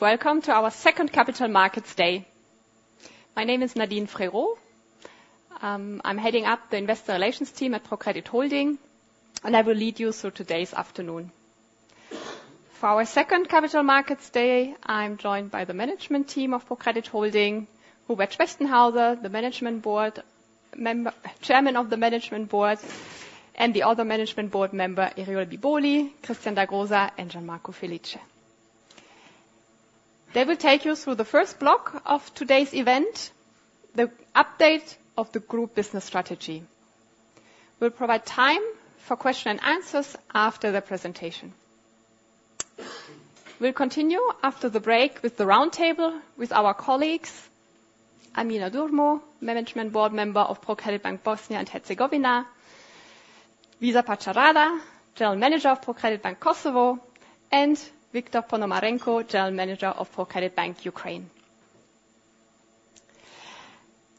Welcome to our second Capital Markets Day. My name is Nadine Frerot. I'm heading up the investor relations team at ProCredit Holding, and I will lead you through today's afternoon. For our second Capital Markets Day, I'm joined by the management team of ProCredit Holding, Hubert Spechtenhauser, the chairman of the management board, and the other management board member, Eriola Bibolli, Christian Dagrosa, and Gian Marco Felice. They will take you through the first block of today's event, the update of the group business strategy. We'll provide time for question and answers after the presentation. We'll continue after the break with the roundtable with our colleagues, Amina Durmo, Management Board Member of ProCredit Bank Bosnia and Herzegovina, Visar Paçarada, General Manager of ProCredit Bank Kosovo, and Viktor Ponomarenko, General Manager of ProCredit Bank Ukraine.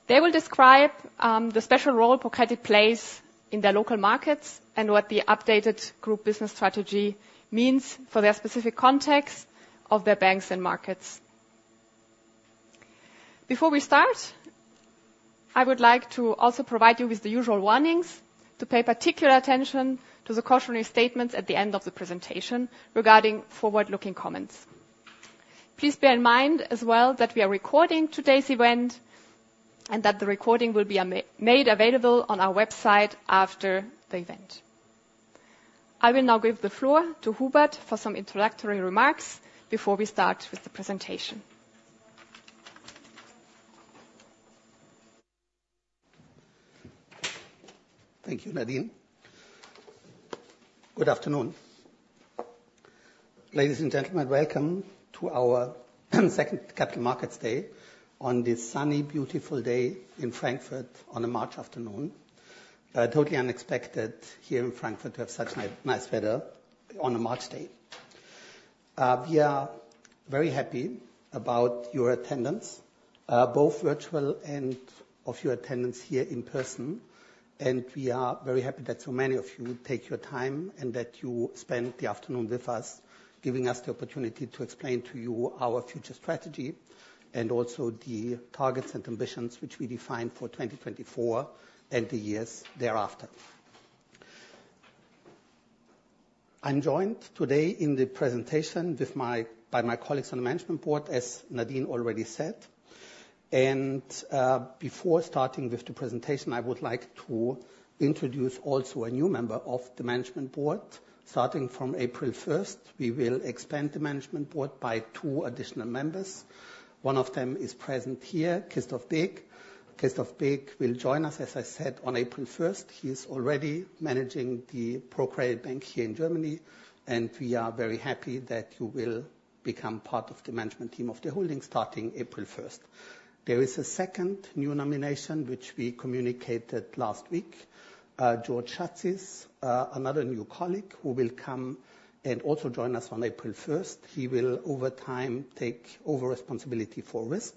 They will describe the special role ProCredit plays in their local markets and what the updated group business strategy means for their specific context of their banks and markets. Before we start, I would like to also provide you with the usual warnings to pay particular attention to the cautionary statements at the end of the presentation regarding forward-looking comments. Please bear in mind as well that we are recording today's event and that the recording will be made available on our website after the event. I will now give the floor to Hubert for some introductory remarks before we start with the presentation. Thank you, Nadine. Good afternoon. Ladies and gentlemen, welcome to our second Capital Markets Day on this sunny, beautiful day in Frankfurt on a March afternoon. Totally unexpected here in Frankfurt to have such nice weather on a March day. We are very happy about your attendance, both virtual and of your attendance here in person, and we are very happy that so many of you take your time and that you spend the afternoon with us, giving us the opportunity to explain to you our future strategy and also the targets and ambitions which we defined for 2024 and the years thereafter. I'm joined today in the presentation by my colleagues on the management board, as Nadine already said. Before starting with the presentation, I would like to introduce also a new member of the management board. Starting from April 1st, we will expand the management board by two additional members. One of them is present here, Christoph Beeck. Christoph Beeck will join us, as I said, on April 1st. He is already managing the ProCredit Bank here in Germany, and we are very happy that you will become part of the management team of the holding starting April 1st. There is a second new nomination, which we communicated last week. George Chatzis, another new colleague who will come and also join us on April 1st. He will, over time, take over responsibility for risk,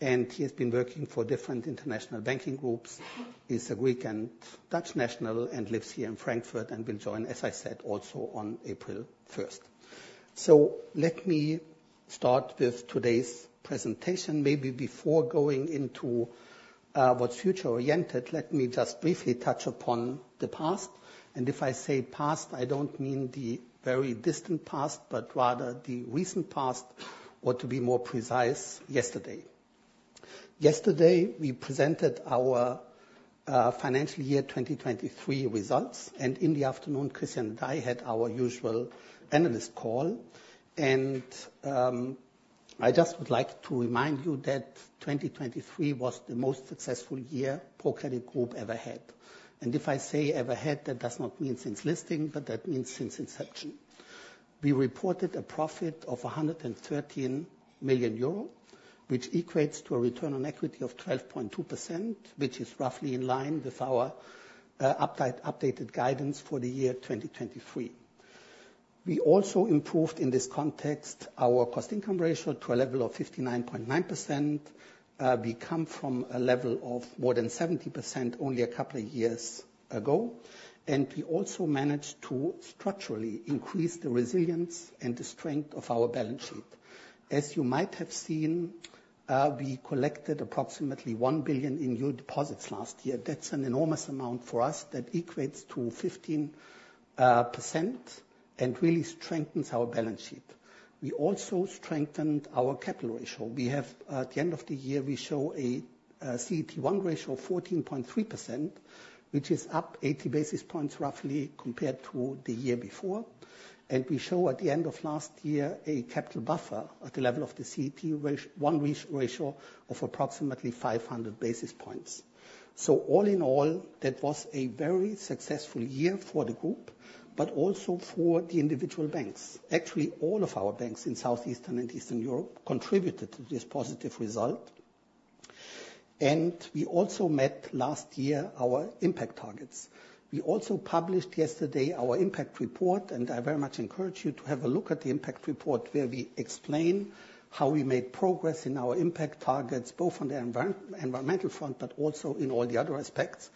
and he has been working for different international banking groups. He's a Greek and Dutch national and lives here in Frankfurt and will join, as I said, also on April 1st. Let me start with today's presentation, maybe before going into what's future-oriented, let me just briefly touch upon the past. If I say past, I don't mean the very distant past, but rather the recent past or, to be more precise, yesterday. Yesterday, we presented our financial year 2023 results, and in the afternoon, Christian and I had our usual analyst call. I just would like to remind you that 2023 was the most successful year ProCredit group ever had. If I say ever had, that does not mean since listing, but that means since inception. We reported a profit of 113 million euro, which equates to a return on equity of 12.2%, which is roughly in line with our updated guidance for the year 2023. We also improved, in this context, our cost-income ratio to a level of 59.9%. We come from a level of more than 70% only a couple of years ago. We also managed to structurally increase the resilience and the strength of our balance sheet. As you might have seen, we collected approximately 1 billion in new deposits last year. That's an enormous amount for us that equates to 15% and really strengthens our balance sheet. We also strengthened our capital ratio. At the end of the year, we show a CET1 ratio of 14.3%, which is up 80 basis points roughly compared to the year before. We show at the end of last year a capital buffer at the level of the CET1 ratio of approximately 500 basis points. All in all, that was a very successful year for the group, but also for the individual banks. Actually, all of our banks in Southeastern and Eastern Europe contributed to this positive result. We also met last year our impact targets. We also published yesterday our impact report. I very much encourage you to have a look at the impact report where we explain how we made progress in our impact targets, both on the environmental front, but also in all the other aspects.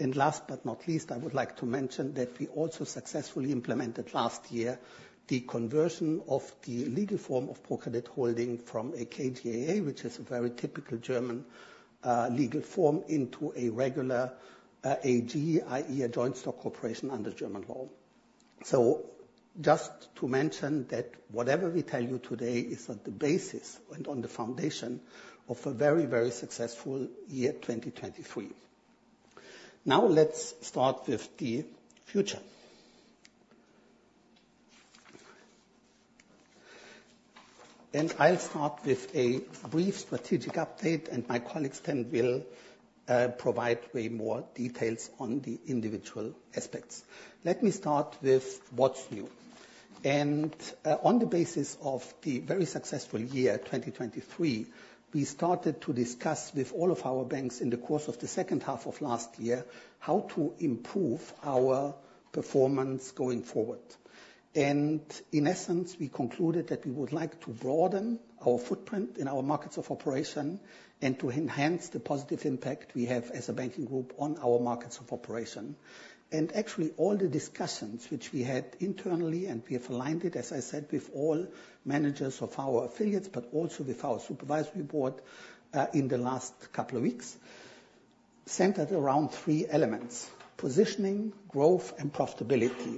Last but not least, I would like to mention that we also successfully implemented last year the conversion of the legal form of ProCredit Holding from a KGaA, which is a very typical German legal form, into a regular AG, i.e., a joint stock corporation under German law. So just to mention that whatever we tell you today is on the basis and on the foundation of a very successful year 2023. Now let's start with the future. I'll start with a brief strategic update. My colleagues then will provide way more details on the individual aspects. Let me start with what's new. On the basis of the very successful year 2023, we started to discuss with all of our banks in the course of the second half of last year how to improve our performance going forward. In essence, we concluded that we would like to broaden our footprint in our markets of operation and to enhance the positive impact we have as a banking group on our markets of operation. Actually, all the discussions which we had internally, and we have aligned it, as I said, with all managers of our affiliates, but also with our supervisory board, in the last couple of weeks, centered around three elements: positioning, growth, and profitability.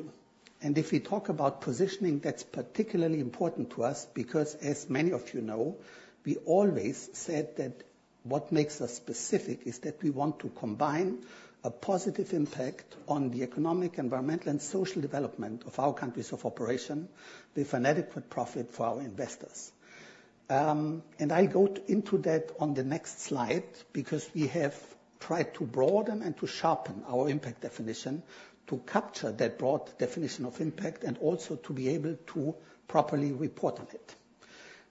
If we talk about positioning, that's particularly important to us because, as many of you know, we always said that what makes us specific is that we want to combine a positive impact on the economic, environmental, and social development of our countries of operation with an adequate profit for our investors. I go into that on the next slide because we have tried to broaden and to sharpen our impact definition to capture that broad definition of impact and also to be able to properly report on it.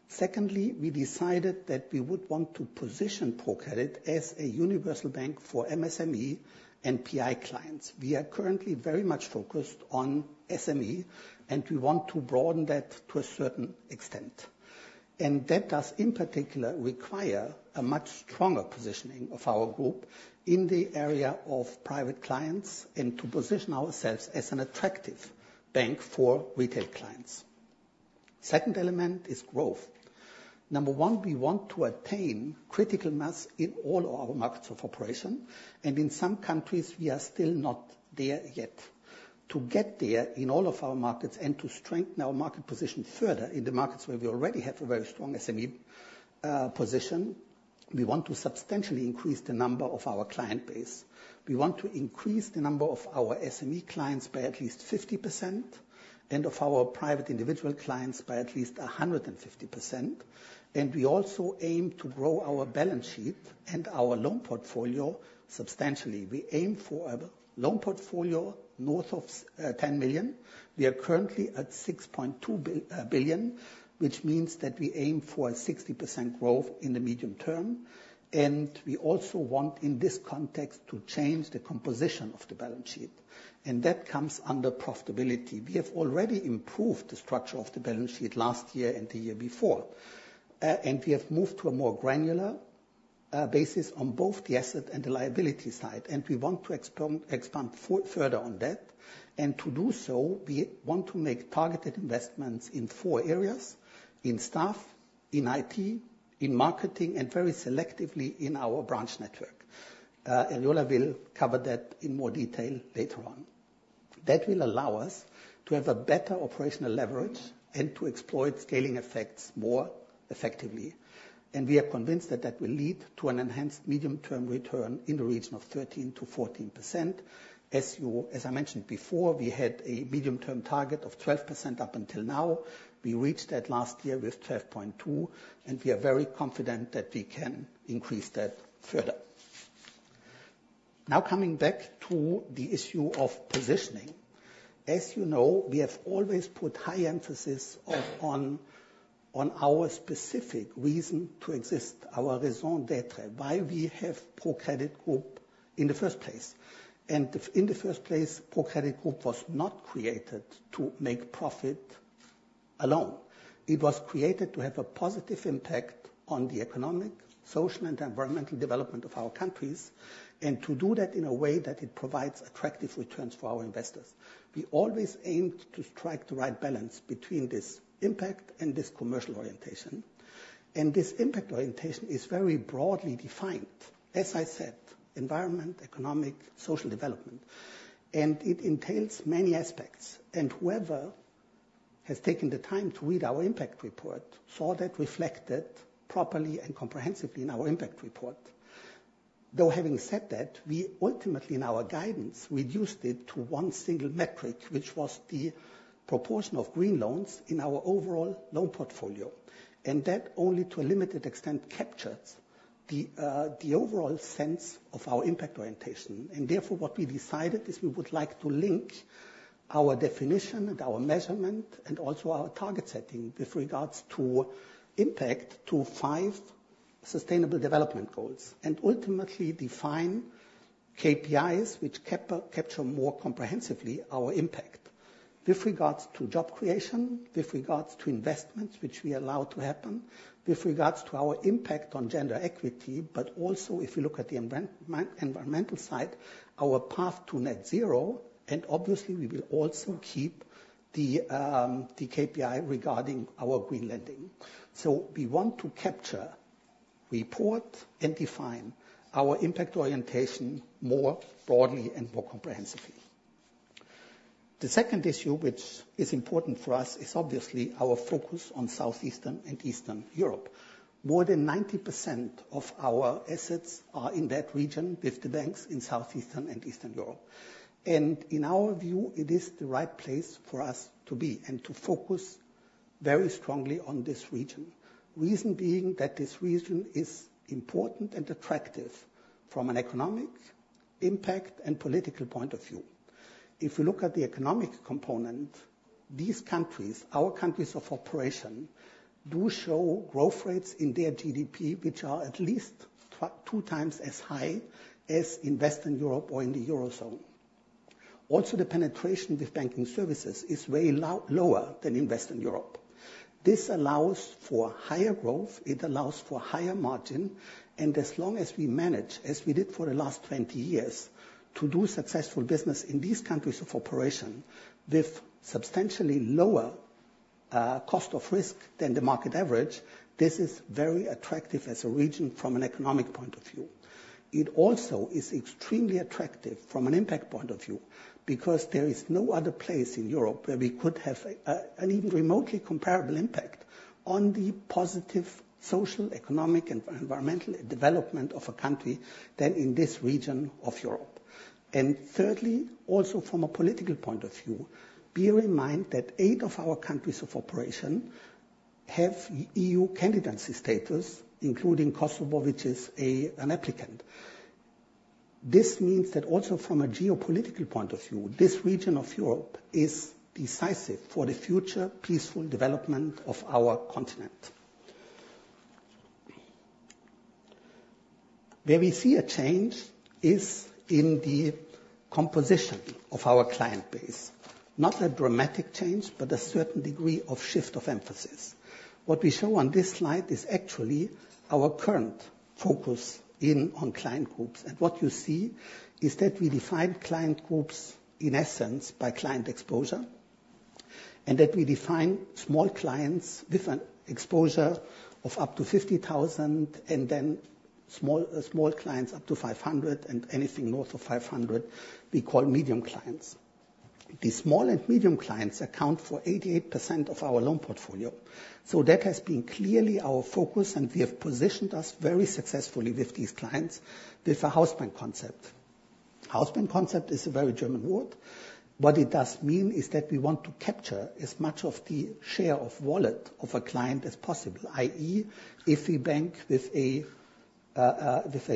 Secondly, we decided that we would want to position ProCredit as a universal bank for MSME and PI clients. We are currently very much focused on SME, and we want to broaden that to a certain extent. That does, in particular, require a much stronger positioning of our group in the area of private clients and to position ourselves as an attractive bank for retail clients. Second element is growth. Number 1, we want to attain critical mass in all our markets of operation, and in some countries, we are still not there yet. To get there in all of our markets and to strengthen our market position further in the markets where we already have a very strong SME position, we want to substantially increase the number of our client base. We want to increase the number of our SME clients by at least 50% and of our private individual clients by at least 150%. We also aim to grow our balance sheet and our loan portfolio substantially. We aim for a loan portfolio north of 10 billion. We are currently at 6.2 billion, which means that we aim for a 60% growth in the medium term. We also want, in this context, to change the composition of the balance sheet, and that comes under profitability. We have already improved the structure of the balance sheet last year and the year before, and we have moved to a more granular basis on both the asset and the liability side, and we want to expand further on that. To do so, we want to make targeted investments in 4 areas: in staff, in IT, in marketing, and very selectively in our branch network. Yola will cover that in more detail later on. That will allow us to have a better operational leverage and to exploit scaling effects more effectively. We are convinced that that will lead to an enhanced medium-term return in the region of 13%-14%. As I mentioned before, we had a medium-term target of 12% up until now. We reached that last year with 12.2%, and we are very confident that we can increase that further. Coming back to the issue of positioning. As you know, we have always put high emphasis on our specific reason to exist, our raison d'être, why we have ProCredit Group in the first place. In the first place, ProCredit Group was not created to make profit alone. It was created to have a positive impact on the economic, social, and environmental development of our countries, and to do that in a way that it provides attractive returns for our investors. We always aimed to strike the right balance between this impact and this commercial orientation. This impact orientation is very broadly defined. As I said, environment, economic, social development, and it entails many aspects. Whoever has taken the time to read our impact report saw that reflected properly and comprehensively in our impact report. Having said that, we ultimately, in our guidance, reduced it to one single metric, which was the proportion of green loans in our overall loan portfolio, and that only to a limited extent captured the overall sense of our impact orientation. Therefore, what we decided is we would like to link our definition and our measurement and also our target setting with regards to impact to five sustainable development goals and ultimately define KPIs which capture more comprehensively our impact with regards to job creation, with regards to investments which we allow to happen, with regards to our impact on gender equity, but also, if you look at the environmental side, our path to net zero, and obviously, we will also keep the KPI regarding our green lending. We want to capture and report and define our impact orientation more broadly and more comprehensively. The second issue, which is important for us, is obviously our focus on Southeastern and Eastern Europe. More than 90% of our assets are in that region, with the banks in Southeastern and Eastern Europe. In our view, it is the right place for us to be and to focus very strongly on this region. Reason being that this region is important and attractive from an economic impact and political point of view. If we look at the economic component, these countries, our countries of operation, do show growth rates in their GDP, which are at least two times as high as in Western Europe or in the Eurozone. Also, the penetration with banking services is way lower than in Western Europe. This allows for higher growth, it allows for higher margin, and as long as we manage, as we did for the last 20 years, to do successful business in these countries of operation with substantially lower cost of risk than the market average, this is very attractive as a region from an economic point of view. It also is extremely attractive from an impact point of view because there is no other place in Europe where we could have an even remotely comparable impact on the positive social, economic, and environmental development of a country than in this region of Europe. Thirdly, also from a political point of view, bear in mind that eight of our countries of operation have EU candidacy status, including Kosovo, which is an applicant. This means that also from a geopolitical point of view, this region of Europe is decisive for the future peaceful development of our continent. Where we see a change is in the composition of our client base. Not a dramatic change, but a certain degree of shift of emphasis. What we show on this slide is actually our current focus in on client groups. What you see is that we define client groups, in essence, by client exposure, and that we define small clients with an exposure of up to 50,000, and then small clients up to 500,000 and anything north of 500,000 we call medium clients. The small and medium clients account for 88% of our loan portfolio. That has been clearly our focus, and we have positioned us very successfully with these clients with a house bank concept. House bank concept is a very German word. What it does mean is that we want to capture as much of the share of wallet of a client as possible, i.e., if we bank with a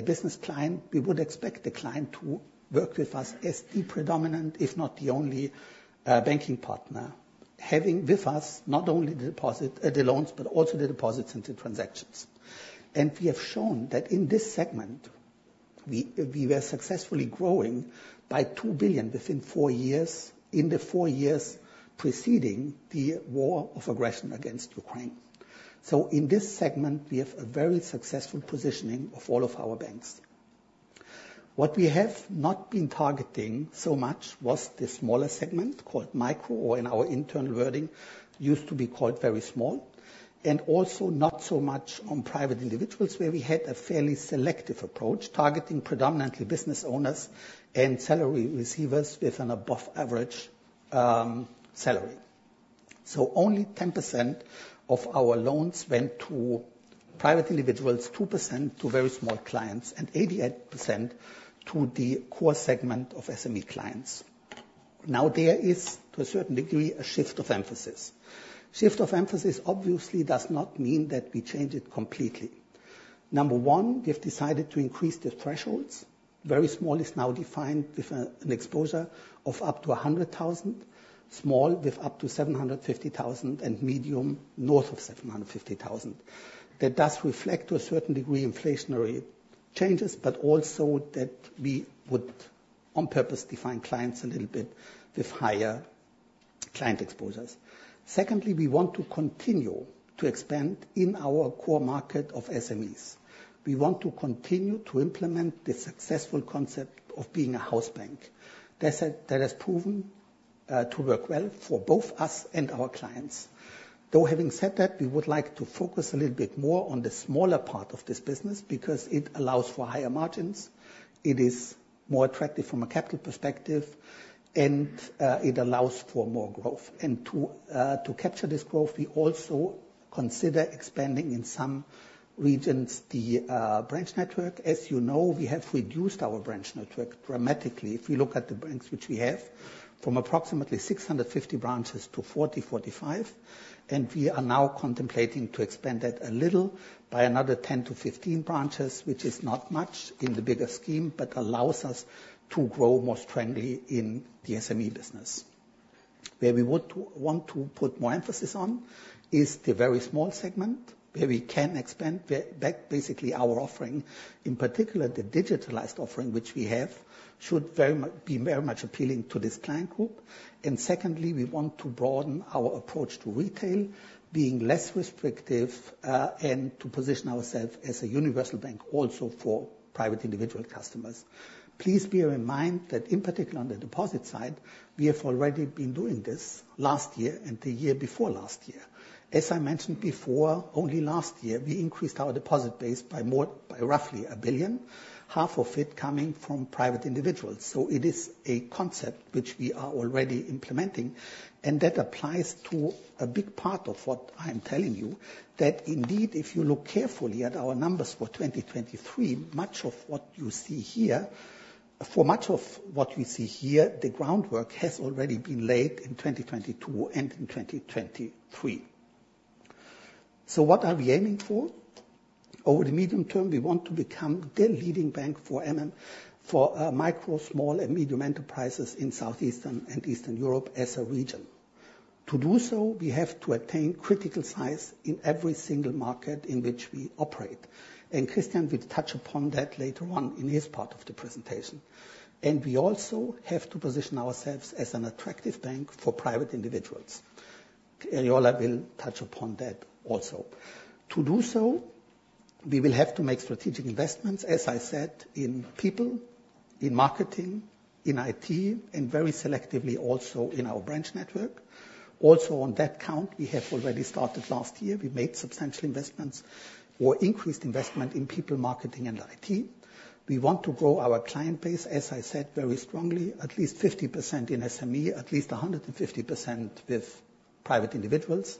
business client, we would expect the client to work with us as the predominant, if not the only, banking partner. Having with us not only the loans, but also the deposits into transactions. We have shown that in this segment, we were successfully growing by 2 billion within four years, in the four years preceding the war of aggression against Ukraine. In this segment, we have a very successful positioning of all of our banks. What we have not been targeting so much was the smaller segment, called micro, or in our internal wording, used to be called very small, and also not so much on private individuals, where we had a fairly selective approach, targeting predominantly business owners and salary receivers with an above average salary. Only 10% of our loans went to private individuals, 2% to very small clients, and 88% to the core segment of SME clients. There is, to a certain degree, a shift of emphasis. Shift of emphasis obviously does not mean that we change it completely. Number one, we have decided to increase the thresholds. Very small is now defined with an exposure of up to 100,000, small with up to 750,000, and medium north of 750,000. That does reflect, to a certain degree, inflationary changes, but also that we would on purpose define clients a little bit with higher client exposures. Secondly, we want to continue to expand in our core market of SMEs. We want to continue to implement the successful concept of being a house bank. That has proven to work well for both us and our clients. Though having said that, we would like to focus a little bit more on the smaller part of this business, because it allows for higher margins, it is more attractive from a capital perspective, and it allows for more growth. To capture this growth, we also consider expanding in some regions the branch network. As you know, we have reduced our branch network dramatically. If you look at the banks which we have, from approximately 650 branches to 40, 45, we are now contemplating to expand that a little by another 10 to 15 branches, which is not much in the bigger scheme, but allows us to grow more strongly in the SME business. Where we would want to put more emphasis on is the very small segment, where we can expand back basically our offering. In particular, the digitalized offering which we have should be very much appealing to this client group. Secondly, we want to broaden our approach to retail, being less restrictive, and to position ourselves as a universal bank also for private individual customers. Please bear in mind that in particular on the deposit side, we have already been doing this last year and the year before last year. As I mentioned before, only last year, we increased our deposit base by roughly 1 billion, half of it coming from private individuals. It is a concept which we are already implementing, and that applies to a big part of what I am telling you, that indeed, if you look carefully at our numbers for 2023, for much of what you see here, the groundwork has already been laid in 2022 and in 2023. What are we aiming for? Over the medium term, we want to become the leading bank for micro, small, and medium enterprises in Southeastern and Eastern Europe as a region. To do so, we have to attain critical size in every single market in which we operate, Christian will touch upon that later on in his part of the presentation. We also have to position ourselves as an attractive bank for private individuals. Eriola will touch upon that also. To do so, we will have to make strategic investments, as I said, in people, in marketing, in IT, and very selectively also in our branch network. Also on that count, we have already started last year. We made substantial investments or increased investment in people, marketing, and IT. We want to grow our client base, as I said, very strongly, at least 50% in SME, at least 150% with private individuals.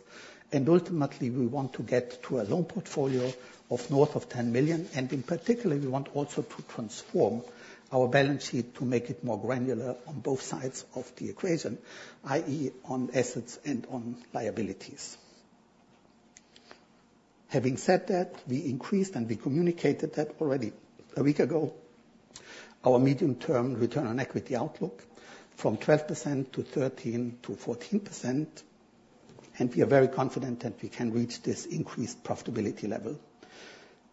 Ultimately, we want to get to a loan portfolio of north of 10 million, and in particular, we want also to transform our balance sheet to make it more granular on both sides of the equation, i.e., on assets and on liabilities. Having said that, we increased, and we communicated that already a week ago, our medium-term return on equity outlook from 12% to 13%-14%, and we are very confident that we can reach this increased profitability level.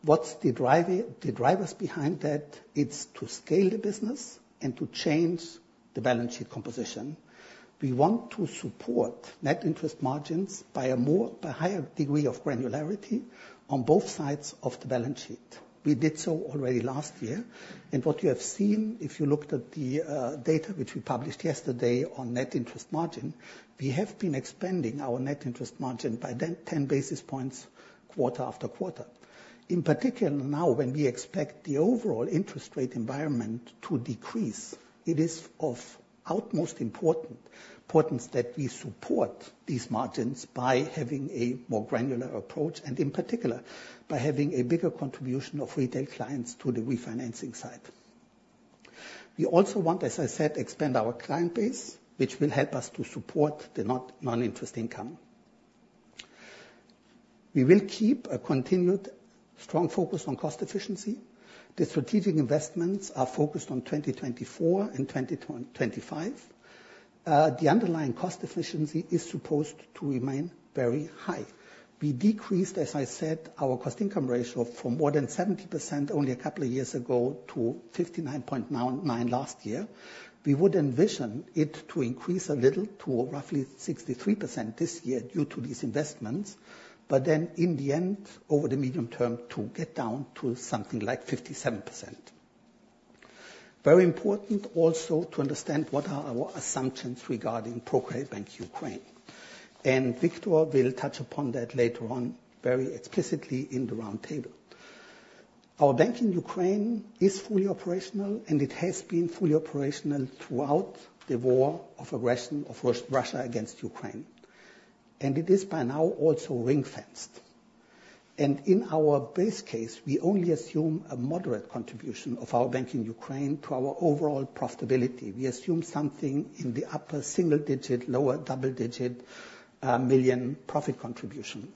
What's the drivers behind that? It's to scale the business and to change the balance sheet composition. We want to support net interest margins by a higher degree of granularity on both sides of the balance sheet. We did so already last year, what you have seen, if you looked at the data which we published yesterday on net interest margin, we have been expanding our net interest margin by 10 basis points quarter after quarter. In particular now, when we expect the overall interest rate environment to decrease, it is of utmost importance that we support these margins by having a more granular approach, and in particular, by having a bigger contribution of retail clients to the refinancing side. We also want, as I said, expand our client base, which will help us to support the non-interest income. We will keep a continued strong focus on cost efficiency. The strategic investments are focused on 2024 and 2025. The underlying cost efficiency is supposed to remain very high. We decreased, as I said, our cost income ratio from more than 70% only a couple of years ago to 59.9% last year. We would envision it to increase a little to roughly 63% this year due to these investments, but then in the end, over the medium term, to get down to something like 57%. Very important also to understand what are our assumptions regarding ProCredit Bank Ukraine. Viktor will touch upon that later on very explicitly in the roundtable. Our bank in Ukraine is fully operational, and it has been fully operational throughout the war of aggression of Russia against Ukraine. It is by now also ring-fenced. In our base case, we only assume a moderate contribution of our bank in Ukraine to our overall profitability. We assume something in the upper single digit, lower double digit, million profit contribution.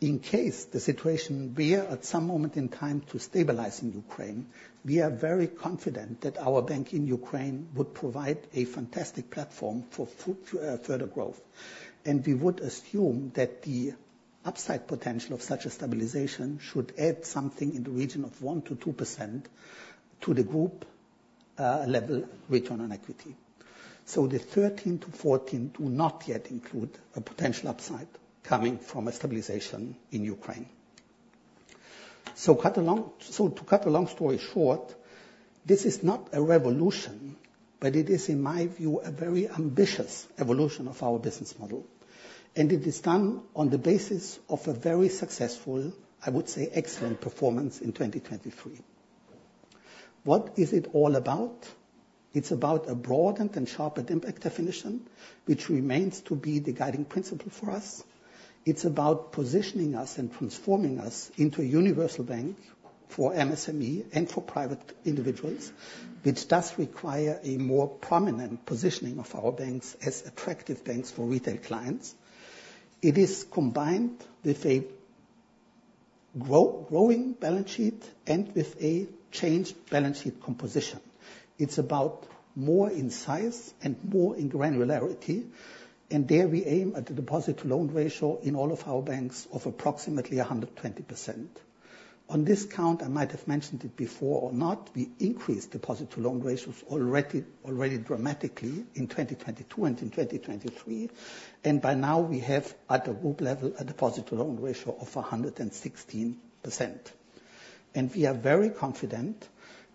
In case the situation bear at some moment in time to stabilize in Ukraine, we are very confident that our bank in Ukraine would provide a fantastic platform for further growth. We would assume that the upside potential of such a stabilization should add something in the region of 1%-2% to the group level return on equity. The 13%-14% do not yet include a potential upside coming from a stabilization in Ukraine. To cut a long story short, this is not a revolution, but it is, in my view, a very ambitious evolution of our business model, and it is done on the basis of a very successful, I would say, excellent performance in 2023. What is it all about? It's about a broadened and sharpened impact definition, which remains to be the guiding principle for us. It's about positioning us and transforming us into a universal bank for MSME and for private individuals, which does require a more prominent positioning of our banks as attractive banks for retail clients. It is combined with a growing balance sheet and with a changed balance sheet composition. It's about more in size and more in granularity. There we aim at a deposit-to-loan ratio in all of our banks of approximately 120%. On this count, I might have mentioned it before or not, we increased deposit-to-loan ratios already dramatically in 2022 and in 2023. By now we have, at the group level, a deposit-to-loan ratio of 116%. We are very confident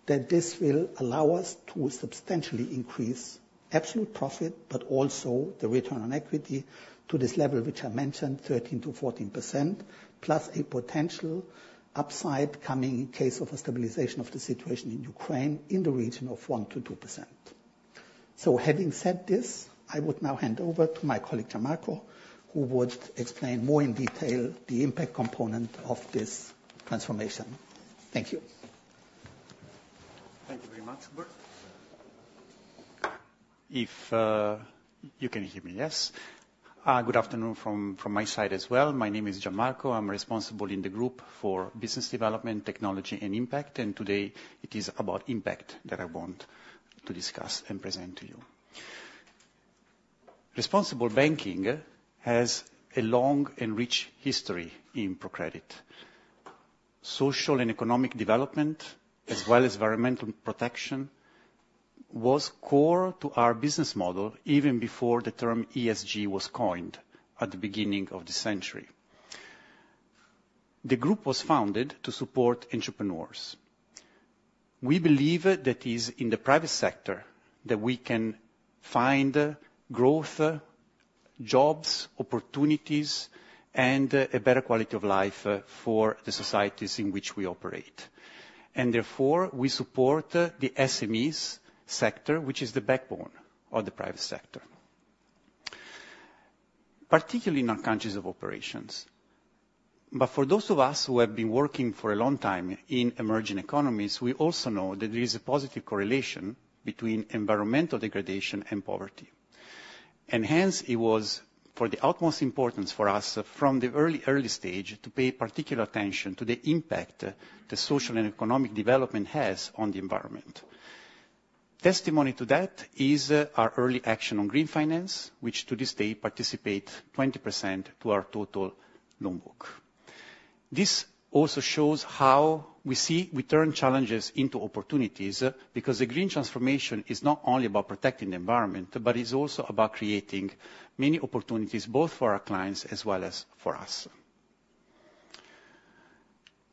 that this will allow us to substantially increase absolute profit, but also the return on equity to this level, which I mentioned, 13%-14%, plus a potential upside coming in case of a stabilization of the situation in Ukraine in the region of 1%-2%. Having said this, I would now hand over to my colleague, Gian Marco, who would explain more in detail the impact component of this transformation. Thank you. Thank you very much, Bert. If you can hear me, yes? Good afternoon from my side as well. My name is Gian Marco. I'm responsible in the group for business development, technology, and impact, and today it is about impact that I want to discuss and present to you. Responsible banking has a long and rich history in ProCredit. Social and economic development, as well as environmental protection, was core to our business model even before the term ESG was coined at the beginning of the century. The group was founded to support entrepreneurs. We believe that it's in the private sector that we can find growth, jobs, opportunities, and a better quality of life for the societies in which we operate. Therefore, we support the SMEs sector, which is the backbone of the private sector, particularly in our countries of operations. For those of us who have been working for a long time in emerging economies, we also know that there is a positive correlation between environmental degradation and poverty. Hence, it was for the utmost importance for us from the early stage to pay particular attention to the impact the social and economic development has on the environment. Testimony to that is our early action on green finance, which to this day participate 20% to our total loan book. This also shows how we see we turn challenges into opportunities, because the green transformation is not only about protecting the environment, but it's also about creating many opportunities, both for our clients as well as for us.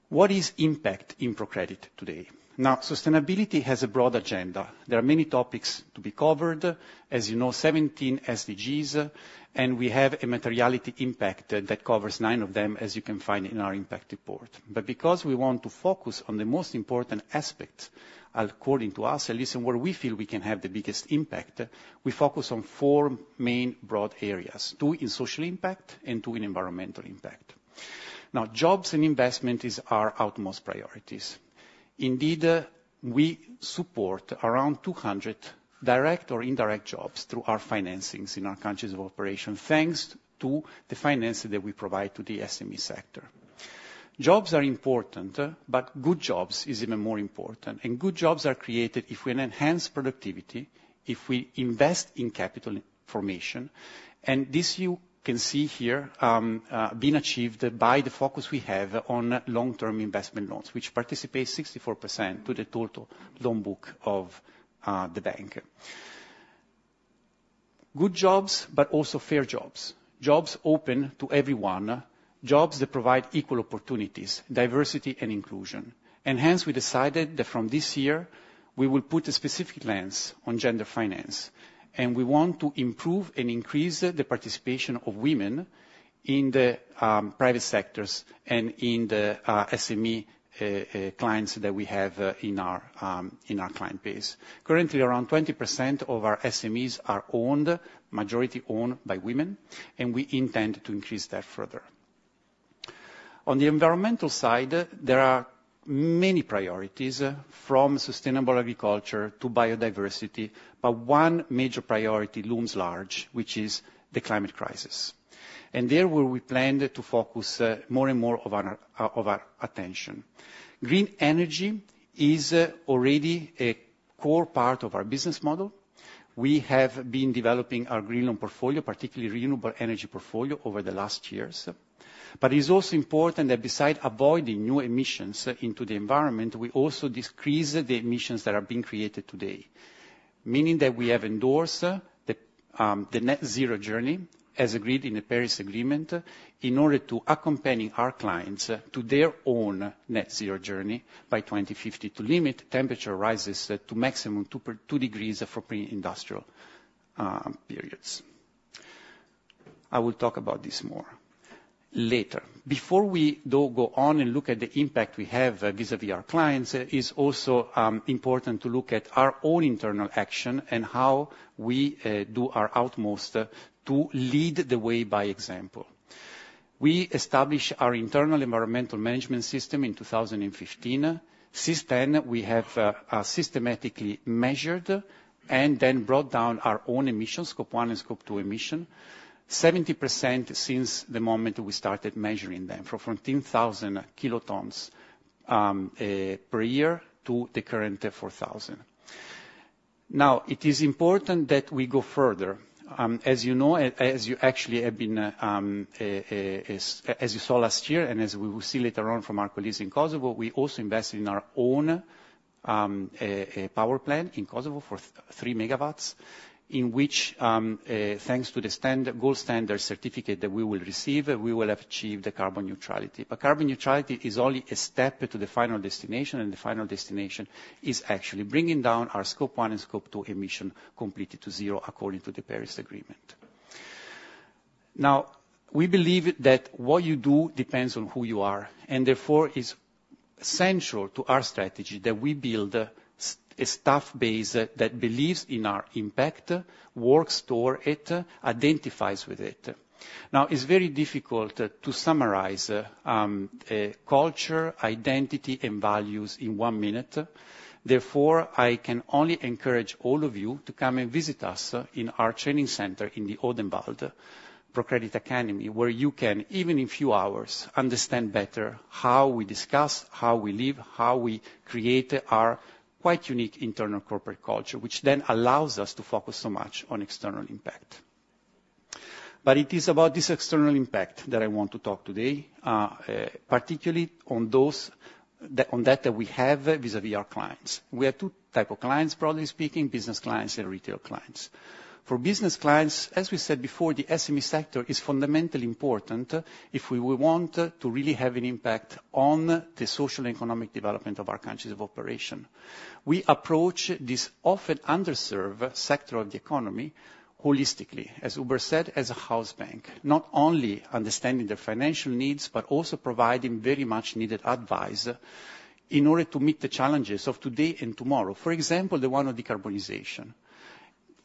What is impact in ProCredit today? Sustainability has a broad agenda. There are many topics to be covered. As you know, 17 SDGs, and we have a materiality impact that covers nine of them, as you can find in our impact report. Because we want to focus on the most important aspect, according to us, at least, and where we feel we can have the biggest impact, we focus on four main broad areas, two in social impact and two in environmental impact. Jobs and investment is our utmost priorities. Indeed, we support around 200 direct or indirect jobs through our financings in our countries of operation, thanks to the finances that we provide to the SME sector. Jobs are important, but good jobs is even more important. Good jobs are created if we enhance productivity, if we invest in capital formation. This you can see here, being achieved by the focus we have on long-term investment loans, which participates 64% to the total loan book of the bank. Good jobs, but also fair jobs open to everyone, jobs that provide equal opportunities, diversity, and inclusion. Hence, we decided that from this year, we will put a specific lens on gender finance, and we want to improve and increase the participation of women in the private sectors and in the SME clients that we have in our client base. Currently, around 20% of our SMEs are majority owned by women, and we intend to increase that further. On the environmental side, there are many priorities, from sustainable agriculture to biodiversity, but one major priority looms large, which is the climate crisis. There where we plan to focus more and more of our attention. Green energy is already a core part of our business model. We have been developing our green loan portfolio, particularly renewable energy portfolio, over the last years. It is also important that beside avoiding new emissions into the environment, we also decrease the emissions that are being created today, meaning that we have endorsed the net zero journey as agreed in the Paris Agreement in order to accompanying our clients to their own net zero journey by 2050 to limit temperature rises to maximum 2 degrees for pre-industrial periods. I will talk about this more later. Before we, though, go on and look at the impact we have vis-à-vis our clients, it's also important to look at our own internal action and how we do our utmost to lead the way by example. We established our internal environmental management system in 2015. Since then, we have systematically measured and then brought down our own emissions, Scope 1 and Scope 2 emission, 70% since the moment we started measuring them, from 14,000 kilotons per year to the current 4,000. It is important that we go further. As you saw last year, and as we will see later on from our colleagues in Kosovo, we also invest in our own power plant in Kosovo for 3 megawatts, in which, thanks to the Gold Standard certificate that we will receive, we will have achieved the carbon neutrality. Carbon neutrality is only a step to the final destination, and the final destination is actually bringing down our Scope 1 and Scope 2 emission completely to 0, according to the Paris Agreement. We believe that what you do depends on who you are, and therefore, is central to our strategy that we build a staff base that believes in our impact, works toward it, identifies with it. It's very difficult to summarize culture, identity, and values in 1 minute. Therefore, I can only encourage all of you to come and visit us in our training center in the Odenwald, ProCredit Academy, where you can, even in few hours, understand better how we discuss, how we live, how we create our quite unique internal corporate culture, which then allows us to focus so much on external impact. It is about this external impact that I want to talk today, particularly on that we have vis-à-vis our clients. We have 2 type of clients, broadly speaking, business clients and retail clients. For business clients, as we said before, the SME sector is fundamentally important if we want to really have an impact on the social and economic development of our countries of operation. We approach this often underserved sector of the economy holistically, as Hubert said, as a house bank, not only understanding their financial needs, but also providing very much needed advice in order to meet the challenges of today and tomorrow. For example, the one of decarbonization.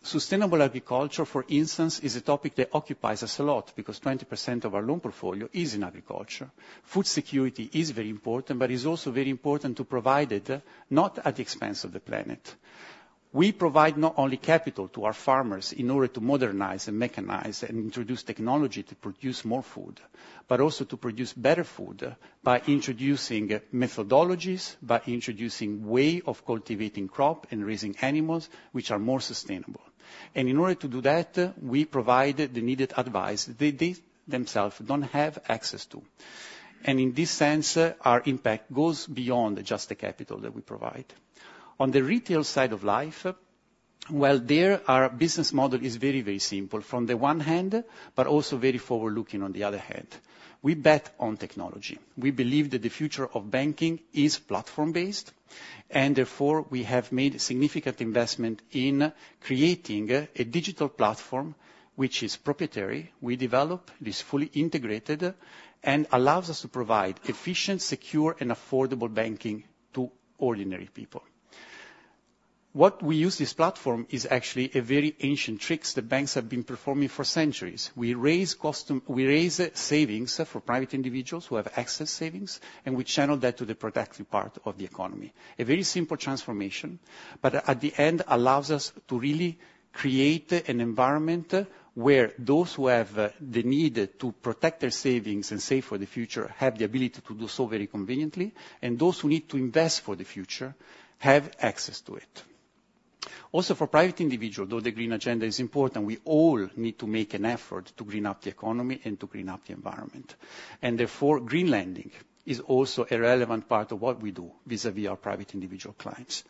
Sustainable agriculture, for instance, is a topic that occupies us a lot because 20% of our loan portfolio is in agriculture. Food security is very important, it's also very important to provide it, not at the expense of the planet. We provide not only capital to our farmers in order to modernize and mechanize and introduce technology to produce more food, but also to produce better food by introducing methodologies, by introducing way of cultivating crop and raising animals which are more sustainable. In order to do that, we provide the needed advice they themselves don't have access to. In this sense, our impact goes beyond just the capital that we provide. On the retail side of life, well, there, our business model is very, very simple, from the one hand, but also very forward-looking on the other hand. We bet on technology. We believe that the future of banking is platform-based, therefore, we have made significant investment in creating a digital platform, which is proprietary. We develop this fully integrated and allows us to provide efficient, secure, and affordable banking to ordinary people. What we use this platform is actually a very ancient tricks that banks have been performing for centuries. We raise savings for private individuals who have excess savings, and we channel that to the productive part of the economy. A very simple transformation, but at the end allows us to really create an environment where those who have the need to protect their savings and save for the future have the ability to do so very conveniently, and those who need to invest for the future have access to it. For private individual, though the green agenda is important, we all need to make an effort to green up the economy and to green up the environment. Therefore, green lending is also a relevant part of what we do vis-à-vis our private individual clients.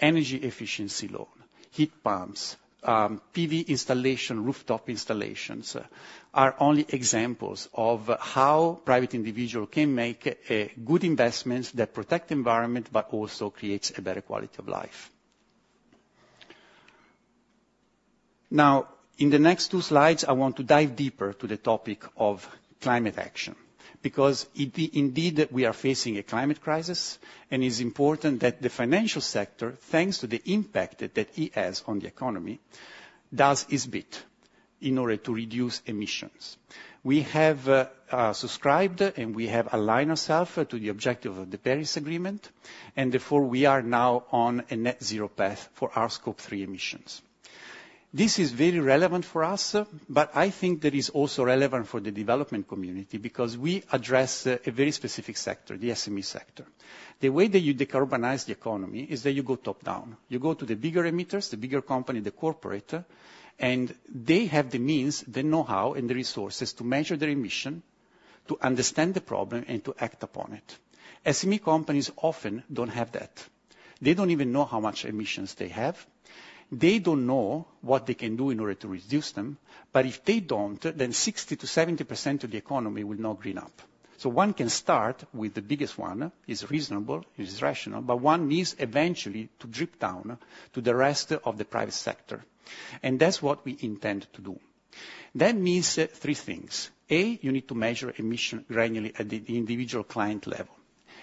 Energy efficiency loan, heat pumps, PV installation, rooftop installations, are only examples of how private individual can make a good investments that protect the environment, but also creates a better quality of life. Now, in the next two slides, I want to dive deeper to the topic of climate action, because indeed we are facing a climate crisis, and it's important that the financial sector, thanks to the impact that it has on the economy, does its bit in order to reduce emissions. We have subscribed, and we have aligned ourself to the objective of the Paris Agreement, therefore, we are now on a net zero path for our Scope 3 emissions. This is very relevant for us, but I think that is also relevant for the development community because we address a very specific sector, the SME sector. The way that you decarbonize the economy is that you go top-down. You go to the bigger emitters, the bigger company, the corporate, and they have the means, the knowhow, and the resources to measure their emission, to understand the problem, and to act upon it. SME companies often don't have that. They don't even know how much emissions they have. They don't know what they can do in order to reduce them. If they don't, 60%-70% of the economy will not green up. One can start with the biggest one. It's reasonable, it's rational, but one needs eventually to drip down to the rest of the private sector. That's what we intend to do. That means three things. A, you need to measure emission granularly at the individual client level.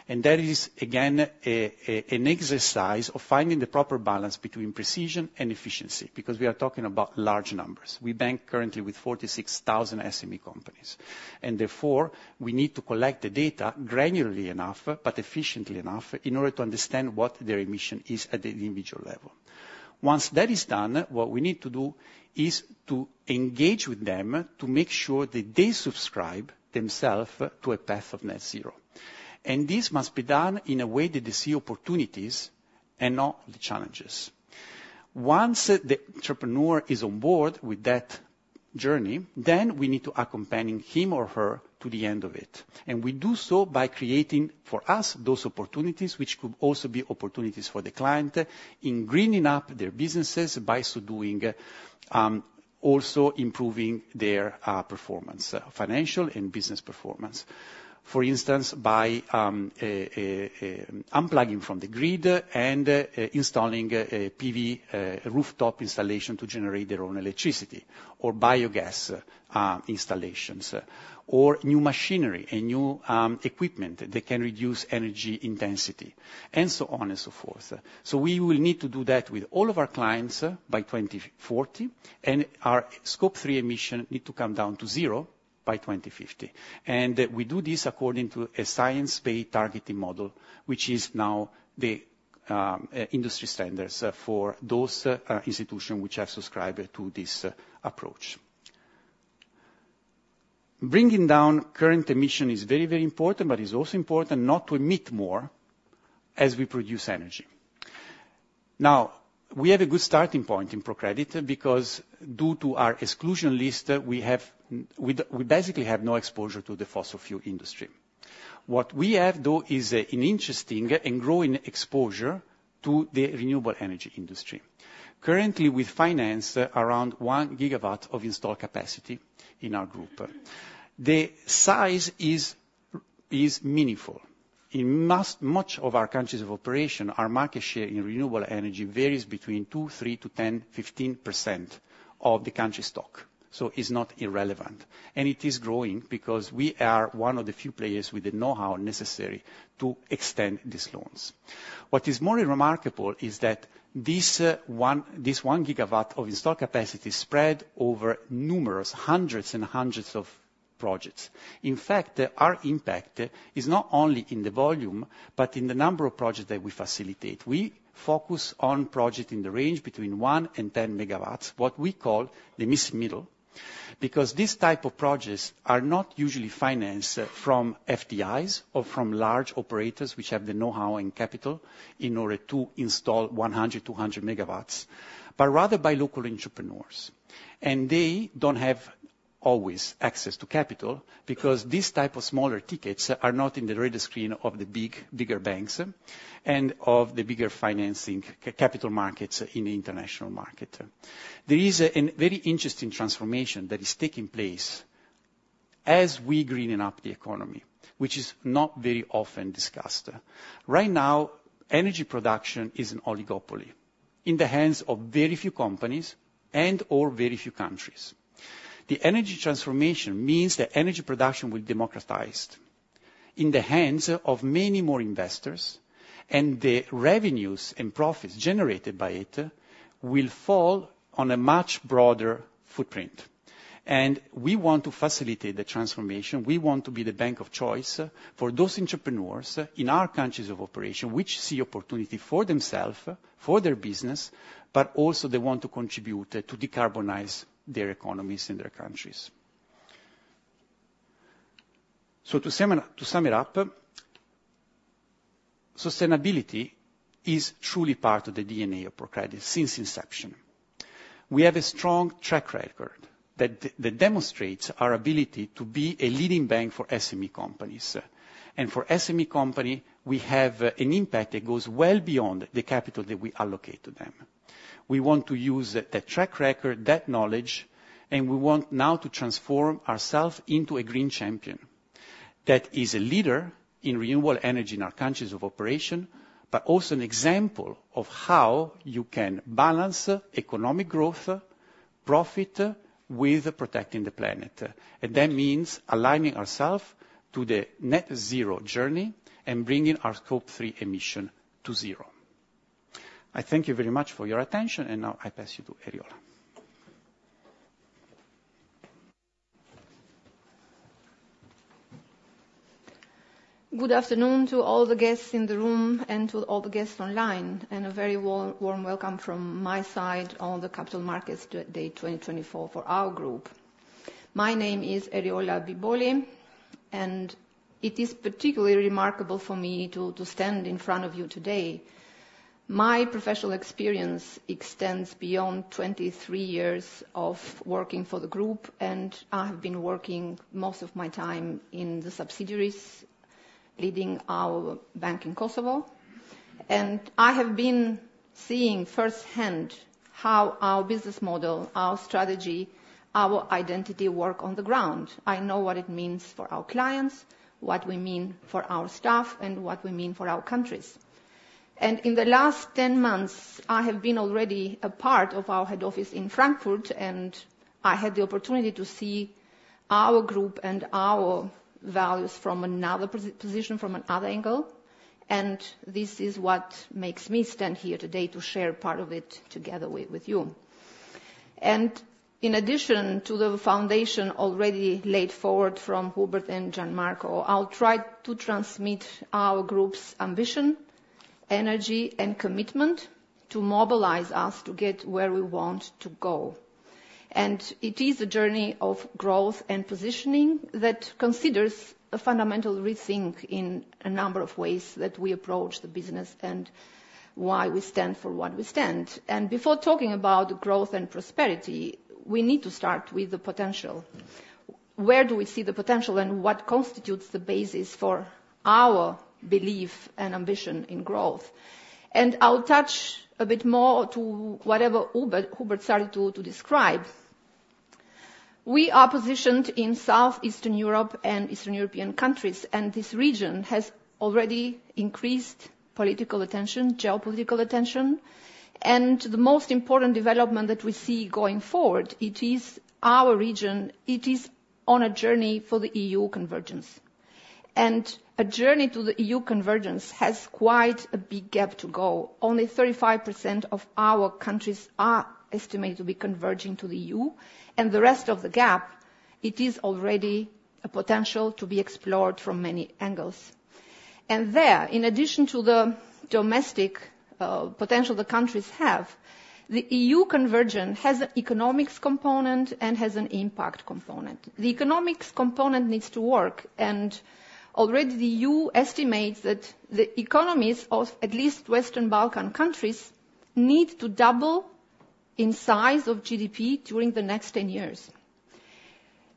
That is, again, an exercise of finding the proper balance between precision and efficiency, because we are talking about large numbers. We bank currently with 46,000 SME companies. Therefore, we need to collect the data granularly enough, but efficiently enough in order to understand what their emission is at the individual level. Once that is done, what we need to do is to engage with them to make sure that they subscribe themselves to a path of net zero. This must be done in a way that they see opportunities and not the challenges. Once the entrepreneur is on board with that journey, we need to accompanying him or her to the end of it. We do so by creating, for us, those opportunities, which could also be opportunities for the client in greening up their businesses by so doing, also improving their performance, financial and business performance. For instance, by unplugging from the grid and installing a PV rooftop installation to generate their own electricity, or biogas installations, or new machinery and new equipment that can reduce energy intensity, and so on and so forth. We will need to do that with all of our clients by 2040, and our Scope 3 emission need to come down to zero by 2050. We do this according to a science-based targeting model, which is now the industry standards for those institution which have subscribed to this approach. Bringing down current emission is very, very important, but it is also important not to emit more as we produce energy. We have a good starting point in ProCredit because due to our exclusion list, we basically have no exposure to the fossil fuel industry. What we have, though, is an interesting and growing exposure to the renewable energy industry. Currently, we finance around 1 gigawatt of installed capacity in our group. The size is meaningful. In much of our countries of operation, our market share in renewable energy varies between 2%-3%, to 10%-15% of the country stock. It is not irrelevant. It is growing because we are one of the few players with the knowhow necessary to extend these loans. What is more remarkable is that this 1 gigawatt of installed capacity spread over numerous, hundreds and hundreds of projects. In fact, our impact is not only in the volume, but in the number of projects that we facilitate. We focus on project in the range between 1 and 10 megawatts, what we call the missing middle, because this type of projects are not usually financed from FDIs or from large operators, which have the knowhow and capital in order to install 100, 200 megawatts, but rather by local entrepreneurs. They don't have always access to capital because these type of smaller tickets are not in the radar screen of the bigger banks and of the bigger financing capital markets in the international market. There is a very interesting transformation that is taking place as we greening up the economy, which is not very often discussed. Right now, energy production is an oligopoly in the hands of very few companies and/or very few countries. The energy transformation means that energy production will democratized in the hands of many more investors, and the revenues and profits generated by it will fall on a much broader footprint. We want to facilitate the transformation. We want to be the bank of choice for those entrepreneurs in our countries of operation, which see opportunity for themselves, for their business, but also they want to contribute to decarbonize their economies and their countries. To sum it up, sustainability is truly part of the DNA of ProCredit since inception. We have a strong track record that demonstrates our ability to be a leading bank for SME companies. For SME company, we have an impact that goes well beyond the capital that we allocate to them. We want to use that track record, that knowledge, and we want now to transform ourselves into a green champion that is a leader in renewable energy in our countries of operation, but also an example of how you can balance economic growth, profit with protecting the planet. That means aligning ourselves to the net zero journey and bringing our Scope 3 emission to zero. I thank you very much for your attention, and now I pass you to Eriola. Good afternoon to all the guests in the room and to all the guests online, and a very warm welcome from my side on the Capital Markets Day 2024 for our group. My name is Eriola Bibolli, and it is particularly remarkable for me to stand in front of you today. My professional experience extends beyond 23 years of working for the group, and I have been working most of my time in the subsidiaries leading our bank in Kosovo. I have been seeing firsthand how our business model, our strategy, our identity work on the ground. I know what it means for our clients, what we mean for our staff, and what we mean for our countries. In the last 10 months, I have been already a part of our head office in Frankfurt, and I had the opportunity to see our group and our values from another position, from another angle, and this is what makes me stand here today to share part of it together with you. In addition to the foundation already laid forward from Hubert and Gian Marco, I'll try to transmit our group's ambition, energy, and commitment to mobilize us to get where we want to go. It is a journey of growth and positioning that considers a fundamental rethink in a number of ways that we approach the business and why we stand for what we stand. Before talking about growth and prosperity, we need to start with the potential. Where do we see the potential, and what constitutes the basis for our belief and ambition in growth? I'll touch a bit more to whatever Hubert started to describe. We are positioned in Southeastern Europe and Eastern European countries. This region has already increased political attention, geopolitical attention. The most important development that we see going forward, it is our region. It is on a journey for the EU convergence. A journey to the EU convergence has quite a big gap to go. Only 35% of our countries are estimated to be converging to the EU and the rest of the gap, it is already a potential to be explored from many angles. There, in addition to the domestic potential the countries have, the EU convergence has an economics component and has an impact component. The economics component needs to work. Already the EU estimates that the economies of at least Western Balkan countries need to double in size of GDP during the next 10 years.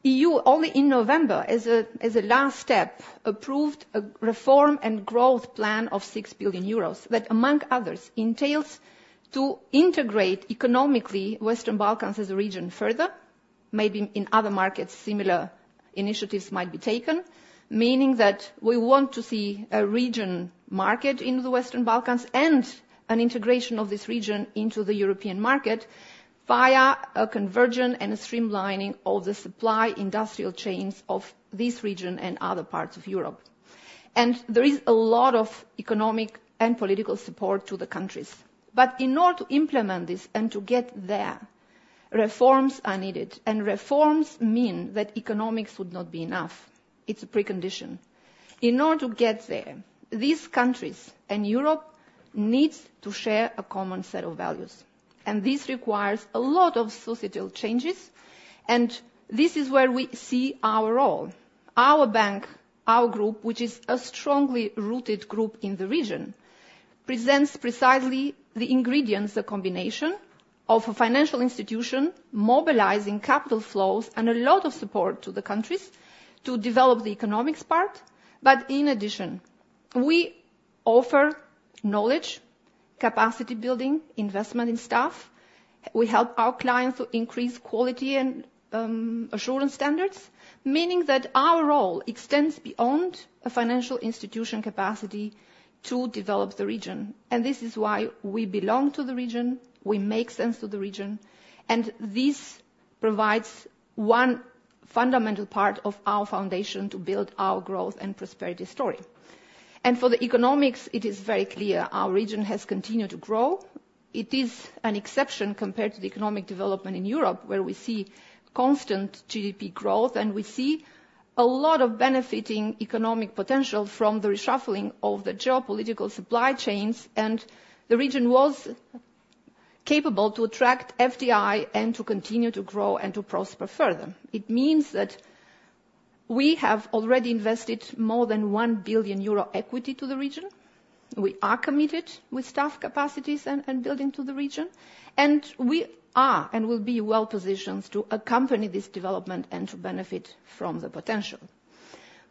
EU only in November, as a last step, approved a reform and growth plan of 6 billion euros that, among others, entails to integrate economically Western Balkans as a region further. Maybe in other markets, similar initiatives might be taken, meaning that we want to see a region market in the Western Balkans and an integration of this region into the European market via a convergence and a streamlining of the supply industrial chains of this region and other parts of Europe. There is a lot of economic and political support to the countries. In order to implement this and to get there, reforms are needed and reforms mean that economics would not be enough. It's a precondition. In order to get there, these countries and Europe needs to share a common set of values. This requires a lot of societal changes and this is where we see our role. Our bank, our group, which is a strongly rooted group in the region, presents precisely the ingredients, the combination of a financial institution mobilizing capital flows and a lot of support to the countries to develop the economics part. In addition, we offer knowledge, capacity building, investment in staff. We help our clients to increase quality and assurance standards, meaning that our role extends beyond a financial institution capacity to develop the region. This is why we belong to the region, we make sense to the region, and this provides one fundamental part of our foundation to build our growth and prosperity story. For the economics, it is very clear our region has continued to grow. It is an exception compared to the economic development in Europe, where we see constant GDP growth. We see a lot of benefiting economic potential from the reshuffling of the geopolitical supply chains. The region was capable to attract FDI and to continue to grow and to prosper further. It means that we have already invested more than 1 billion euro equity to the region. We are committed with staff capacities and building to the region. We are and will be well-positioned to accompany this development and to benefit from the potential.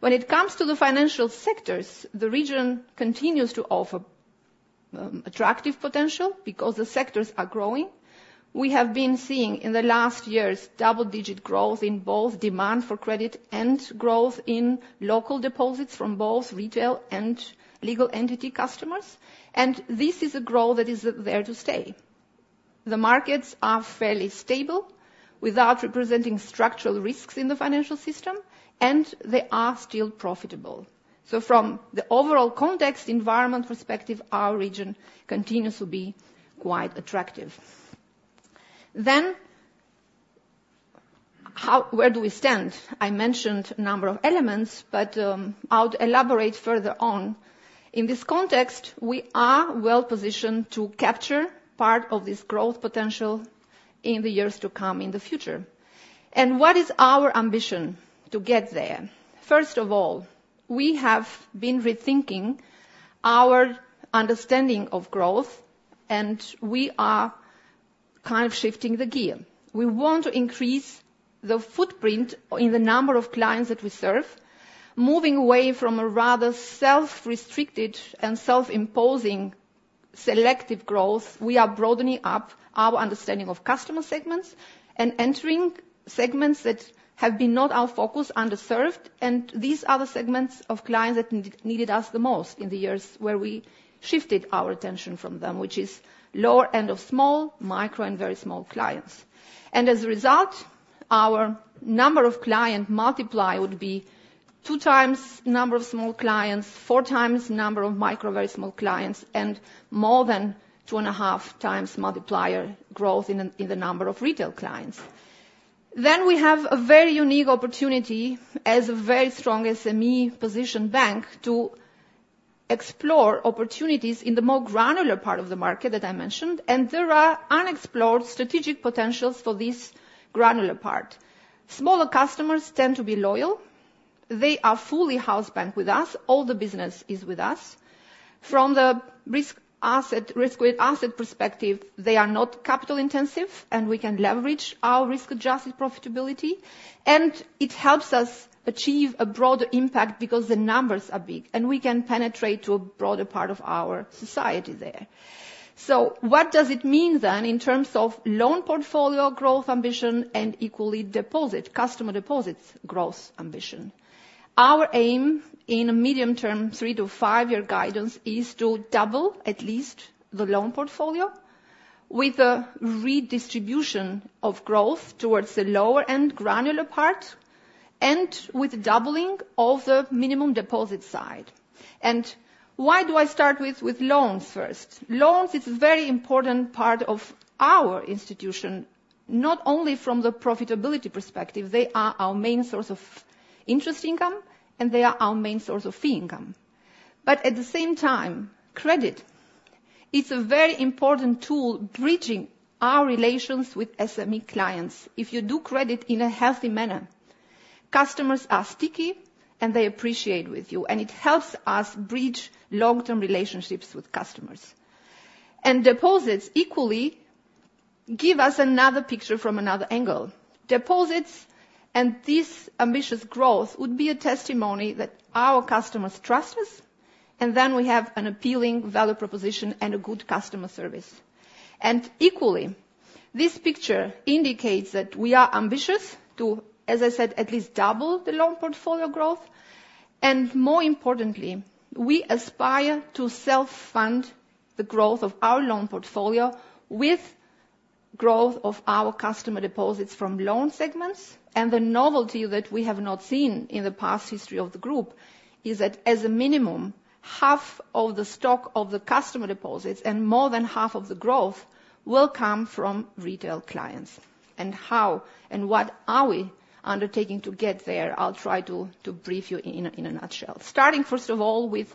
When it comes to the financial sectors, the region continues to offer attractive potential because the sectors are growing. We have been seeing in the last years double-digit growth in both demand for credit and growth in local deposits from both retail and legal entity customers and this is a growth that is there to stay. The markets are fairly stable without representing structural risks in the financial system, they are still profitable. From the overall context environment perspective, our region continues to be quite attractive. Where do we stand? I mentioned a number of elements, I'll elaborate further on. In this context, we are well-positioned to capture part of this growth potential in the years to come in the future. What is our ambition to get there? First of all, we have been rethinking our understanding of growth and we are kind of shifting the gear. We want to increase the footprint in the number of clients that we serve, moving away from a rather self-restricted and self-imposing selective growth. We are broadening up our understanding of customer segments and entering segments that have been not our focus, underserved, these are the segments of clients that needed us the most in the years where we shifted our attention from them, which is lower end of small, micro, and very small clients. As a result, our number of client multiply would be two times number of small clients, four times number of micro, very small clients, and more than two and a half times multiplier growth in the number of retail clients. We have a very unique opportunity as a very strong SME position bank to explore opportunities in the more granular part of the market that I mentioned, there are unexplored strategic potentials for this granular part. Smaller customers tend to be loyal. They are fully house bank with us. All the business is with us. From the risk-weighted asset perspective, they are not capital intensive, we can leverage our risk-adjusted profitability, it helps us achieve a broader impact because the numbers are big, and we can penetrate to a broader part of our society there. What does it mean then in terms of loan portfolio growth ambition and equally, customer deposits growth ambition? Our aim in a medium-term 3-5-year guidance is to double at least the loan portfolio with a redistribution of growth towards the lower-end granular part and with doubling of the minimum deposit side. Why do I start with loans first? Loans is a very important part of our institution, not only from the profitability perspective, they are our main source of interest income, and they are our main source of fee income. At the same time, credit is a very important tool bridging our relations with SME clients. If you do credit in a healthy manner, customers are sticky, and they appreciate with you, and it helps us bridge long-term relationships with customers. Deposits equally give us another picture from another angle. Deposits, this ambitious growth would be a testimony that our customers trust us, and then we have an appealing value proposition and a good customer service. Equally, this picture indicates that we are ambitious to, as I said, at least double the loan portfolio growth. More importantly, we aspire to self-fund the growth of our loan portfolio with growth of our customer deposits from loan segments. The novelty that we have not seen in the past history of the group is that as a minimum, half of the stock of the customer deposits and more than half of the growth will come from retail clients. How and what are we undertaking to get there? I'll try to brief you in a nutshell. Starting, first of all, with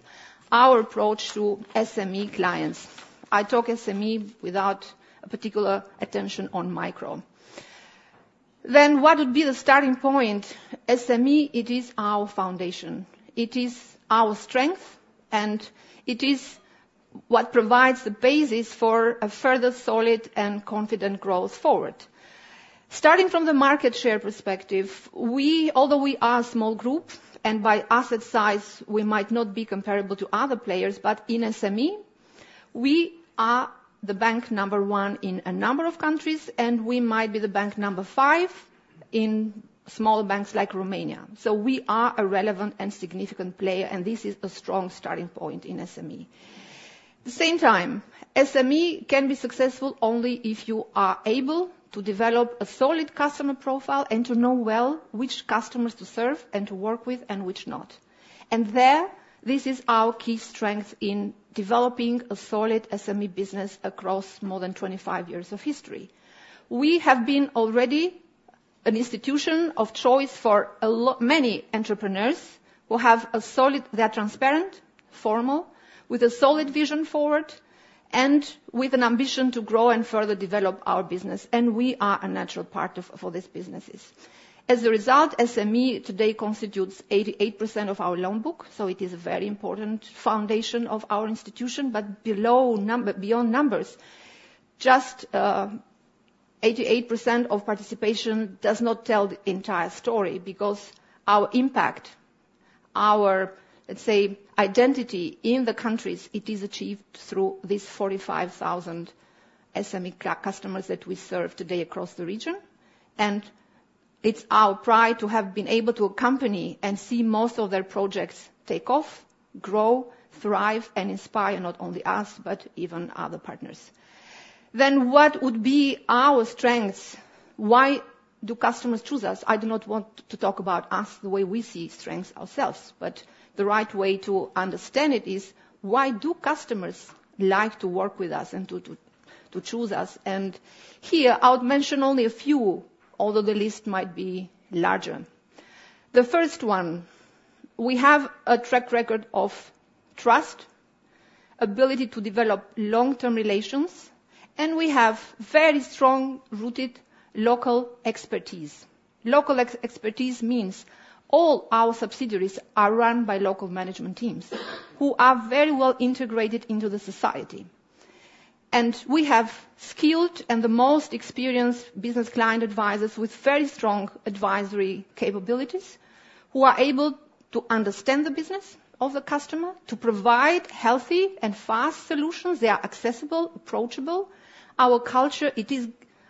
our approach to SME clients. I talk SME without a particular attention on micro. What would be the starting point? SME, it is our foundation. It is our strength, and it is what provides the basis for a further solid and confident growth forward. Starting from the market share perspective, although we are a small group and by asset size we might not be comparable to other players, but in SME we are the bank number 1 in a number of countries, and we might be the bank number 5 in small banks like Romania. We are a relevant and significant player, and this is a strong starting point in SME. At the same time, SME can be successful only if you are able to develop a solid customer profile and to know well which customers to serve and to work with and which not. There, this is our key strength in developing a solid SME business across more than 25 years of history. We have been already an institution of choice for many entrepreneurs. They are transparent, formal, with a solid vision forward, and with an ambition to grow and further develop our business, and we are a natural partner for these businesses. As a result, SME today constitutes 88% of our loan book, it is a very important foundation of our institution, but beyond numbers. Just 88% of participation does not tell the entire story because our impact, our, let's say, identity in the countries, it is achieved through these 45,000 SME customers that we serve today across the region. It's our pride to have been able to accompany and see most of their projects take off, grow, thrive, and inspire not only us, but even other partners. What would be our strengths? Why do customers choose us? I do not want to talk about us the way we see strengths ourselves, but the right way to understand it is why do customers like to work with us and to choose us? Here I would mention only a few, although the list might be larger. The first one, we have a track record of trust, ability to develop long-term relations, and we have very strong-rooted local expertise. Local expertise means all our subsidiaries are run by local management teams who are very well integrated into the society. We have skilled and the most experienced business client advisors with very strong advisory capabilities, who are able to understand the business of the customer, to provide healthy and fast solutions. They are accessible, approachable. Our culture, it is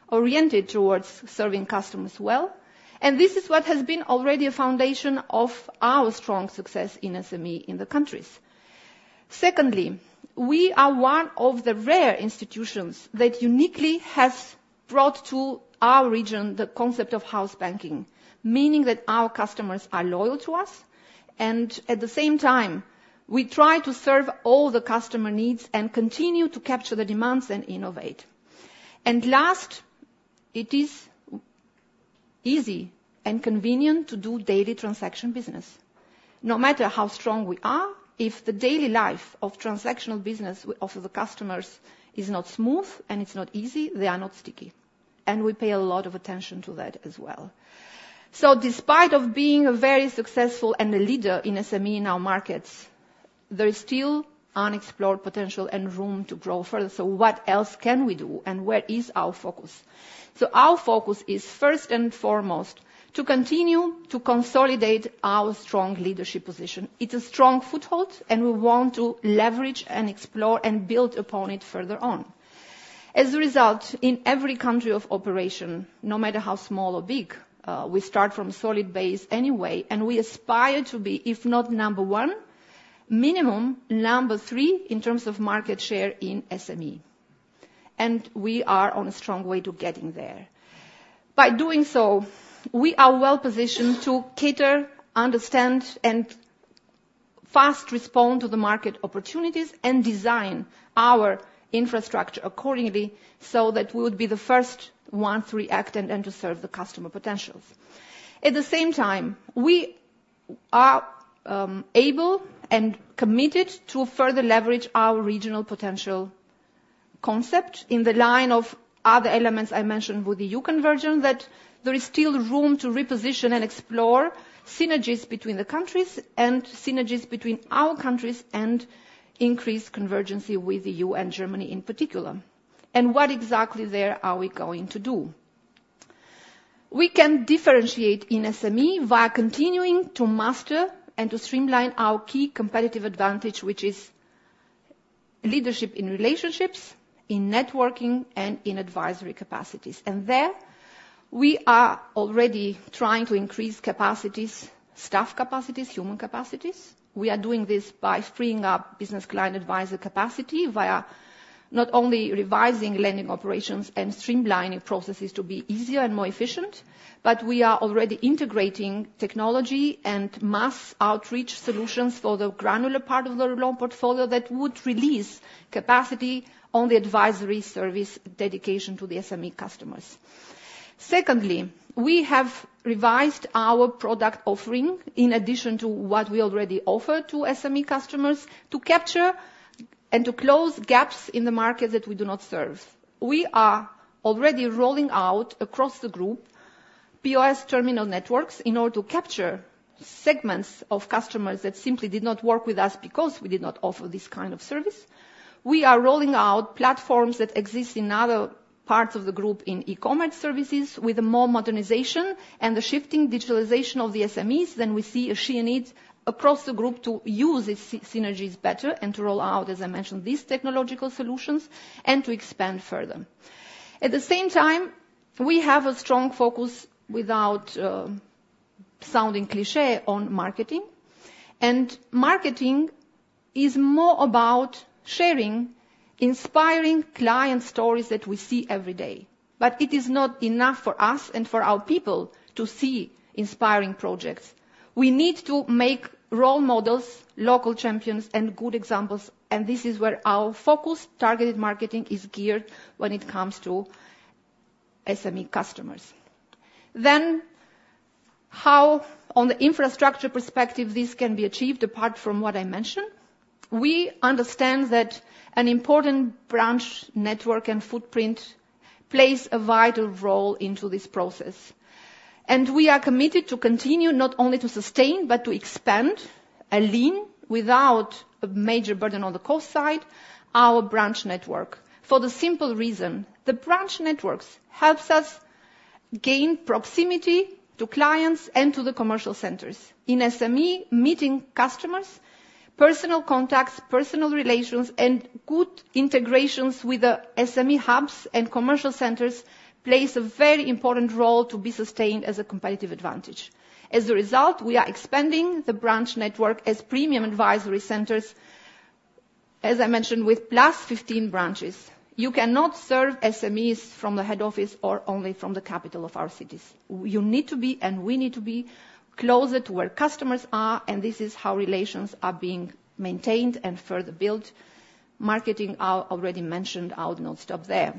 oriented towards serving customers well, and this is what has been already a foundation of our strong success in SME in the countries. Secondly, we are one of the rare institutions that uniquely has brought to our region the concept of house banking, meaning that our customers are loyal to us, and at the same time, we try to serve all the customer needs and continue to capture the demands and innovate. Last, it is easy and convenient to do daily transaction business. No matter how strong we are, if the daily life of transactional business we offer the customers is not smooth and it's not easy, they are not sticky. We pay a lot of attention to that as well. Despite of being very successful and a leader in SME in our markets, there is still unexplored potential and room to grow further. What else can we do, and where is our focus? Our focus is first and foremost, to continue to consolidate our strong leadership position. It's a strong foothold, and we want to leverage and explore and build upon it further on. As a result, in every country of operation, no matter how small or big, we start from solid base anyway, and we aspire to be, if not number 1, minimum number 3 in terms of market share in SME. We are on a strong way to getting there. By doing so, we are well-positioned to cater, understand, and fast respond to the market opportunities and design our infrastructure accordingly, so that we would be the first 1 to react and to serve the customer potentials. At the same time, we are able and committed to further leverage our regional potential concept in the line of other elements I mentioned with the EU convergence, that there is still room to reposition and explore synergies between the countries and synergies between our countries and increase convergency with the EU and Germany in particular. What exactly there are we going to do? We can differentiate in SME via continuing to master and to streamline our key competitive advantage, which is leadership in relationships, in networking, and in advisory capacities. There we are already trying to increase capacities, staff capacities, human capacities. We are doing this by freeing up business client advisor capacity via not only revising lending operations and streamlining processes to be easier and more efficient, but we are already integrating technology and mass outreach solutions for the granular part of the loan portfolio that would release capacity on the advisory service dedication to the SME customers. Secondly, we have revised our product offering in addition to what we already offer to SME customers to capture and to close gaps in the market that we do not serve. We are already rolling out across the group POS terminal networks in order to capture segments of customers that simply did not work with us because we did not offer this kind of service. We are rolling out platforms that exist in other parts of the group in e-commerce services with more modernization and the shifting digitalization of the SMEs. We see a sheer need across the group to use these synergies better and to roll out, as I mentioned, these technological solutions and to expand further. At the same time, we have a strong focus without sounding cliché on marketing, and marketing is more about sharing inspiring client stories that we see every day. It is not enough for us and for our people to see inspiring projects. We need to make role models, local champions and good examples, and this is where our focus targeted marketing is geared when it comes to SME customers. How on the infrastructure perspective, this can be achieved apart from what I mentioned? We understand that an important branch network and footprint plays a vital role into this process. We are committed to continue not only to sustain, but to expand a lean without a major burden on the cost side, our branch network. For the simple reason, the branch networks helps us gain proximity to clients and to the commercial centers. In SME, meeting customers, personal contacts, personal relations, and good integrations with the SME hubs and commercial centers plays a very important role to be sustained as a competitive advantage. As a result, we are expanding the branch network as premium advisory centers, as I mentioned, with plus 15 branches. You cannot serve SMEs from the head office or only from the capital of our cities. You need to be, and we need to be closer to where customers are, and this is how relations are being maintained and further built. Marketing I already mentioned, I would not stop there.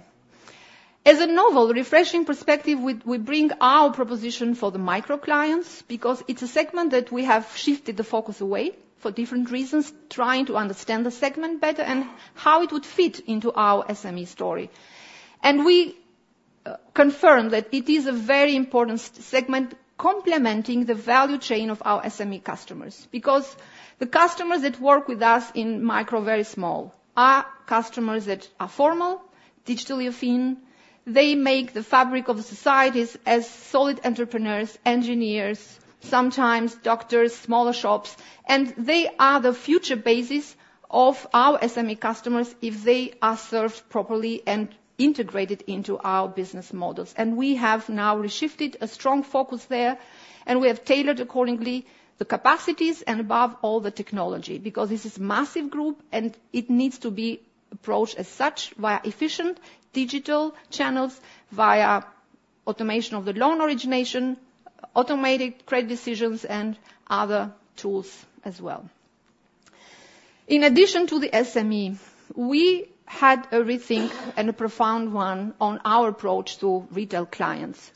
As a novel, refreshing perspective, we bring our proposition for the micro clients because it's a segment that we have shifted the focus away for different reasons, trying to understand the segment better and how it would fit into our SME story. We confirm that it is a very important segment complementing the value chain of our SME customers. Because the customers that work with us in micro, very small, are customers that are formal, digitally affine. They make the fabric of societies as solid entrepreneurs, engineers, sometimes doctors, smaller shops, and they are the future basis of our SME customers if they are served properly and integrated into our business models. We have now reshifted a strong focus there, and we have tailored accordingly the capacities and above all, the technology. This is massive group and it needs to be approached as such via efficient digital channels, via automation of the loan origination, automated credit decisions, and other tools as well. In addition to the SME, we had a rethink and a profound one on our approach to retail clients.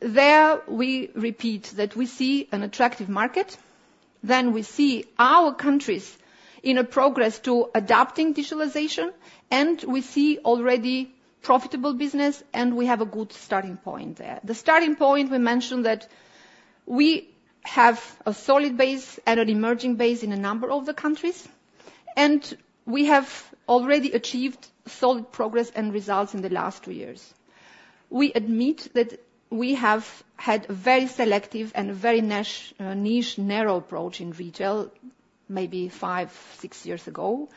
There we repeat that we see an attractive market. We see our countries in a progress to adopting digitalization, and we see already profitable business, and we have a good starting point there. The starting point, we mentioned that we have a solid base and an emerging base in a number of the countries, and we have already achieved solid progress and results in the last two years. We admit that we have had very selective and very niche narrow approach in retail, maybe five, six years ago.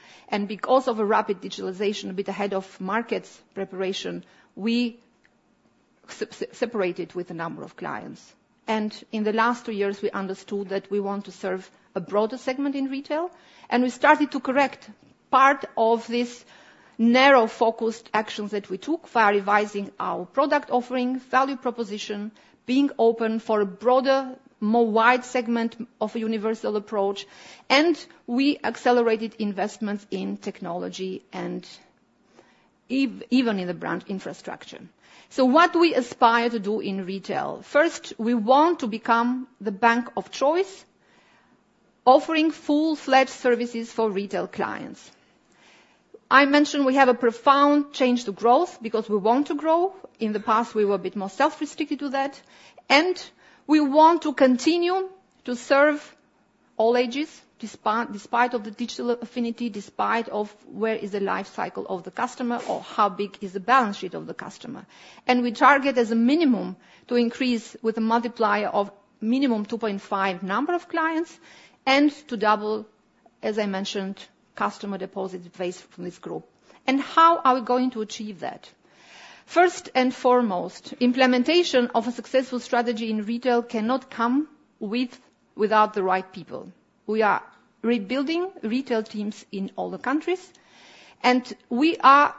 Because of a rapid digitalization, a bit ahead of markets preparation, we separated with a number of clients. In the last two years, we understood that we want to serve a broader segment in retail, and we started to correct part of this narrow-focused actions that we took via revising our product offering, value proposition, being open for a broader, more wide segment of a universal approach. We accelerated investments in technology and even in the brand infrastructure. What do we aspire to do in retail? First, we want to become the bank of choice, offering full-fledged services for retail clients. I mentioned we have a profound change to growth because we want to grow. In the past, we were a bit more self-restricted to that, we want to continue to serve all ages, despite of the digital affinity, despite of where is the life cycle of the customer or how big is the balance sheet of the customer. We target as a minimum to increase with a multiplier of minimum 2.5 number of clients and to double, as I mentioned, customer deposit base from this group. How are we going to achieve that? First and foremost, implementation of a successful strategy in retail cannot come without the right people. We are rebuilding retail teams in all the countries, we are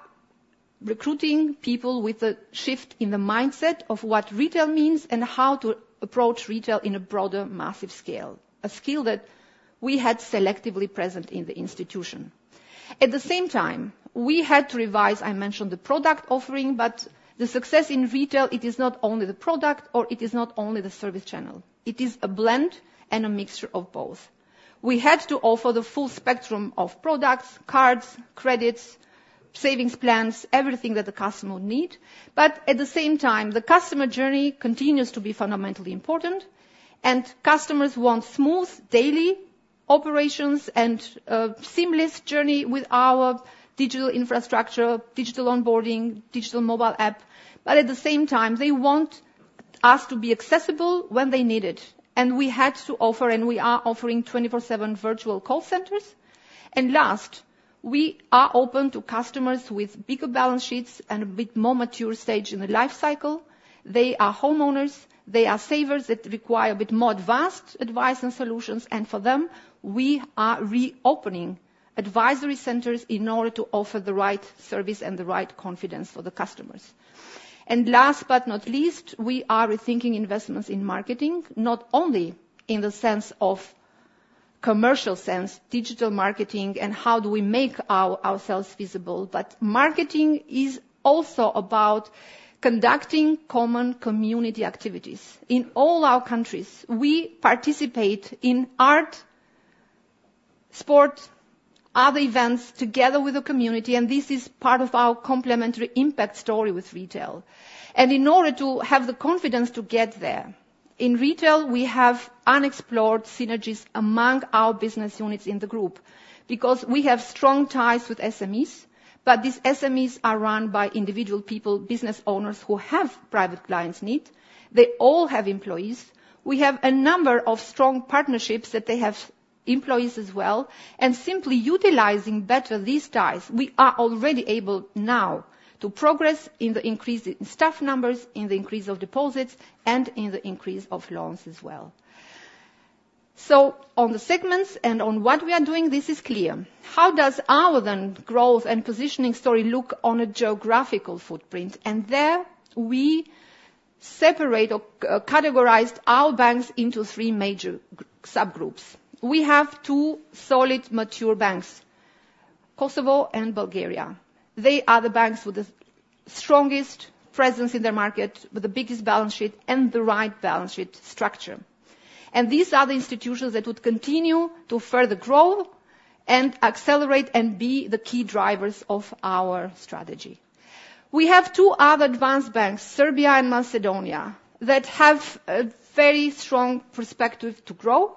recruiting people with a shift in the mindset of what retail means and how to approach retail in a broader, massive scale, a skill that we had selectively present in the institution. At the same time, we had to revise, I mentioned the product offering, the success in retail, it is not only the product or it is not only the service channel. It is a blend and a mixture of both. We had to offer the full spectrum of products, cards, credits, savings plans, everything that the customer would need. At the same time, the customer journey continues to be fundamentally important, customers want smooth daily operations and a seamless journey with our digital infrastructure, digital onboarding, digital mobile app. At the same time, they want us to be accessible when they need it. We had to offer, and we are offering 24/7 virtual call centers. Last, we are open to customers with bigger balance sheets and a bit more mature stage in the life cycle. They are homeowners, they are savers that require a bit more advanced advice and solutions. For them, we are reopening advisory centers in order to offer the right service and the right confidence for the customers. Last but not least, we are rethinking investments in marketing, not only in the sense of commercial sense, digital marketing, and how do we make ourselves visible. Marketing is also about conducting common community activities. In all our countries, we participate in art, sport, other events together with the community, and this is part of our complementary impact story with retail. In order to have the confidence to get there, in retail, we have unexplored synergies among our business units in the group, because we have strong ties with SMEs, but these SMEs are run by individual people, business owners who have private clients need. They all have employees. We have a number of strong partnerships that they have employees as well, simply utilizing better these ties, we are already able now to progress in the increase in staff numbers, in the increase of deposits, and in the increase of loans as well. On the segments and on what we are doing, this is clear. How does our growth and positioning story look on a geographical footprint? There we separate or categorized our banks into three major subgroups. We have two solid mature banks, Kosovo and Bulgaria. They are the banks with the strongest presence in their market, with the biggest balance sheet and the right balance sheet structure. These are the institutions that would continue to further grow and accelerate and be the key drivers of our strategy. We have two other advanced banks, Serbia and Macedonia, that have a very strong perspective to grow.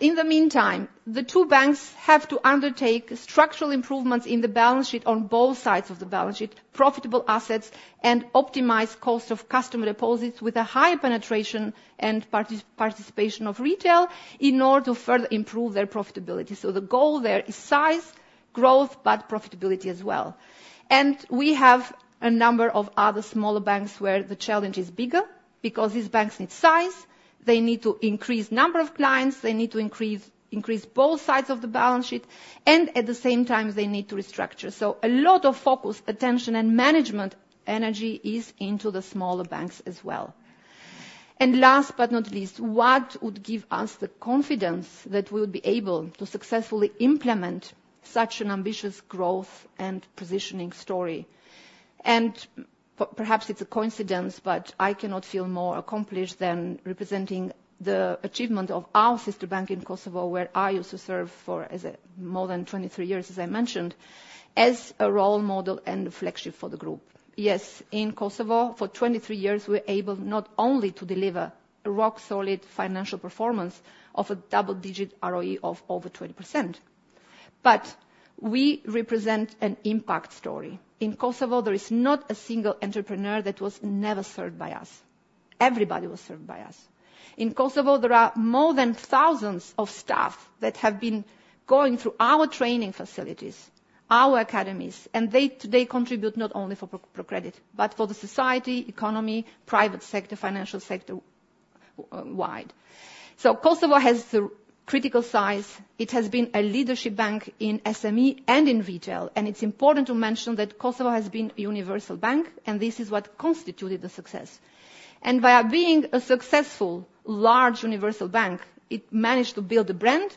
In the meantime, the two banks have to undertake structural improvements in the balance sheet on both sides of the balance sheet, profitable assets, and optimize cost of customer deposits with a high penetration and participation of retail in order to further improve their profitability. The goal there is size, growth, but profitability as well. We have a number of other smaller banks where the challenge is bigger because these banks need size, they need to increase number of clients, they need to increase both sides of the balance sheet, and at the same time, they need to restructure. A lot of focus, attention, and management energy is into the smaller banks as well. Last but not least, what would give us the confidence that we'll be able to successfully implement such an ambitious growth and positioning story? Perhaps it's a coincidence, but I cannot feel more accomplished than representing the achievement of our sister bank in Kosovo, where I used to serve for more than 23 years, as I mentioned, as a role model and a flagship for the group. Yes, in Kosovo, for 23 years, we're able not only to deliver a rock solid financial performance of a double-digit ROE of over 20%, but we represent an impact story. In Kosovo, there is not a single entrepreneur that was never served by us. Everybody was served by us. In Kosovo, there are more than thousands of staff that have been going through our training facilities, our academies, and they contribute not only for ProCredit, but for the society, economy, private sector, financial sector wide. Kosovo has the critical size. It has been a leadership bank in SME and in retail, it's important to mention that Kosovo has been a universal bank, this is what constituted the success. Via being a successful, large universal bank, it managed to build a brand,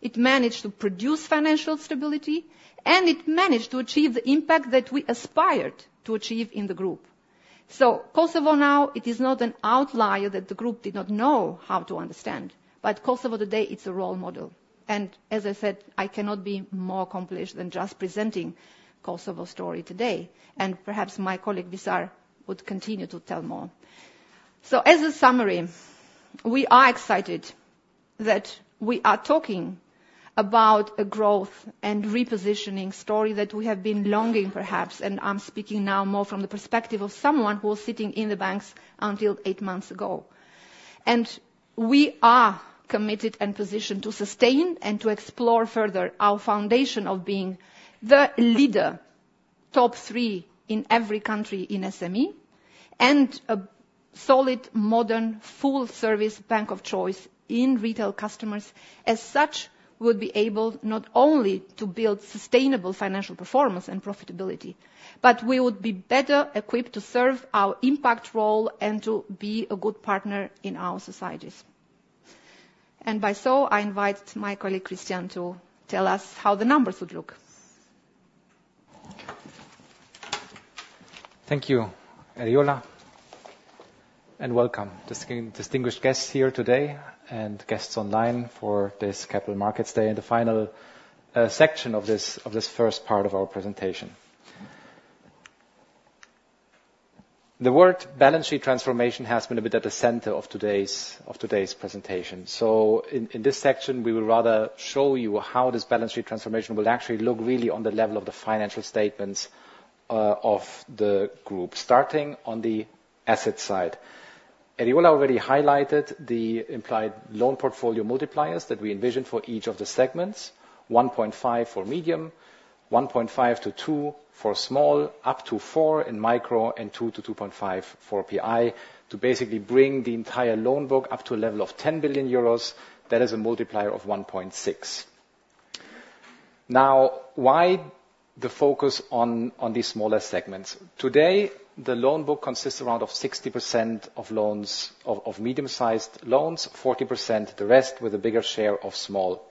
it managed to produce financial stability, and it managed to achieve the impact that we aspired to achieve in the group. Kosovo now, it is not an outlier that the group did not know how to understand. Kosovo today, it's a role model. As I said, I cannot be more accomplished than just presenting Kosovo story today. Perhaps my colleague, Visar, would continue to tell more. As a summary, we are excited that we are talking about a growth and repositioning story that we have been longing perhaps, and I'm speaking now more from the perspective of someone who was sitting in the banks until eight months ago. We are committed and positioned to sustain and to explore further our foundation of being the leader, top three in every country in SME, and a solid, modern, full-service bank of choice in retail customers. As such, we'll be able not only to build sustainable financial performance and profitability, but we would be better equipped to serve our impact role and to be a good partner in our societies. By so, I invite my colleague, Christian, to tell us how the numbers would look. Thank you, Eriola. Welcome, distinguished guests here today and guests online for this Capital Markets Day and the final section of this first part of our presentation. The word balance sheet transformation has been a bit at the center of today's presentation. In this section, we will rather show you how this balance sheet transformation will actually look really on the level of the financial statements of the group. Starting on the asset side. Eriola already highlighted the implied loan portfolio multipliers that we envision for each of the segments, 1.5 for medium, 1.5-2 for small, up to 4 in micro, and 2-2.5 for PI, to basically bring the entire loan book up to a level of 10 billion euros. That is a multiplier of 1.6. Why the focus on these smaller segments? Today, the loan book consists around of 60% of medium-sized loans, 40% the rest, with a bigger share of small.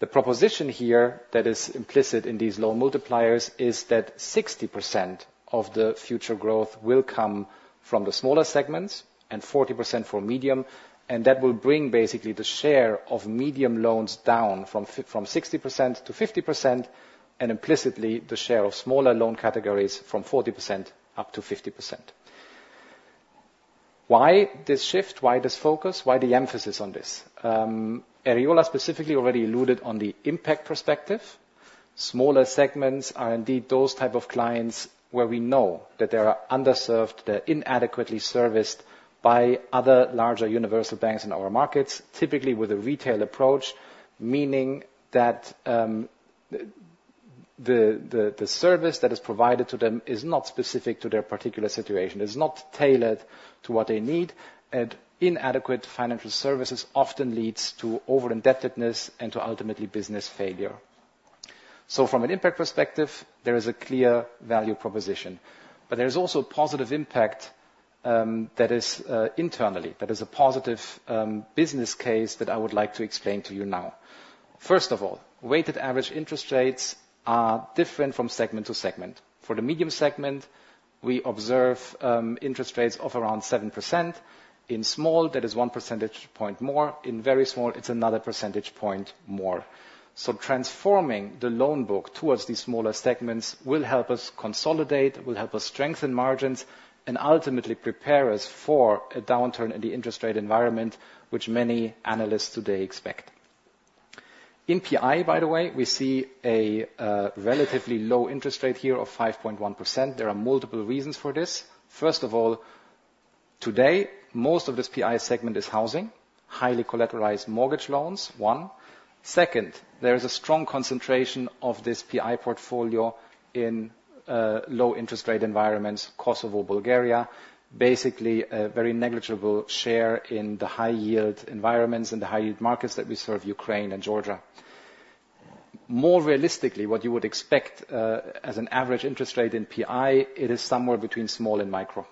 The proposition here that is implicit in these loan multipliers is that 60% of the future growth will come from the smaller segments and 40% for medium, and that will bring basically the share of medium loans down from 60%-50%, and implicitly, the share of smaller loan categories from 40%-50%. Why this shift? Why this focus? Why the emphasis on this? Eriola specifically already alluded on the impact perspective. Smaller segments are indeed those type of clients where we know that they are underserved, they're inadequately serviced by other larger universal banks in our markets, typically with a retail approach, meaning that the service that is provided to them is not specific to their particular situation, is not tailored to what they need, and inadequate financial services often leads to over-indebtedness and to ultimately business failure. From an impact perspective, there is a clear value proposition. There is also a positive impact that is internally, that is a positive business case that I would like to explain to you now. First of all, weighted average interest rates are different from segment to segment. For the medium segment, we observe interest rates of around 7%. In small, that is one percentage point more. In very small, it's another percentage point more. Transforming the loan book towards these smaller segments will help us consolidate, will help us strengthen margins, and ultimately prepare us for a downturn in the interest rate environment, which many analysts today expect. In PI, by the way, we see a relatively low interest rate here of 5.1%. There are multiple reasons for this. First of all, today, most of this PI segment is housing, highly collateralized mortgage loans, one. There is a strong concentration of this PI portfolio in low interest rate environments, Kosovo, Bulgaria, basically a very negligible share in the high-yield environments and the high-yield markets that we serve, Ukraine and Georgia. What you would expect as an average interest rate in PI, it is somewhere between small and micro.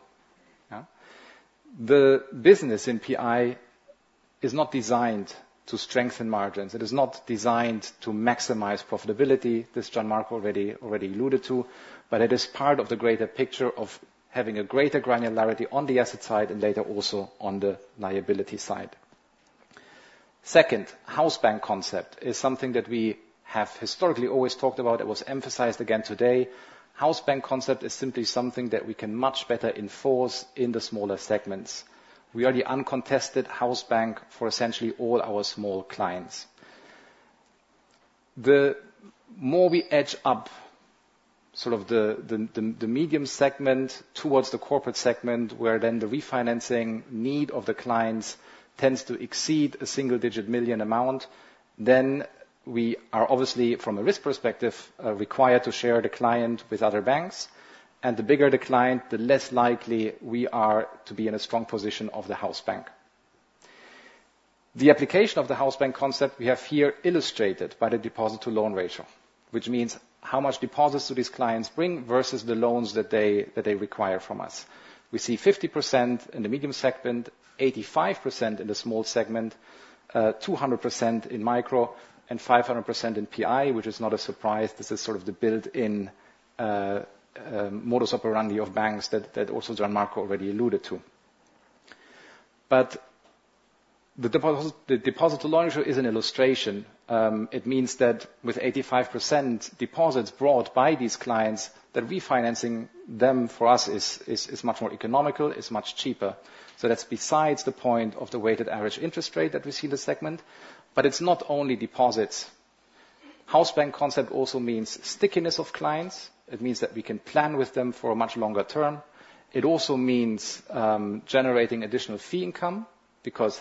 The business in PI is not designed to strengthen margins. It is not designed to maximize profitability, as Gian Marco already alluded to, but it is part of the greater picture of having a greater granularity on the asset side and later also on the liability side. House bank concept is something that we have historically always talked about. It was emphasized again today. House bank concept is simply something that we can much better enforce in the smaller segments. We are the uncontested house bank for essentially all our small clients. The more we edge up the medium segment towards the corporate segment, where then the refinancing need of the clients tends to exceed a single-digit million EUR amount, then we are obviously, from a risk perspective, required to share the client with other banks, and the bigger the client, the less likely we are to be in a strong position of the house bank. The application of the house bank concept we have here illustrated by the deposit to loan ratio, which means how much deposits do these clients bring versus the loans that they require from us. We see 50% in the medium segment, 85% in the small segment, 200% in micro and 500% in PI, which is not a surprise. This is the built-in modus operandi of banks that also Gian Marco already alluded to. The deposit to loan ratio is an illustration. It means that with 85% deposits brought by these clients, that refinancing them for us is much more economical, is much cheaper. That's besides the point of the weighted average interest rate that we see in the segment. It's not only deposits. House bank concept also means stickiness of clients. It means that we can plan with them for a much longer term. It also means generating additional fee income because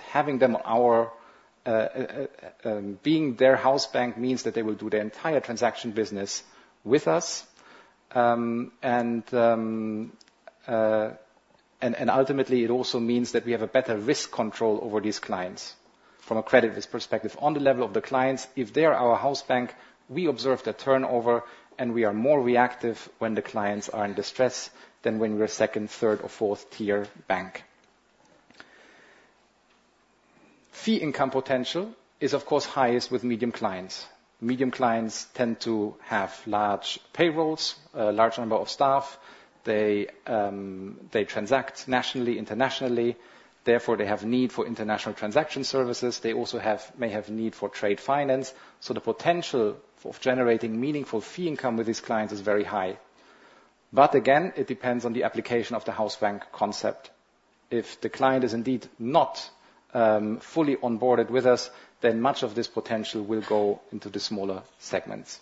being their house bank means that they will do their entire transaction business with us. Ultimately it also means that we have a better risk control over these clients from a credit risk perspective. On the level of the clients, if they are our house bank, we observe the turnover, and we are more reactive when the clients are in distress than when we're a second, third, or fourth-tier bank. Fee income potential is of course highest with medium clients. Medium clients tend to have large payrolls, a large number of staff. They transact nationally, internationally, therefore they have need for international transaction services. They also may have need for trade finance. The potential of generating meaningful fee income with these clients is very high. Again, it depends on the application of the house bank concept. If the client is indeed not fully onboarded with us, much of this potential will go into the smaller segments.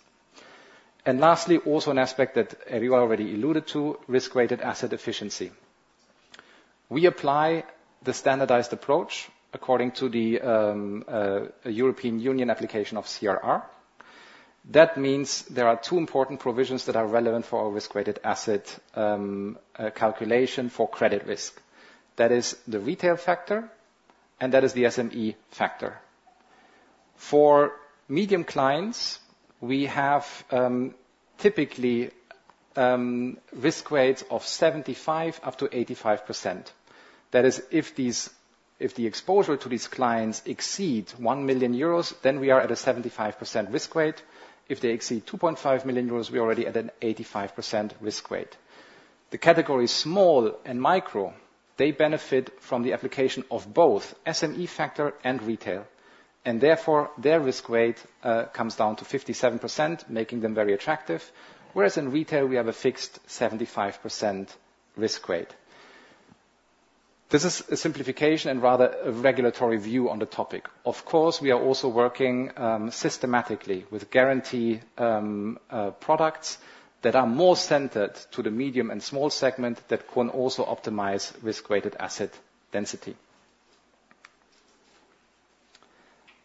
Lastly, also an aspect that Eriola already alluded to, risk-weighted asset efficiency. We apply the standardized approach according to the European Union application of CRR. That means there are two important provisions that are relevant for our risk-weighted asset calculation for credit risk. That is the retail factor, and that is the SME factor. For medium clients, we have typically risk weights of 75% up to 85%. That is, if the exposure to these clients exceeds 1 million euros, then we are at a 75% risk weight. If they exceed 2.5 million euros, we are already at an 85% risk weight. The category small and micro, they benefit from the application of both SME factor and retail, and therefore their risk weight comes down to 57%, making them very attractive, whereas in retail, we have a fixed 75% risk weight. This is a simplification and rather a regulatory view on the topic. Of course, we are also working systematically with guarantee products that are more centered to the medium and small segment that can also optimize risk-weighted asset density.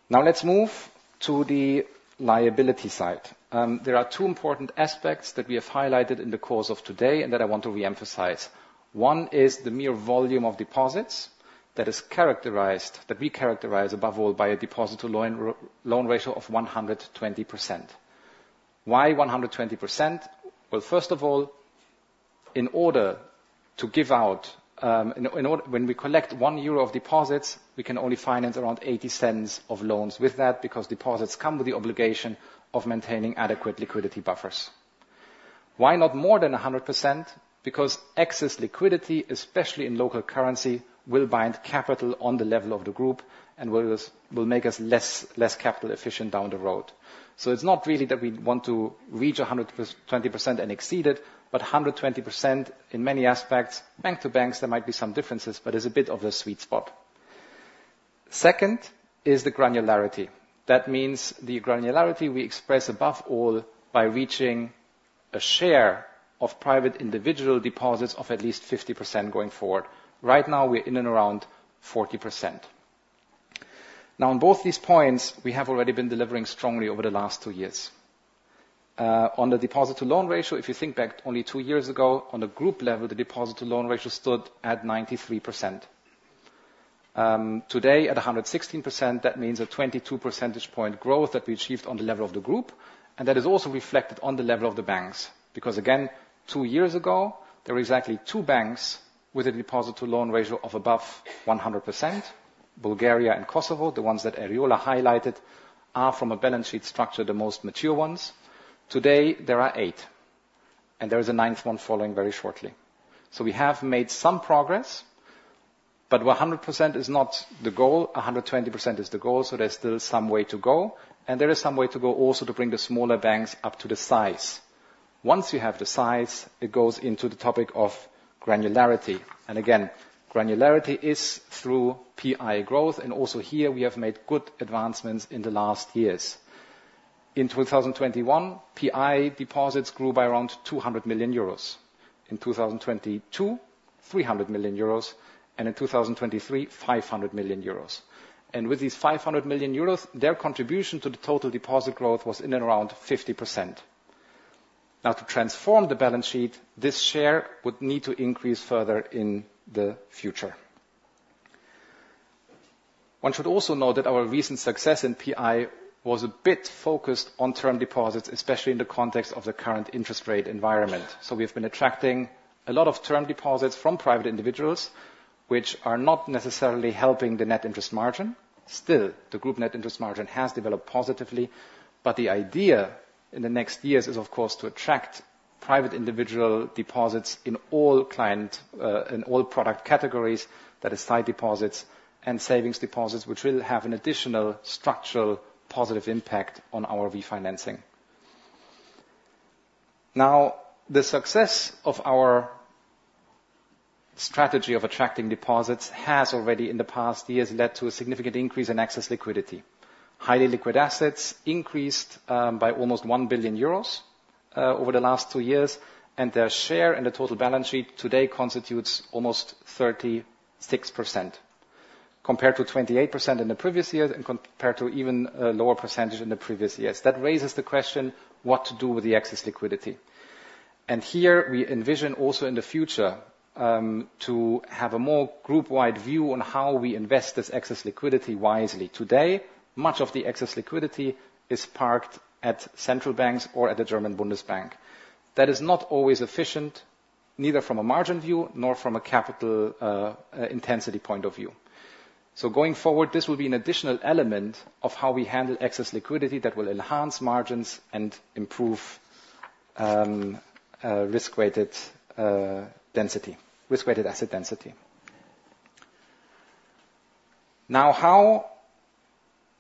Let's move to the liability side. There are two important aspects that we have highlighted in the course of today and that I want to re-emphasize. One is the mere volume of deposits that we characterize above all by a deposit to loan ratio of 120%. Why 120%? First of all, in order to give out. When we collect 1 euro of deposits, we can only finance around 0.80 of loans with that because deposits come with the obligation of maintaining adequate liquidity buffers. Why not more than 100%? Because excess liquidity, especially in local currency, will bind capital on the level of the group and will make us less capital efficient down the road. It's not really that we want to reach 120% and exceed it, but 120% in many aspects, bank to banks, there might be some differences, but is a bit of a sweet spot. Second is the granularity. That means the granularity we express above all by reaching a share of private individual deposits of at least 50% going forward. Right now, we're in and around 40%. On both these points, we have already been delivering strongly over the last 2 years. On the deposit to loan ratio, if you think back only 2 years ago, on a group level, the deposit to loan ratio stood at 93%. Today at 116%, that means a 22 percentage point growth that we achieved on the level of the group, and that is also reflected on the level of the banks. Because again, 2 years ago, there were exactly 2 banks with a deposit to loan ratio of above 100%, Bulgaria and Kosovo. The ones that Eriola highlighted are from a balance sheet structure, the most mature ones. Today, there are 8, and there is a 9th one following very shortly. We have made some progress, but 100% is not the goal, 120% is the goal, there's still some way to go, there is some way to go also to bring the smaller banks up to the size. Once you have the size, it goes into the topic of granularity. Again, granularity is through PI growth, also here we have made good advancements in the last years. In 2021, PI deposits grew by around 200 million euros. In 2022, 300 million euros, and in 2023, 500 million euros. With these 500 million euros, their contribution to the total deposit growth was in and around 50%. To transform the balance sheet, this share would need to increase further in the future. One should also know that our recent success in PI was a bit focused on term deposits, especially in the context of the current interest rate environment. We have been attracting a lot of term deposits from private individuals, which are not necessarily helping the net interest margin. Still, the group net interest margin has developed positively, the idea in the next years is, of course, to attract private individual deposits in all product categories, that is sight deposits and savings deposits, which will have an additional structural positive impact on our refinancing. The success of our strategy of attracting deposits has already in the past years led to a significant increase in excess liquidity. Highly liquid assets increased by almost 1 billion euros over the last two years, and their share in the total balance sheet today constitutes almost 36%, compared to 28% in the previous years and compared to even a lower percentage in the previous years. That raises the question, what to do with the excess liquidity? Here we envision also in the future, to have a more group-wide view on how we invest this excess liquidity wisely. Today, much of the excess liquidity is parked at central banks or at the Deutsche Bundesbank. That is not always efficient, neither from a margin view nor from a capital intensity point of view. Going forward, this will be an additional element of how we handle excess liquidity that will enhance margins and improve risk-weighted asset density. How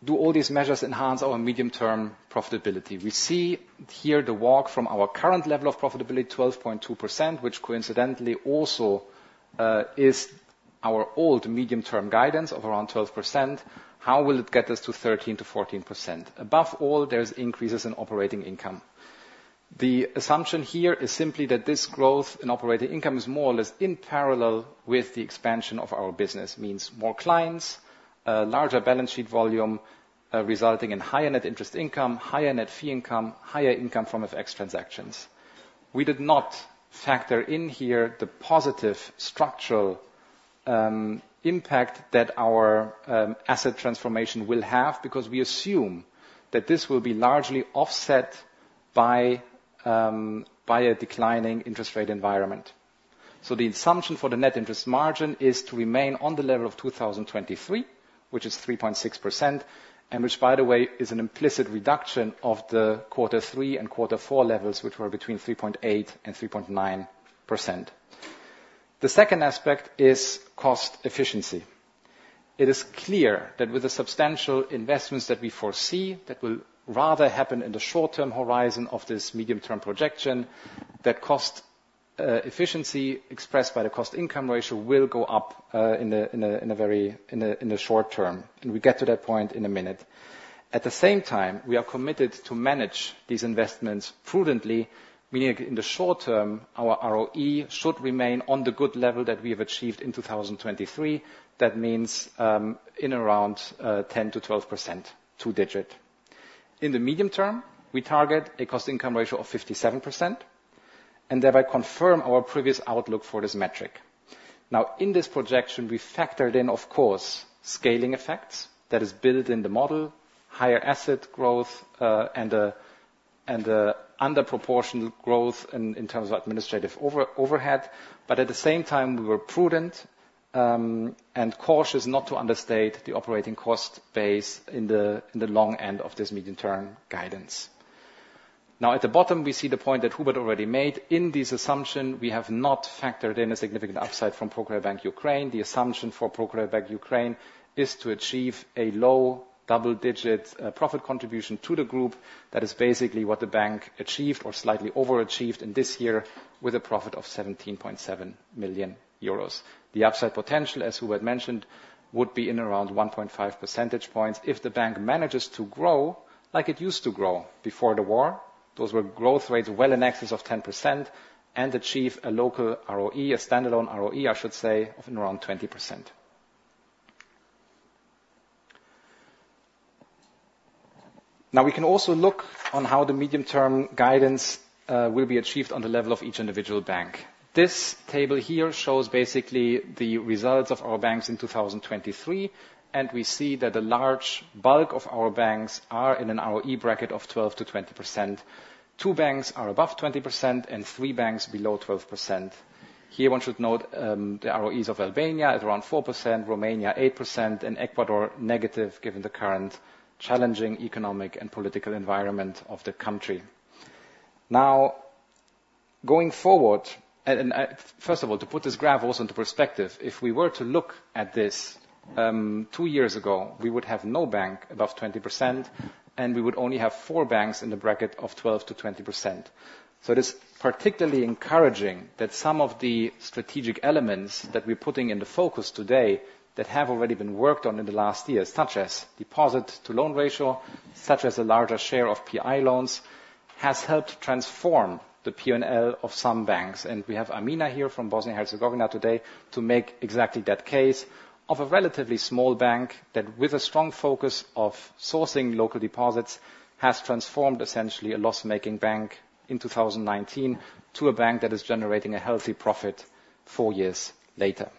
do all these measures enhance our medium-term profitability? We see here the walk from our current level of profitability, 12.2%, which coincidentally also is our old medium-term guidance of around 12%. How will it get us to 13%-14%? Above all, there's increases in operating income. The assumption here is simply that this growth in operating income is more or less in parallel with the expansion of our business, means more clients, larger balance sheet volume, resulting in higher net interest income, higher net fee income, higher income from FX transactions. We did not factor in here the positive structural impact that our asset transformation will have because we assume that this will be largely offset by a declining interest rate environment. The assumption for the net interest margin is to remain on the level of 2023, which is 3.6%, which, by the way, is an implicit reduction of the quarter three and quarter four levels, which were between 3.8%-3.9%. The second aspect is cost efficiency. It is clear that with the substantial investments that we foresee, that will rather happen in the short-term horizon of this medium-term projection, that cost efficiency expressed by the cost income ratio will go up in the short-term, and we'll get to that point in a minute. At the same time, we are committed to manage these investments prudently, meaning in the short term, our ROE should remain on the good level that we have achieved in 2023. That means in around 10%-12%, two digit. In the medium term, we target a cost income ratio of 57% and thereby confirm our previous outlook for this metric. In this projection, we factored in, of course, scaling effects that is built in the model, higher asset growth, and the under proportional growth in terms of administrative overhead. At the same time, we were prudent, and cautious not to understate the operating cost base in the long end of this medium-term guidance. At the bottom, we see the point that Hubert already made. In this assumption, we have not factored in a significant upside from ProCredit Bank Ukraine. The assumption for ProCredit Bank Ukraine is to achieve a low double-digit profit contribution to the group. That is basically what the bank achieved or slightly overachieved in this year with a profit of 17.7 million euros. The upside potential, as Hubert mentioned, would be in around 1.5 percentage points if the bank manages to grow like it used to grow before the war. Those were growth rates well in excess of 10% and achieve a local ROE, a standalone ROE, I should say, of around 20%. We can also look on how the medium-term guidance will be achieved on the level of each individual bank. This table here shows basically the results of our banks in 2023, and we see that a large bulk of our banks are in an ROE bracket of 12%-20%. Two banks are above 20% and three banks below 12%. Here one should note, the ROEs of Albania is around 4%, Romania 8%, and Ecuador negative, given the current challenging economic and political environment of the country. Going forward, first of all, to put this graph also into perspective, if we were to look at this two years ago, we would have no bank above 20% and we would only have four banks in the bracket of 12%-20%. It is particularly encouraging that some of the strategic elements that we're putting into focus today that have already been worked on in the last years, such as deposit to loan ratio, such as a larger share of PI loans, has helped transform the P&L of some banks. We have Amina here from Bosnia and Herzegovina today to make exactly that case of a relatively small bank that with a strong focus of sourcing local deposits, has transformed essentially a loss-making bank in 2019 to a bank that is generating a healthy profit four years later.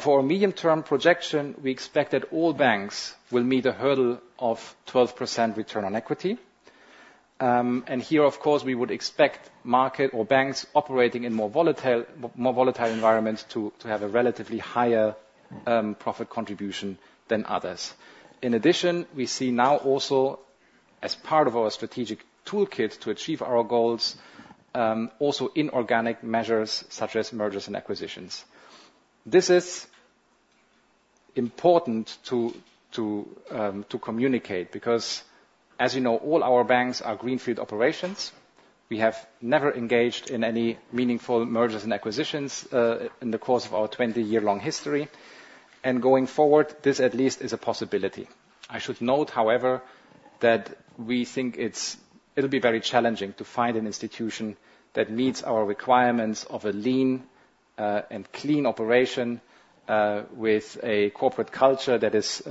For a medium-term projection, we expect that all banks will meet a hurdle of 12% return on equity. Here, of course, we would expect market or banks operating in more volatile environment to have a relatively higher profit contribution than others. In addition, we see now also as part of our strategic toolkit to achieve our goals, also inorganic measures such as mergers and acquisitions. This is important to communicate because, as you know, all our banks are greenfield operations. We have never engaged in any meaningful mergers and acquisitions, in the course of our 20-year long history. Going forward, this at least is a possibility. I should note, however, that we think it'll be very challenging to find an institution that meets our requirements of a lean, and clean operation, with a corporate culture that is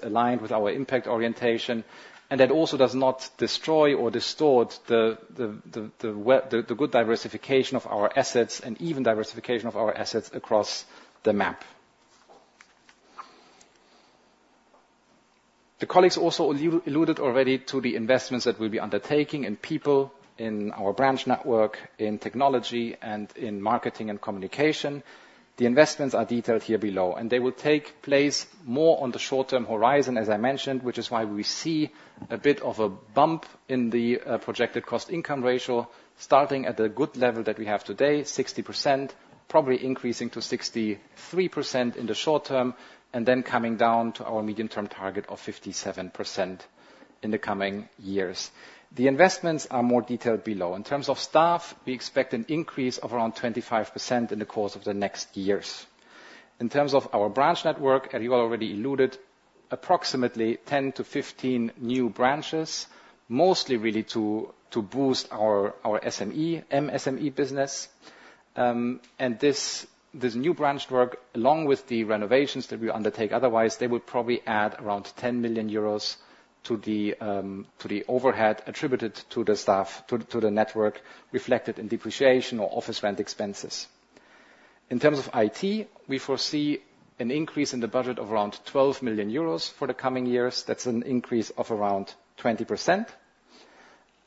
aligned with our impact orientation, and that also does not destroy or distort the good diversification of our assets and even diversification of our assets across the map. The colleagues also alluded already to the investments that we'll be undertaking in people, in our branch network, in technology, and in marketing and communication. The investments are detailed here below. They will take place more on the short-term horizon, as I mentioned, which is why we see a bit of a bump in the projected cost-income ratio starting at the good level that we have today, 60%, probably increasing to 63% in the short term, and then coming down to our medium-term target of 57% in the coming years. The investments are more detailed below. In terms of staff, we expect an increase of around 25% in the course of the next years. In terms of our branch network, as you already alluded, approximately 10 to 15 new branches, mostly really to boost our MSME business. This new branch work, along with the renovations that we undertake otherwise, they would probably add around 10 million euros to the overhead attributed to the staff, to the network reflected in depreciation or office rent expenses. In terms of IT, we foresee an increase in the budget of around EUR 12 million for the coming years. That's an increase of around 20%.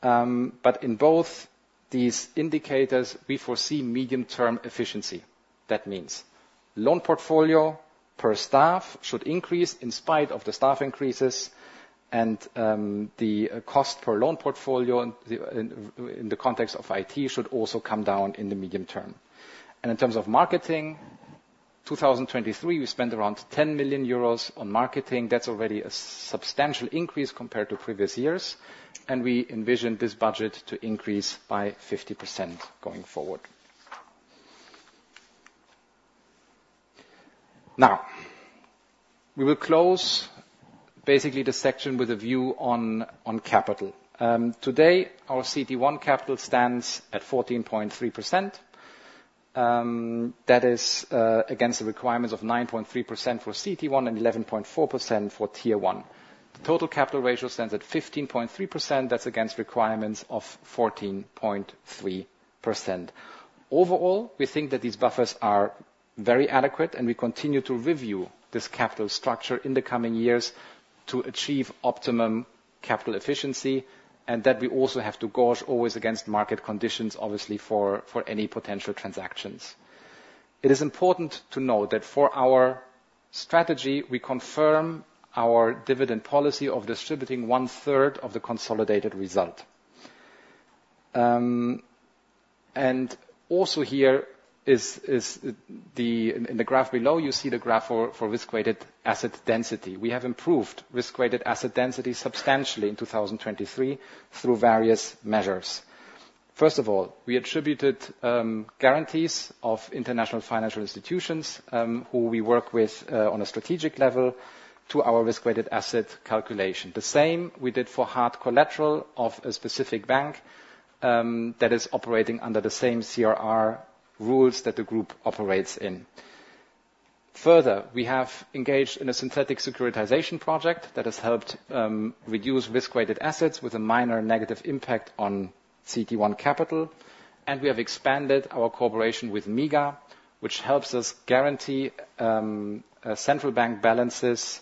In both these indicators, we foresee medium-term efficiency. That means loan portfolio per staff should increase in spite of the staff increases, and the cost per loan portfolio in the context of IT should also come down in the medium term. In terms of marketing, 2023, we spent around 10 million euros on marketing. That's already a substantial increase compared to previous years. We envision this budget to increase by 50% going forward. We will close basically the section with a view on capital. Today, our CT1 capital stands at 14.3%. That is against the requirements of 9.3% for CT1 and 11.4% for Tier 1. The total capital ratio stands at 15.3%. That's against requirements of 14.3%. Overall, we think that these buffers are very adequate. We continue to review this capital structure in the coming years to achieve optimum capital efficiency. That we also have to gauge always against market conditions, obviously, for any potential transactions. It is important to note that for our strategy, we confirm our dividend policy of distributing one third of the consolidated result. Here is the, in the graph below, you see the graph for risk-weighted asset density. We have improved risk-weighted asset density substantially in 2023 through various measures. First of all, we attributed guarantees of international financial institutions, who we work with on a strategic level to our risk-weighted asset calculation. The same we did for hard collateral of a specific bank, that is operating under the same CRR rules that the group operates in. We have engaged in a synthetic securitization project that has helped reduce risk-weighted assets with a minor negative impact on CET1 capital. We have expanded our cooperation with MIGA, which helps us guarantee central bank balances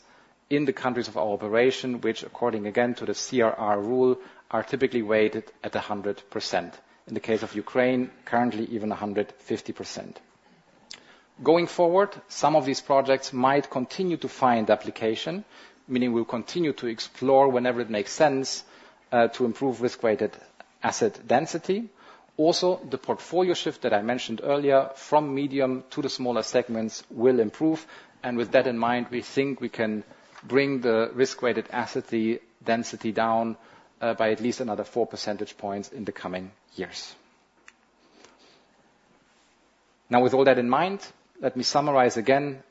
in the countries of our operation, which according, again, to the CRR rule, are typically weighted at 100%. In the case of Ukraine, currently even 150%. Going forward, some of these projects might continue to find application, meaning we will continue to explore whenever it makes sense to improve risk-weighted asset density. The portfolio shift that I mentioned earlier from medium to the smaller segments will improve. With that in mind, we think we can bring the risk-weighted asset density down by at least another four percentage points in the coming years. With all that in mind, let me summarize again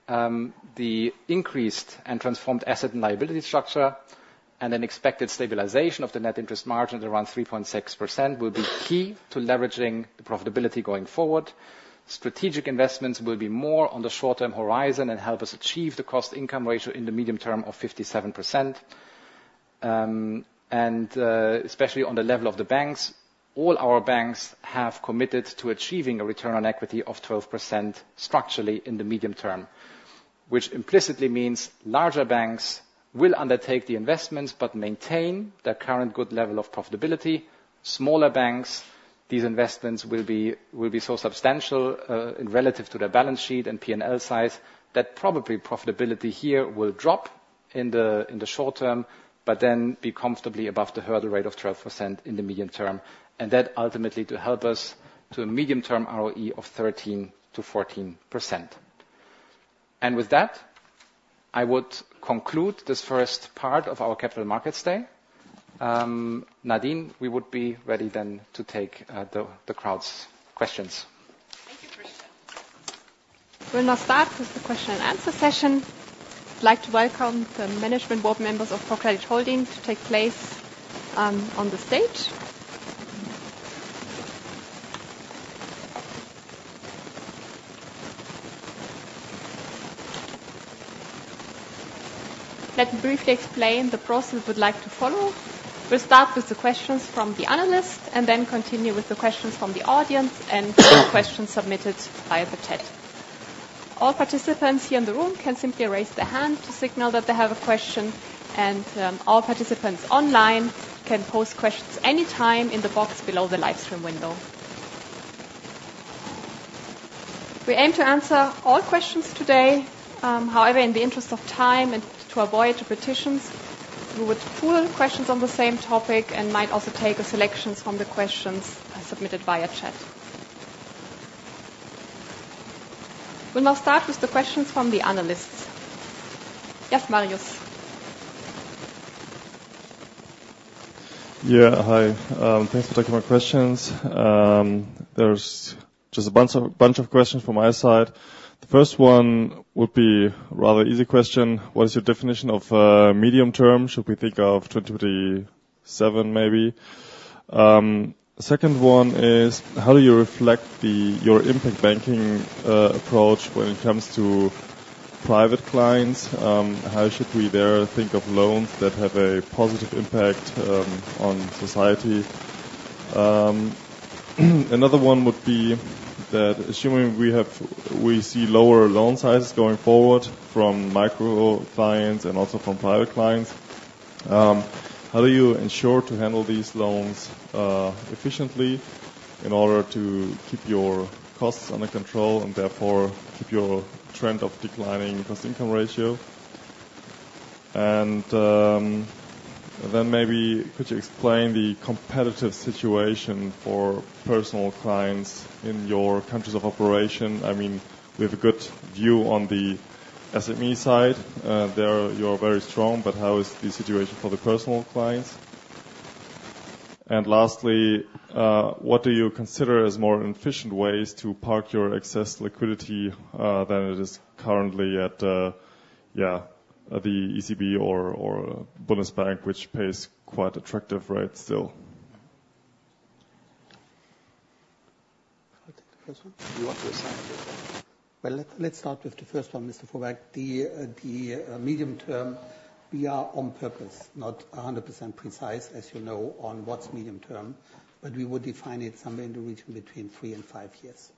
the increased and transformed asset and liability structure and an expected stabilization of the net interest margin at around 3.6% will be key to leveraging the profitability going forward. Strategic investments will be more on the short-term horizon and help us achieve the cost-income ratio in the medium term of 57%. Especially on the level of the banks, all our banks have committed to achieving a return on equity of 12% structurally in the medium term, which implicitly means larger banks will undertake the investments but maintain their current good level of profitability. Smaller banks, these investments will be so substantial relative to their balance sheet and P&L size that probably profitability here will drop in the short-term, but then be comfortably above the hurdle rate of 12% in the medium term. That ultimately to help us to a medium-term ROE of 13%-14%. With that, I would conclude this first part of our capital markets day. Nadine, we would be ready then to take the crowd's questions. Thank you, Christian. We'll now start with the question and answer session. I'd like to welcome the Management Board members of ProCredit Holding to take place on the stage. Let me briefly explain the process we'd like to follow. We'll start with the questions from the analysts, continue with the questions from the audience and questions submitted via the chat. All participants here in the room can simply raise their hand to signal that they have a question. All participants online can pose questions anytime in the box below the live stream window. We aim to answer all questions today. However, in the interest of time and to avoid repetitions, we would pool questions on the same topic might also take a selection from the questions submitted via chat. We'll now start with the questions from the analysts. Yes, Marius. Yeah, hi. Thanks for taking my questions. There's just a bunch of questions from my side. The first one would be rather easy question. What is your definition of medium term? Should we think of 2027, maybe? Second one is, how do you reflect your impact banking approach when it comes to private clients? How should we there think of loans that have a positive impact on society? Another one would be that assuming we see lower loan sizes going forward from micro clients and also from private clients, how do you ensure to handle these loans efficiently in order to keep your costs under control, and therefore, keep your trend of declining cost-income ratio? Maybe could you explain the competitive situation for personal clients in your countries of operation? We have a good view on the SME side. There you're very strong, how is the situation for the personal clients? Lastly, what do you consider as more efficient ways to park your excess liquidity than it is currently at the ECB or Bundesbank, which pays quite attractive rates still? I'll take the first one. You want this side? Let's start with the first one, Mr. Fuhrberg. The medium term, we are on purpose, not 100% precise, as you know, on what's medium term, but we would define it somewhere in the region between three and five years.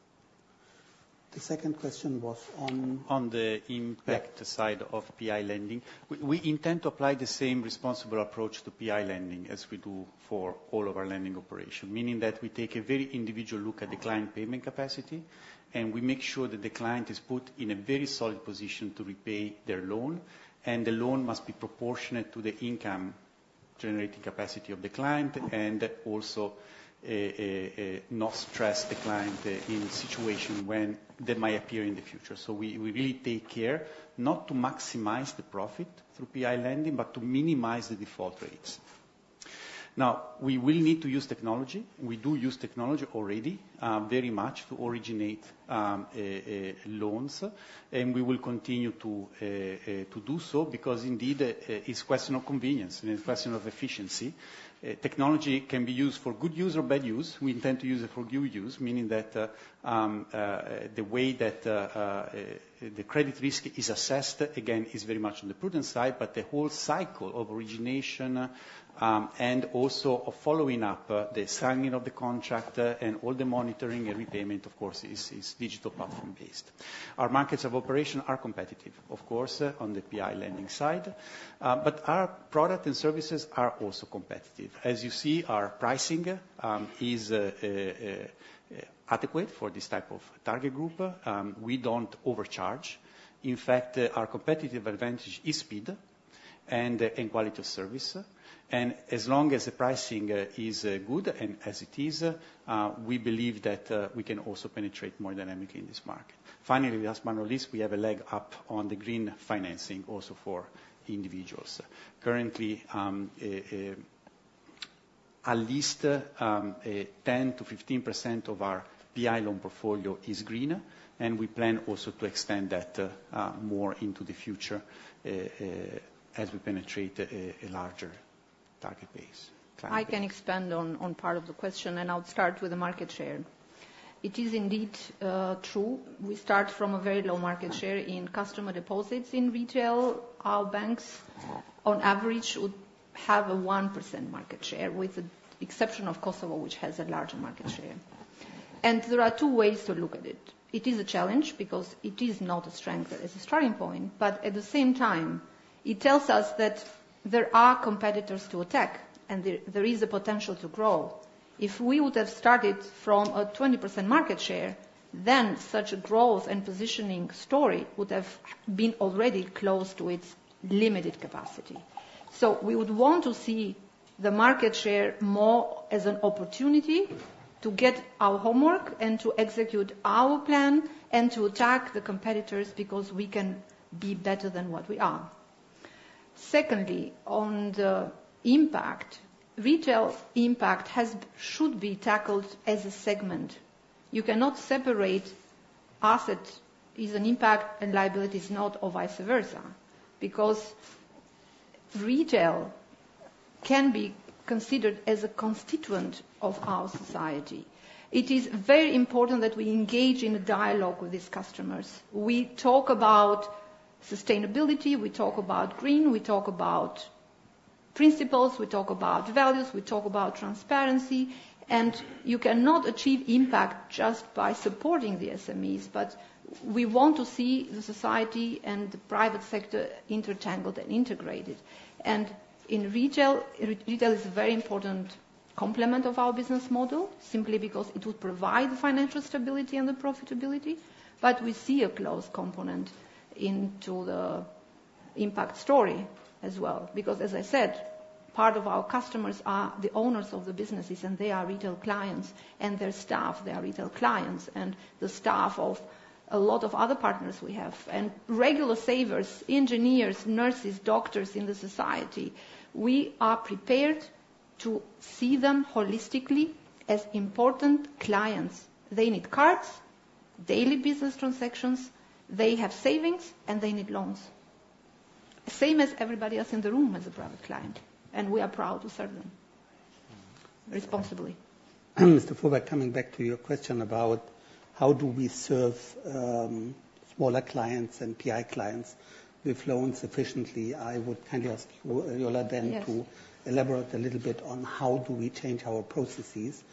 On the impact side of PI lending. We intend to apply the same responsible approach to PI lending as we do for all of our lending operation, meaning that we take a very individual look at the client payment capacity. We make sure that the client is put in a very solid position to repay their loan. The loan must be proportionate to the income-generating capacity of the client, also not stress the client in a situation when that might appear in the future. We really take care not to maximize the profit through PI lending, but to minimize the default rates. We will need to use technology. We do use technology already very much to originate loans. We will continue to do so because indeed, it's question of convenience and a question of efficiency. Technology can be used for good use or bad use. We intend to use it for good use, meaning that the way that the credit risk is assessed, again, is very much on the prudent side, the whole cycle of origination and also of following up the signing of the contract and all the monitoring and repayment, of course, is digital platform based. Our markets of operation are competitive, of course, on the PI lending side. Our product and services are also competitive. As you see, our pricing is adequate for this type of target group. We don't overcharge. In fact, our competitive advantage is speed and quality of service. As long as the pricing is good and as it is, we believe that we can also penetrate more dynamically in this market. Finally, last but not least, we have a leg up on the green financing also for individuals. Currently, at least 10%-15% of our PI loan portfolio is green, and we plan also to extend that more into the future, as we penetrate a larger target base. I can expand on part of the question, I'll start with the market share. It is indeed true, we start from a very low market share in customer deposits in retail. Our banks, on average, would have a 1% market share, with the exception of Kosovo, which has a larger market share. There are two ways to look at it. It is a challenge because it is not a strength as a starting point, but at the same time, it tells us that there are competitors to attack, and there is a potential to grow. If we would have started from a 20% market share, then such a growth and positioning story would have been already close to its limited capacity. We would want to see the market share more as an opportunity to get our homework and to execute our plan and to attack the competitors because we can be better than what we are. Secondly, on the impact. Retail impact should be tackled as a segment. You cannot separate asset is an impact and liability is not, or vice versa. Retail can be considered as a constituent of our society. It is very important that we engage in a dialogue with these customers. We talk about sustainability, we talk about green, we talk about principles, we talk about values, we talk about transparency. You cannot achieve impact just by supporting the SMEs, but we want to see the society and the private sector intertangled and integrated. Retail is a very important complement of our business model, simply because it will provide the financial stability and the profitability. We see a close component into the impact story as well. As I said, part of our customers are the owners of the businesses, and they are retail clients, and their staff, they are retail clients, and the staff of a lot of other partners we have. Regular savers, engineers, nurses, doctors in the society, we are prepared to see them holistically as important clients. They need cards, daily business transactions, they have savings, and they need loans. Same as everybody else in the room as a private client, and we are proud to serve them responsibly. Mr. Furber, coming back to your question about how do we serve smaller clients and PI clients with loans sufficiently, I would kindly ask Yola. Yes To elaborate a little bit on how do we change our processes.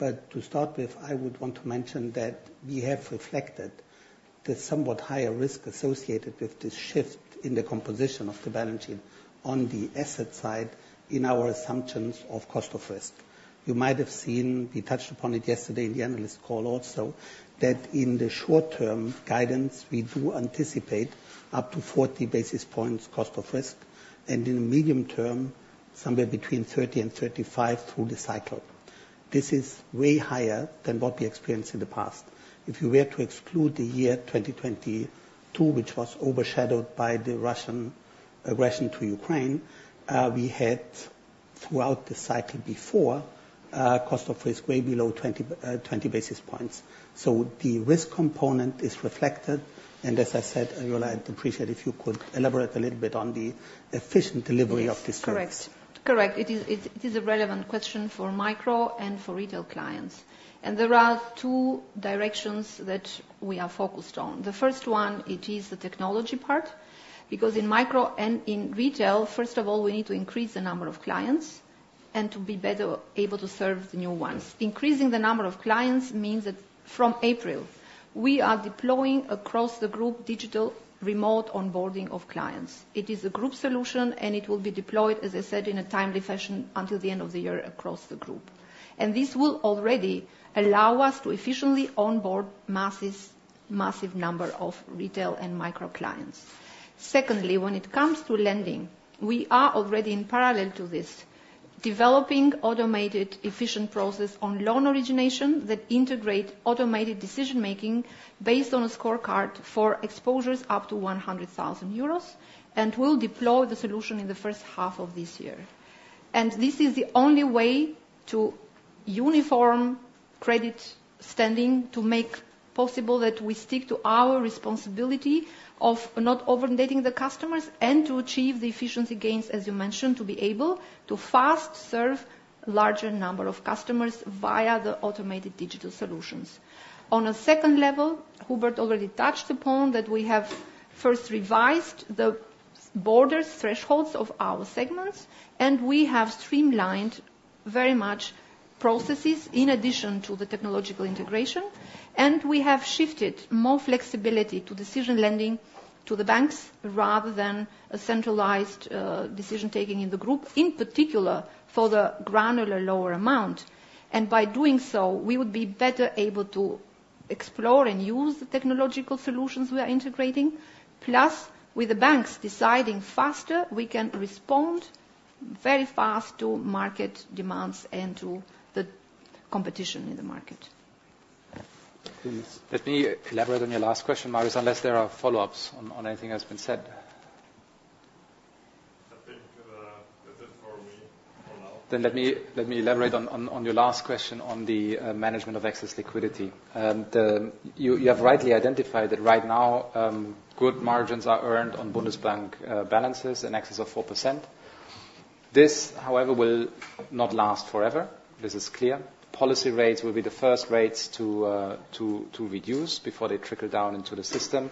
To start with, I would want to mention that we have reflected the somewhat higher risk associated with this shift in the composition of the balance sheet on the asset side in our assumptions of cost of risk. You might have seen, we touched upon it yesterday in the analyst call also, that in the short term guidance, we do anticipate up to 40 basis points cost of risk, and in the medium term, somewhere between 30 and 35 through the cycle. This is way higher than what we experienced in the past. If you were to exclude the year 2022, which was overshadowed by the Russian aggression to Ukraine, we had, throughout the cycle before, cost of risk way below 20 basis points. The risk component is reflected, and as I said, Yola, I'd appreciate if you could elaborate a little bit on the efficient delivery of this service. Yes, correct. Correct. It is a relevant question for micro and for retail clients. There are two directions that we are focused on. The first one, it is the technology part, because in micro and in retail, first of all, we need to increase the number of clients and to be better able to serve the new ones. Increasing the number of clients means that from April, we are deploying across the group digital remote onboarding of clients. It is a group solution, and it will be deployed, as I said, in a timely fashion until the end of the year across the group. This will already allow us to efficiently onboard massive number of retail and micro clients. Secondly, when it comes to lending, we are already in parallel to this, developing automated efficient process on loan origination that integrate automated decision-making based on a scorecard for exposures up to 100,000 euros. We'll deploy the solution in the first half of this year. This is the only way to uniform credit standing to make possible that we stick to our responsibility of not over-indebting the customers, and to achieve the efficiency gains, as you mentioned, to be able to fast serve larger number of customers via the automated digital solutions. On a second level, Hubert already touched upon that we have first revised the borders, thresholds of our segments. We have streamlined very much processes in addition to the technological integration. We have shifted more flexibility to decision lending to the banks rather than a centralized decision-taking in the group, in particular for the granular lower amount. By doing so, we would be better able to explore and use the technological solutions we are integrating. Plus, with the banks deciding faster, we can respond very fast to market demands and to the competition in the market. Please. Let me elaborate on your last question, Marius, unless there are follow-ups on anything that's been said. I think that's it for me for now. Let me elaborate on your last question on the management of excess liquidity. You have rightly identified that right now, good margins are earned on Bundesbank balances in excess of 4%. This, however, will not last forever. This is clear. Policy rates will be the first rates to reduce before they trickle down into the system.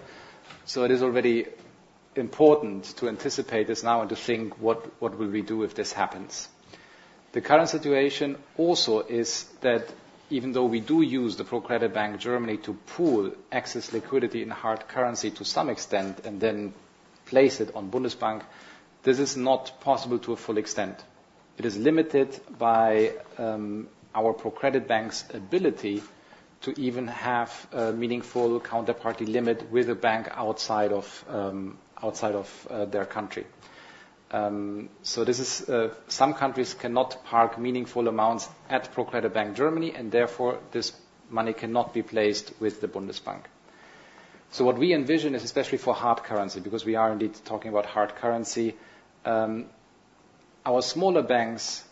It is already important to anticipate this now and to think what will we do if this happens. The current situation also is that even though we do use the ProCredit Bank Germany to pool excess liquidity and hard currency to some extent and then place it on Bundesbank, this is not possible to a full extent. It is limited by our ProCredit banks' ability to even have a meaningful counterparty limit with a bank outside of their country. Some countries cannot park meaningful amounts at ProCredit Bank Germany, and therefore, this money cannot be placed with the Bundesbank. What we envision is especially for hard currency, because we are indeed talking about hard currency. Our smaller banks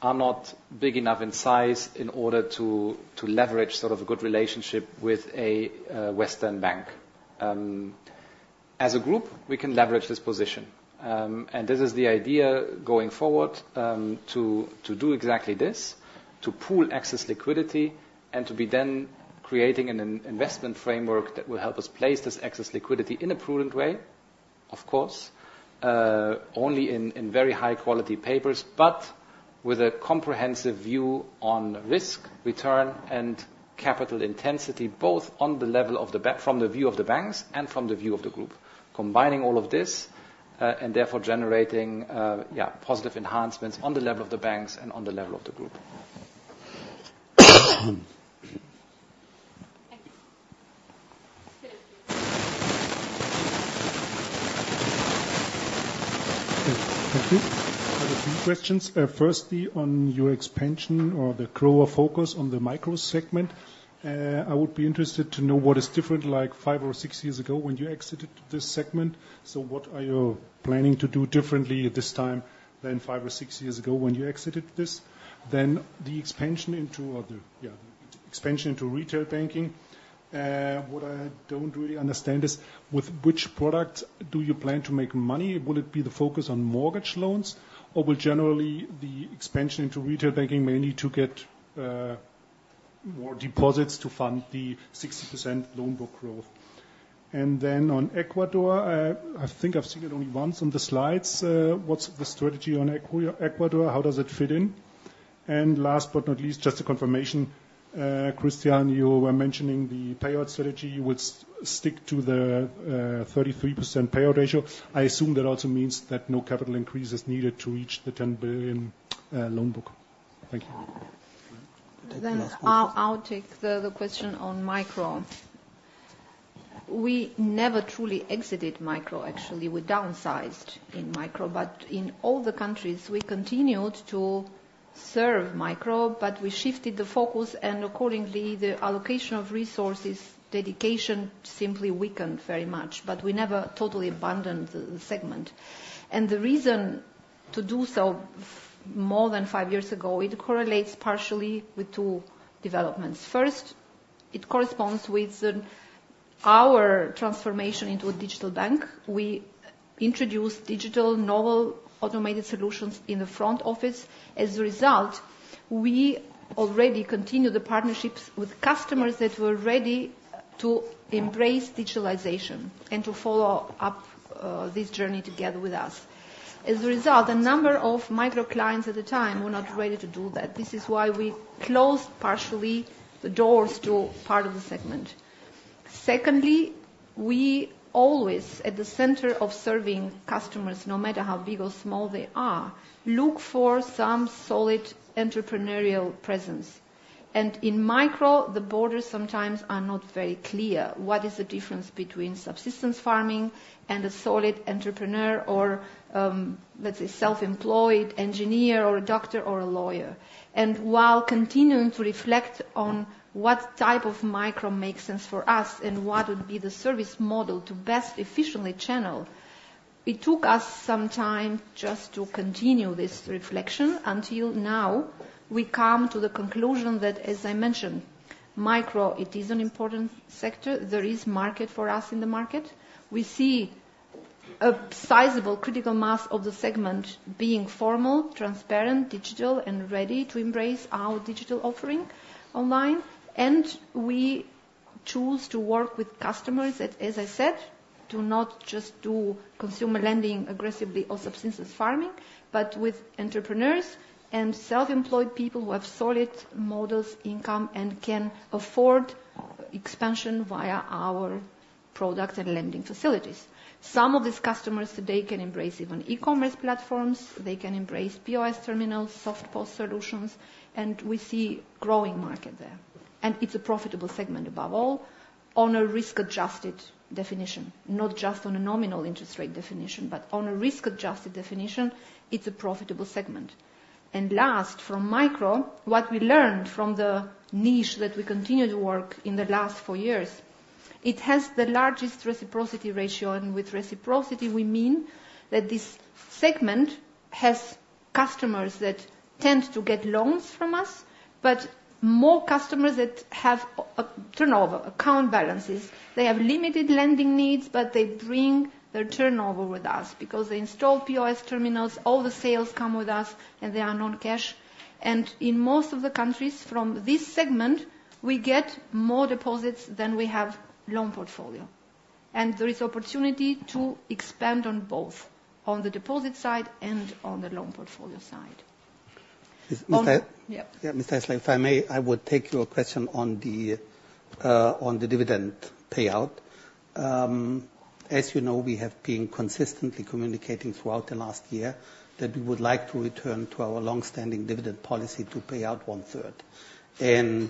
are not big enough in size in order to leverage sort of a good relationship with a Western bank. As a group, we can leverage this position. This is the idea going forward, to do exactly this, to pool excess liquidity and to be then creating an investment framework that will help us place this excess liquidity in a prudent way, of course, only in very high-quality papers, but with a comprehensive view on risk, return, and capital intensity, both from the view of the banks and from the view of the group. Combining all of this, therefore generating positive enhancements on the level of the banks and on the level of the group. Thank you. Thank you. I have a few questions. Firstly, on your expansion or the greater focus on the micro segment. I would be interested to know what is different, like five or six years ago when you exited this segment. What are you planning to do differently this time than five or six years ago when you exited this? The expansion into retail banking. What I don't really understand is with which product do you plan to make money? Will it be the focus on mortgage loans, or will generally the expansion into retail banking mainly to get more deposits to fund the 60% loan book growth? On Ecuador, I think I've seen it only once on the slides. What's the strategy on Ecuador? How does it fit in? Last but not least, just a confirmation. Christian, you were mentioning the payout strategy? You would stick to the 33% payout ratio. I assume that also means that no capital increase is needed to reach the 10 billion loan book. Thank you. I'll take the question on micro. We never truly exited micro, actually. We downsized in micro. In all the countries, we continued to serve micro, but we shifted the focus, and accordingly, the allocation of resources, dedication simply weakened very much, but we never totally abandoned the segment. The reason to do so more than five years ago, it correlates partially with two developments. First, it corresponds with our transformation into a digital bank. We introduced digital novel automated solutions in the front office. As a result, we already continue the partnerships with customers that were ready to embrace digitalization and to follow up this journey together with us. As a result, a number of micro clients at the time were not ready to do that. This is why we closed partially the doors to part of the segment. Secondly, we always, at the center of serving customers, no matter how big or small they are, look for some solid entrepreneurial presence. In micro, the borders sometimes are not very clear. What is the difference between subsistence farming and a solid entrepreneur or, let's say, self-employed engineer or a doctor or a lawyer? While continuing to reflect on what type of micro makes sense for us and what would be the service model to best efficiently channel. It took us some time just to continue this reflection until now, we come to the conclusion that, as I mentioned, micro, it is an important sector. There is market for us in the market. We see a sizable critical mass of the segment being formal, transparent, digital, and ready to embrace our digital offering online. We choose to work with customers that, as I said, do not just do consumer lending aggressively or subsistence farming, but with entrepreneurs and self-employed people who have solid models, income, and can afford expansion via our product and lending facilities. Some of these customers today can embrace even e-commerce platforms. They can embrace POS terminals, soft POS solutions, and we see growing market there. It is a profitable segment above all, on a risk-adjusted definition, not just on a nominal interest rate definition, but on a risk-adjusted definition, it is a profitable segment. Last, from micro, what we learned from the niche that we continued to work in the last four years, it has the largest reciprocity ratio. With reciprocity we mean that this segment has customers that tend to get loans from us, but more customers that have a turnover, account balances. They have limited lending needs, but they bring their turnover with us because they install POS terminals, all the sales come with us, and they are non-cash. In most of the countries from this segment, we get more deposits than we have loan portfolio. There is opportunity to expand on both, on the deposit side and on the loan portfolio side. Ms. Asli. Yeah. Ms. Asli, if I may, I would take your question on the dividend payout. As you know, we have been consistently communicating throughout the last year that we would like to return to our longstanding dividend policy to pay out one third.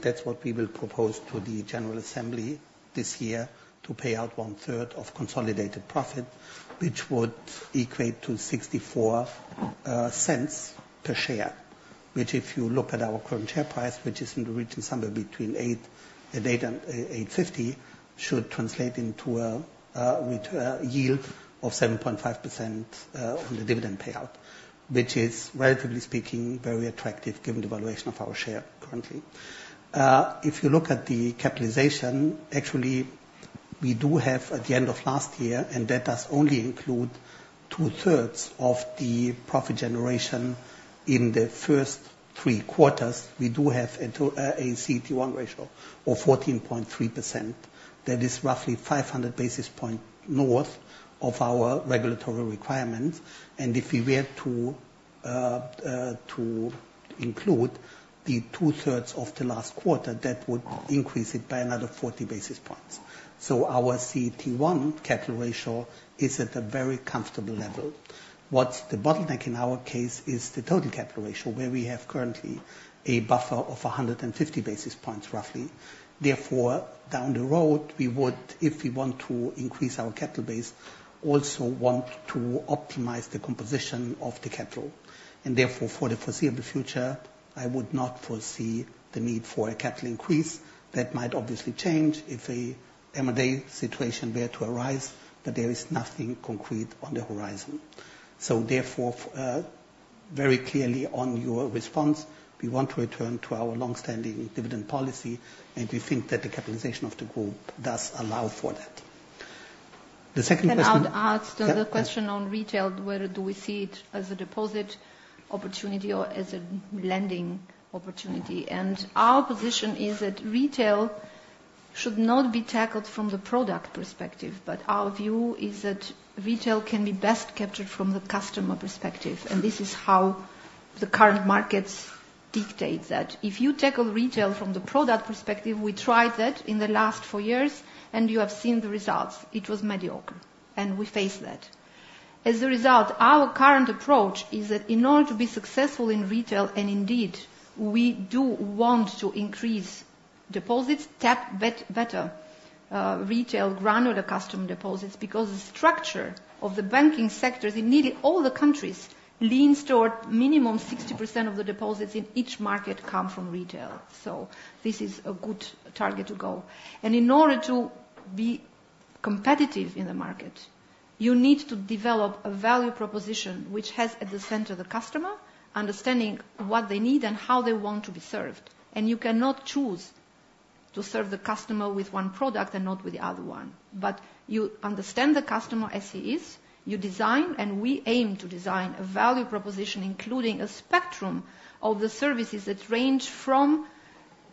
That's what we will propose to the general assembly this year, to pay out one third of consolidated profit, which would equate to 0.64 per share. Which if you look at our current share price, which is in the region somewhere between 8 and 8.50, should translate into a yield of 7.5% on the dividend payout. Which is, relatively speaking, very attractive given the valuation of our share currently. If you look at the capitalization, actually, we do have at the end of last year, and that does only include two thirds of the profit generation in the first three quarters, we do have a CET1 ratio of 14.3%. That is roughly 500 basis points north of our regulatory requirements. If we were to include the two thirds of the last quarter, that would increase it by another 40 basis points. Our CET1 capital ratio is at a very comfortable level. What's the bottleneck in our case is the total capital ratio, where we have currently a buffer of 150 basis points roughly. Down the road, we would, if we want to increase our capital base, also want to optimize the composition of the capital. Therefore, for the foreseeable future, I would not foresee the need for a capital increase. That might obviously change if an M&A situation were to arise, but there is nothing concrete on the horizon. Therefore, very clearly on your response, we want to return to our longstanding dividend policy, and we think that the capitalization of the group does allow for that. The second question- Can I add to the question on retail, where do we see it as a deposit opportunity or as a lending opportunity? Our position is that retail should not be tackled from the product perspective, but our view is that retail can be best captured from the customer perspective. This is how the current markets dictate that. If you tackle retail from the product perspective, we tried that in the last four years, and you have seen the results. It was mediocre, and we faced that. As a result, our current approach is that in order to be successful in retail, and indeed, we do want to increase deposits, tap better retail, granular customer deposits, because the structure of the banking sectors in nearly all the countries leans toward minimum 60% of the deposits in each market come from retail. This is a good target to go. In order to be competitive in the market, you need to develop a value proposition which has at the center the customer, understanding what they need and how they want to be served. You cannot choose to serve the customer with one product and not with the other one. You understand the customer as he is, you design, and we aim to design a value proposition, including a spectrum of the services that range from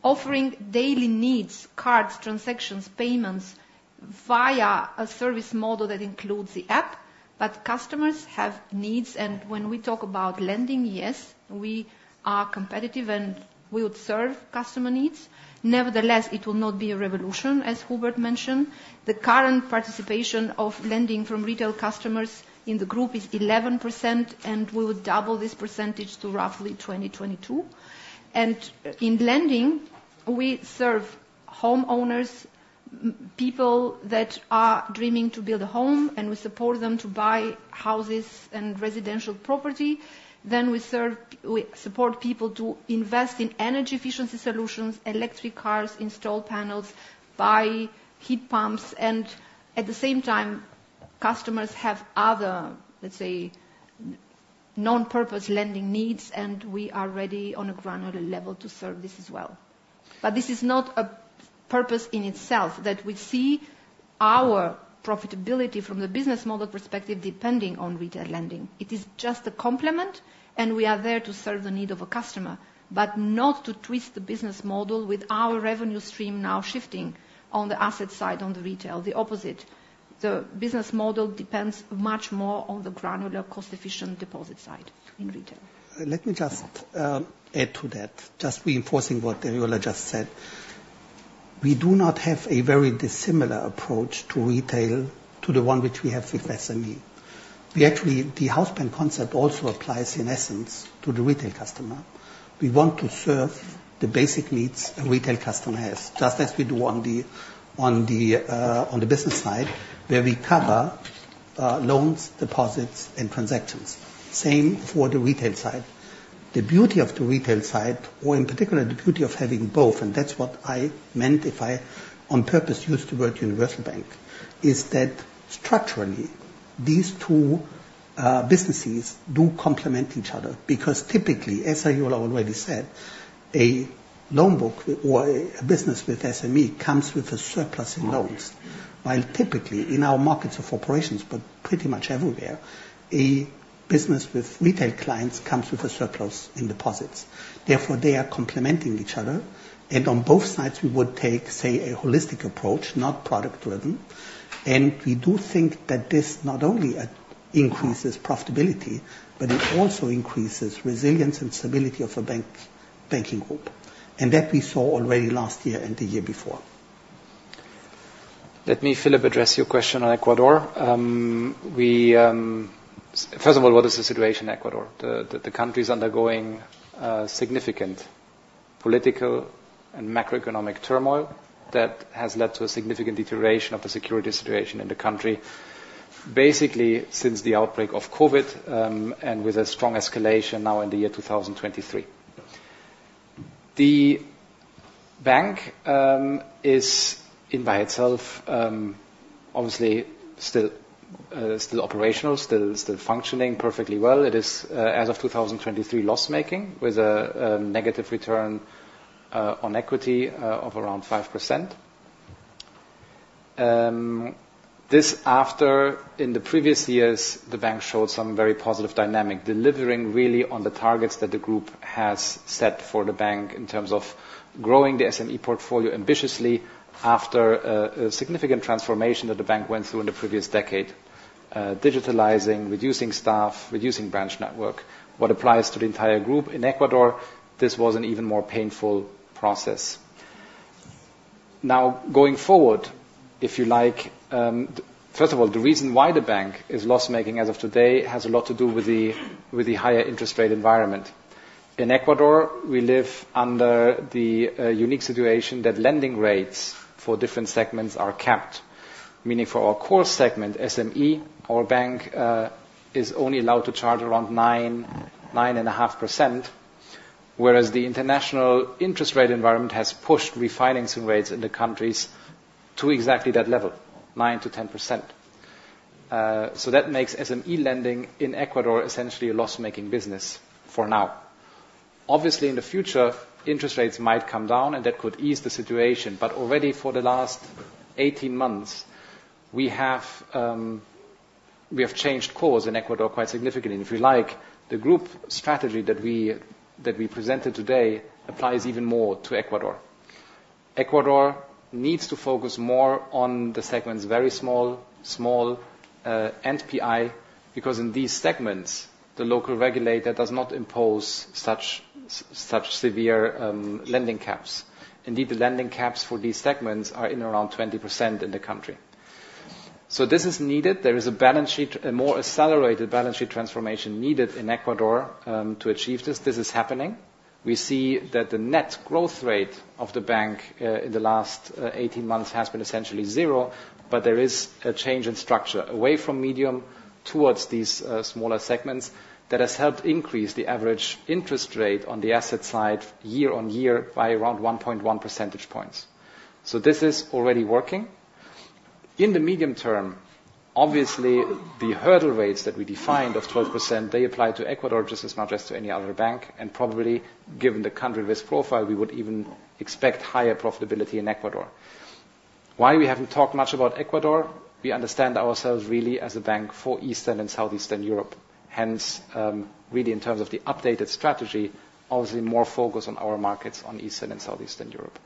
offering daily needs, cards, transactions, payments via a service model that includes the app, but customers have needs. When we talk about lending, yes, we are competitive and we would serve customer needs. Nevertheless, it will not be a revolution, as Hubert mentioned. The current participation of lending from retail customers in the group is 11%, and we will double this percentage to roughly 20-22%. In lending, we serve homeowners, people that are dreaming to build a home. We support them to buy houses and residential property. We support people to invest in energy efficiency solutions, electric cars, install panels, buy heat pumps. At the same time, customers have other, let's say, non-purpose lending needs. We are ready on a granular level to serve this as well. This is not a purpose in itself, that we see our profitability from the business model perspective depending on retail lending. It is just a complement. We are there to serve the need of a customer, but not to twist the business model with our revenue stream now shifting on the asset side, on the retail. The opposite. The business model depends much more on the granular cost-efficient deposit side in retail. Let me just add to that, just reinforcing what Eriola just said. We do not have a very dissimilar approach to retail to the one which we have with SME. The house bank concept also applies, in essence, to the retail customer. We want to serve the basic needs a retail customer has, just as we do on the business side, where we cover loans, deposits, and transactions. Same for the retail side. The beauty of the retail side, or in particular, the beauty of having both, and that's what I meant if I, on purpose, used the word universal bank, is that structurally, these two businesses do complement each other because typically, as Eriola already said, a loan book or a business with SME comes with a surplus in loans. Typically, in our markets of operations, pretty much everywhere, a business with retail clients comes with a surplus in deposits. They are complementing each other. On both sides, we would take, say, a holistic approach, not product-driven. We do think that this not only increases profitability, but it also increases resilience and stability of a banking group. That we saw already last year and the year before. Let me, Philipp, address your question on Ecuador. What is the situation in Ecuador? The country is undergoing significant political and macroeconomic turmoil that has led to a significant deterioration of the security situation in the country. Since the outbreak of COVID, with a strong escalation now in the year 2023. The bank is, by itself, obviously still operational, still functioning perfectly well. It is, as of 2023, loss-making, with a negative return on equity of around 5%. This after, in the previous years, the bank showed some very positive dynamic, delivering really on the targets that the group has set for the bank in terms of growing the SME portfolio ambitiously after a significant transformation that the bank went through in the previous decade. Digitalizing, reducing staff, reducing branch network. What applies to the entire group in Ecuador, this was an even more painful process. Going forward, if you like, first of all, the reason why the bank is loss-making as of today has a lot to do with the higher interest rate environment. In Ecuador, we live under the unique situation that lending rates for different segments are capped. Meaning for our core segment, SME, our bank is only allowed to charge around 9%-9.5%, whereas the international interest rate environment has pushed refinancing rates in the countries to exactly that level, 9%-10%. That makes SME lending in Ecuador essentially a loss-making business for now. Obviously, in the future, interest rates might come down, and that could ease the situation. Already for the last 18 months, we have changed course in Ecuador quite significantly. If you like, the group strategy that we presented today applies even more to Ecuador. Ecuador needs to focus more on the segments very small, and PI, because in these segments, the local regulator does not impose such severe lending caps. Indeed, the lending caps for these segments are in around 20% in the country. This is needed. There is a more accelerated balance sheet transformation needed in Ecuador to achieve this. This is happening. We see that the net growth rate of the bank in the last 18 months has been essentially 0, there is a change in structure, away from medium towards these smaller segments, that has helped increase the average interest rate on the asset side year-on-year by around 1.1 percentage points. This is already working. In the medium term, obviously, the hurdle rates that we defined of 12%, they apply to Ecuador just as much as to any other bank, probably, given the country risk profile, we would even expect higher profitability in Ecuador. Why we haven't talked much about Ecuador? We understand ourselves really as a bank for Eastern and Southeastern Europe. Really in terms of the updated strategy, obviously more focus on our markets on Eastern and Southeastern Europe.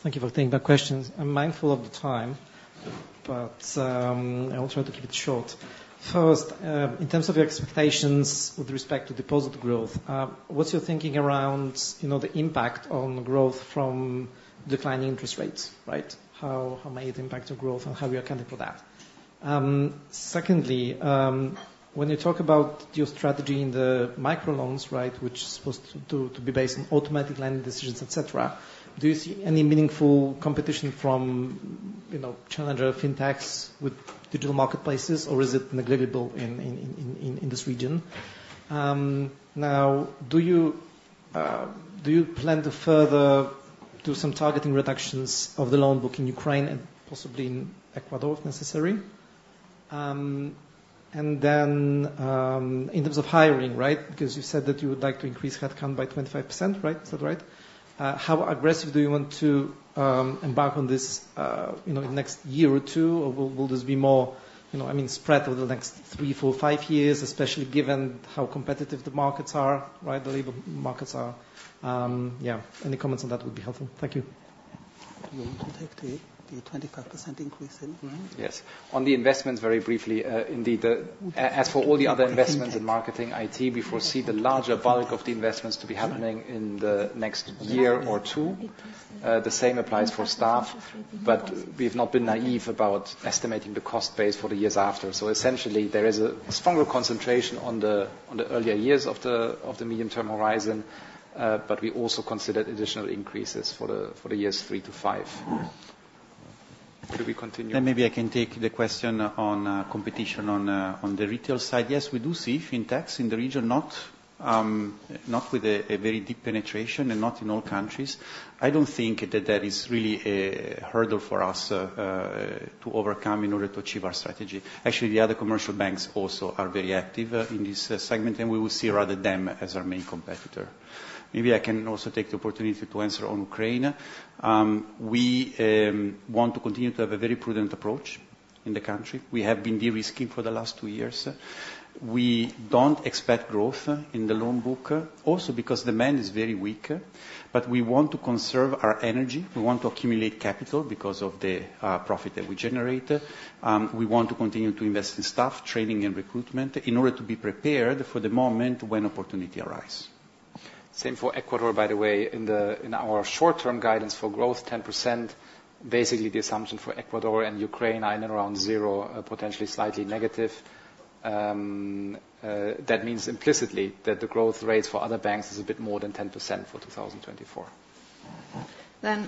Milos, please. Thank you for taking the questions. I'm mindful of the time, but I will try to keep it short. First, in terms of your expectations with respect to deposit growth, what's your thinking around the impact on growth from declining interest rates? Right? How may it impact your growth and how are you accounting for that? Secondly, when you talk about your strategy in the microloans, which is supposed to be based on automatic lending decisions, et cetera, do you see any meaningful competition from challenger fintechs with digital marketplaces, or is it negligible in this region? Do you plan to further do some targeting reductions of the loan book in Ukraine and possibly in Ecuador, if necessary? In terms of hiring, because you said that you would like to increase headcount by 25%, is that right? How aggressive do you want to embark on this in the next year or two? Or will this be more spread over the next 3, 4, 5 years, especially given how competitive the markets are? The labor markets are. Any comments on that would be helpful. Thank you. You will take the 25% increase in- Yes. On the investments very briefly, indeed, as for all the other investments in marketing, IT, we foresee the larger bulk of the investments to be happening in the next year or two. The same applies for staff, but we've not been naive about estimating the cost base for the years after. There is a stronger concentration on the earlier years of the medium-term horizon, but we also considered additional increases for the years 3 to 5. Should we continue? Maybe I can take the question on competition on the retail side. Yes, we do see fintechs in the region, not with a very deep penetration and not in all countries. I don't think that that is really a hurdle for us to overcome in order to achieve our strategy. Actually, the other commercial banks also are very active in this segment, and we will see rather them as our main competitor. Maybe I can also take the opportunity to answer on Ukraine. We want to continue to have a very prudent approach in the country. We have been de-risking for the last 2 years. We don't expect growth in the loan book, also because demand is very weak. We want to conserve our energy, we want to accumulate capital because of the profit that we generate. We want to continue to invest in staff training and recruitment in order to be prepared for the moment when opportunity arise. Same for Ecuador, by the way. In our short-term guidance for growth 10%, basically, the assumption for Ecuador and Ukraine are in and around zero, potentially slightly negative. That means implicitly that the growth rates for other banks is a bit more than 10% for 2024.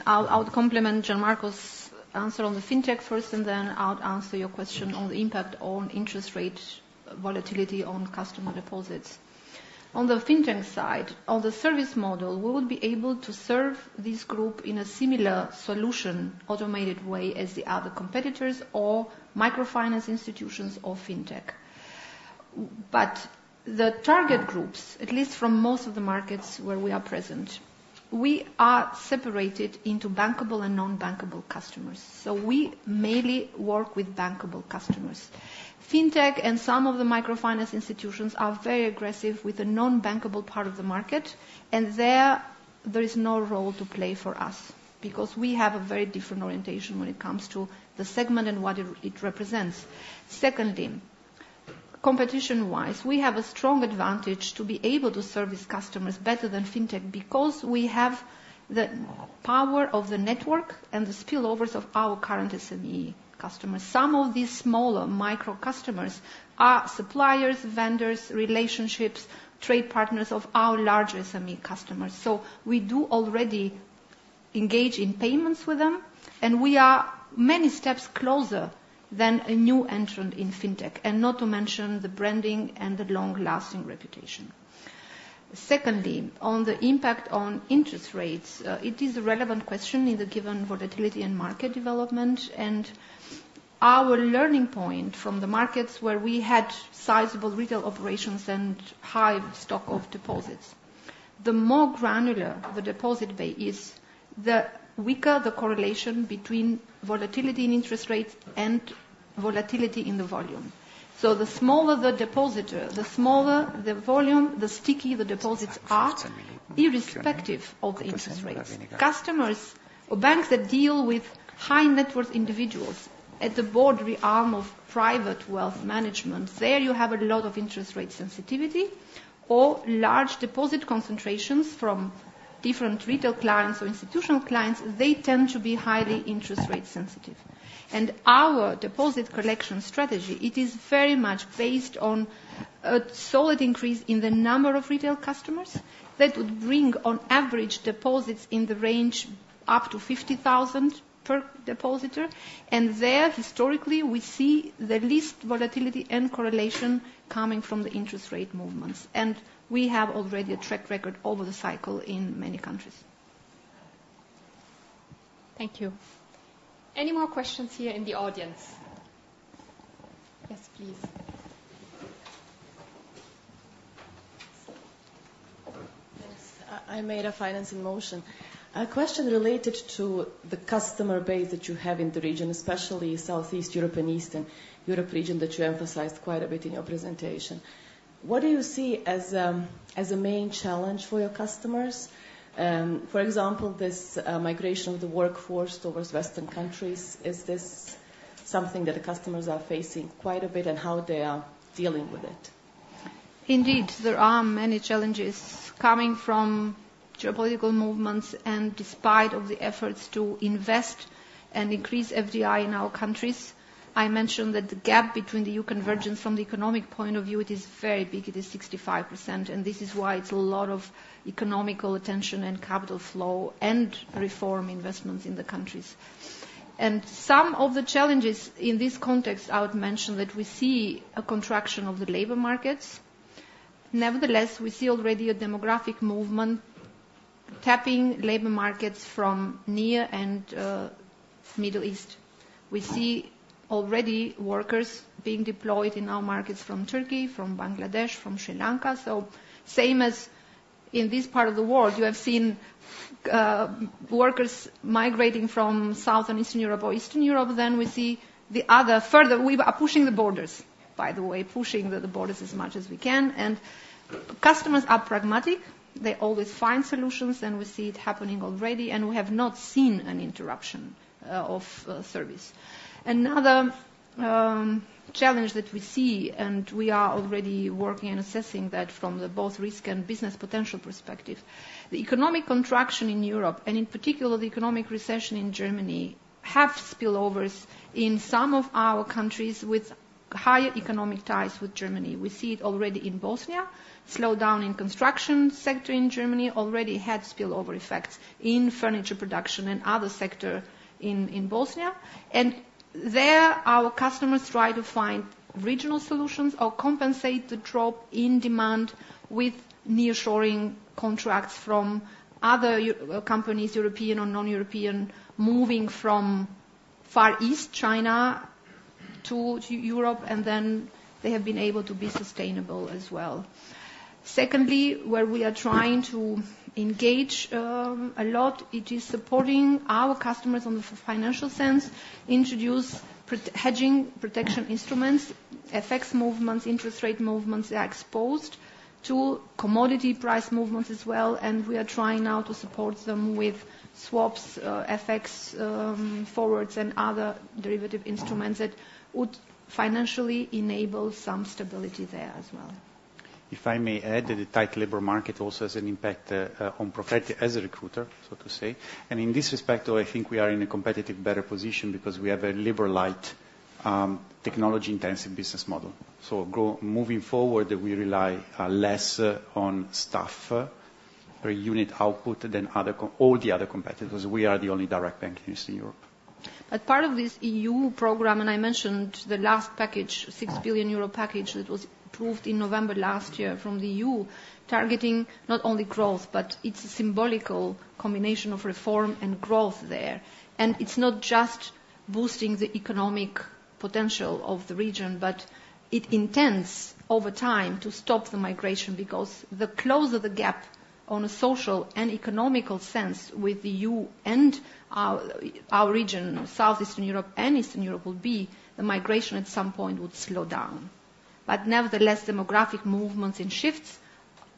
I'll complement Gian Marco's answer on the fintech first, and then I'll answer your question on the impact on interest rate volatility on customer deposits. On the fintech side, on the service model, we would be able to serve this group in a similar solution, automated way as the other competitors or microfinance institutions or fintech. The target groups, at least from most of the markets where we are present, we are separated into bankable and non-bankable customers. We mainly work with bankable customers. Fintech and some of the microfinance institutions are very aggressive with the non-bankable part of the market, and there is no role to play for us because we have a very different orientation when it comes to the segment and what it represents. Secondly, competition-wise, we have a strong advantage to be able to service customers better than fintech because we have the power of the network and the spillovers of our current SME customers. Some of these smaller micro customers are suppliers, vendors, relationships, trade partners of our larger SME customers. We do already engage in payments with them, and we are many steps closer than a new entrant in fintech, and not to mention the branding and the long-lasting reputation. Secondly, on the impact on interest rates, it is a relevant question in the given volatility in market development and our learning point from the markets where we had sizable retail operations and high stock of deposits. The more granular the deposit base is, the weaker the correlation between volatility in interest rates and volatility in the volume. The smaller the depositor, the smaller the volume, the stickier the deposits are irrespective of interest rates. Customers or banks that deal with high-net-worth individuals at the boundary arm of private wealth management, there you have a lot of interest rate sensitivity or large deposit concentrations from different retail clients or institutional clients, they tend to be highly interest rate sensitive. Our deposit collection strategy, it is very much based on a solid increase in the number of retail customers that would bring, on average, deposits in the range up to 50,000 per depositor. There, historically, we see the least volatility and correlation coming from the interest rate movements. We have already a track record over the cycle in many countries. Thank you. Any more questions here in the audience? Yes, please. Thanks. I'm Finance in Motion. A question related to the customer base that you have in the region, especially Southeast Europe and Eastern Europe region that you emphasized quite a bit in your presentation. What do you see as a main challenge for your customers? For example, this migration of the workforce towards Western countries, is this something that the customers are facing quite a bit and how they are dealing with it? Indeed, there are many challenges coming from geopolitical movements. Despite of the efforts to invest and increase FDI in our countries, I mentioned that the gap between the EU convergence from the economic point of view, it is very big. It is 65%, and this is why it's a lot of economical attention and capital flow and reform investments in the countries. Some of the challenges in this context, I would mention that we see a contraction of the labor markets. Nevertheless, we see already a demographic movement. Tapping labor markets from near and Middle East, we see already workers being deployed in our markets from Turkey, from Bangladesh, from Sri Lanka. Same as in this part of the world, you have seen workers migrating from South and Eastern Europe or Eastern Europe. We see the other further. We are pushing the borders, by the way, pushing the borders as much as we can. Customers are pragmatic. They always find solutions. We see it happening already, and we have not seen an interruption of service. Another challenge that we see, we are already working on assessing that from the both risk and business potential perspective, the economic contraction in Europe, and in particular the economic recession in Germany, have spillovers in some of our countries with higher economic ties with Germany. We see it already in Bosnia. Slowdown in construction sector in Germany already had spillover effects in furniture production and other sector in Bosnia. There, our customers try to find regional solutions or compensate the drop in demand with nearshoring contracts from other companies, European or non-European, moving from Far East China to Europe. They have been able to be sustainable as well. Secondly, where we are trying to engage a lot, it is supporting our customers on the financial sense, introduce hedging protection instruments, FX movements, interest rate movements. They are exposed to commodity price movements as well. We are trying now to support them with swaps, FX forwards, and other derivative instruments that would financially enable some stability there as well. If I may add, the tight labor market also has an impact on ProCredit as a recruiter, so to say. In this respect, I think we are in a competitive better position because we have a labor-light, technology-intensive business model. Moving forward, we rely less on staff per unit output than all the other competitors. We are the only direct bank in Eastern Europe. As part of this EU program, I mentioned the last package, 6 billion euro package that was approved in November last year from the EU, targeting not only growth, but it's a symbolical combination of reform and growth there. It's not just boosting the economic potential of the region, but it intends over time to stop the migration, because the closer the gap on a social and economic sense with the EU and our region, Southeastern Europe and Eastern Europe, will be, the migration at some point would slow down. Nevertheless, demographic movements and shifts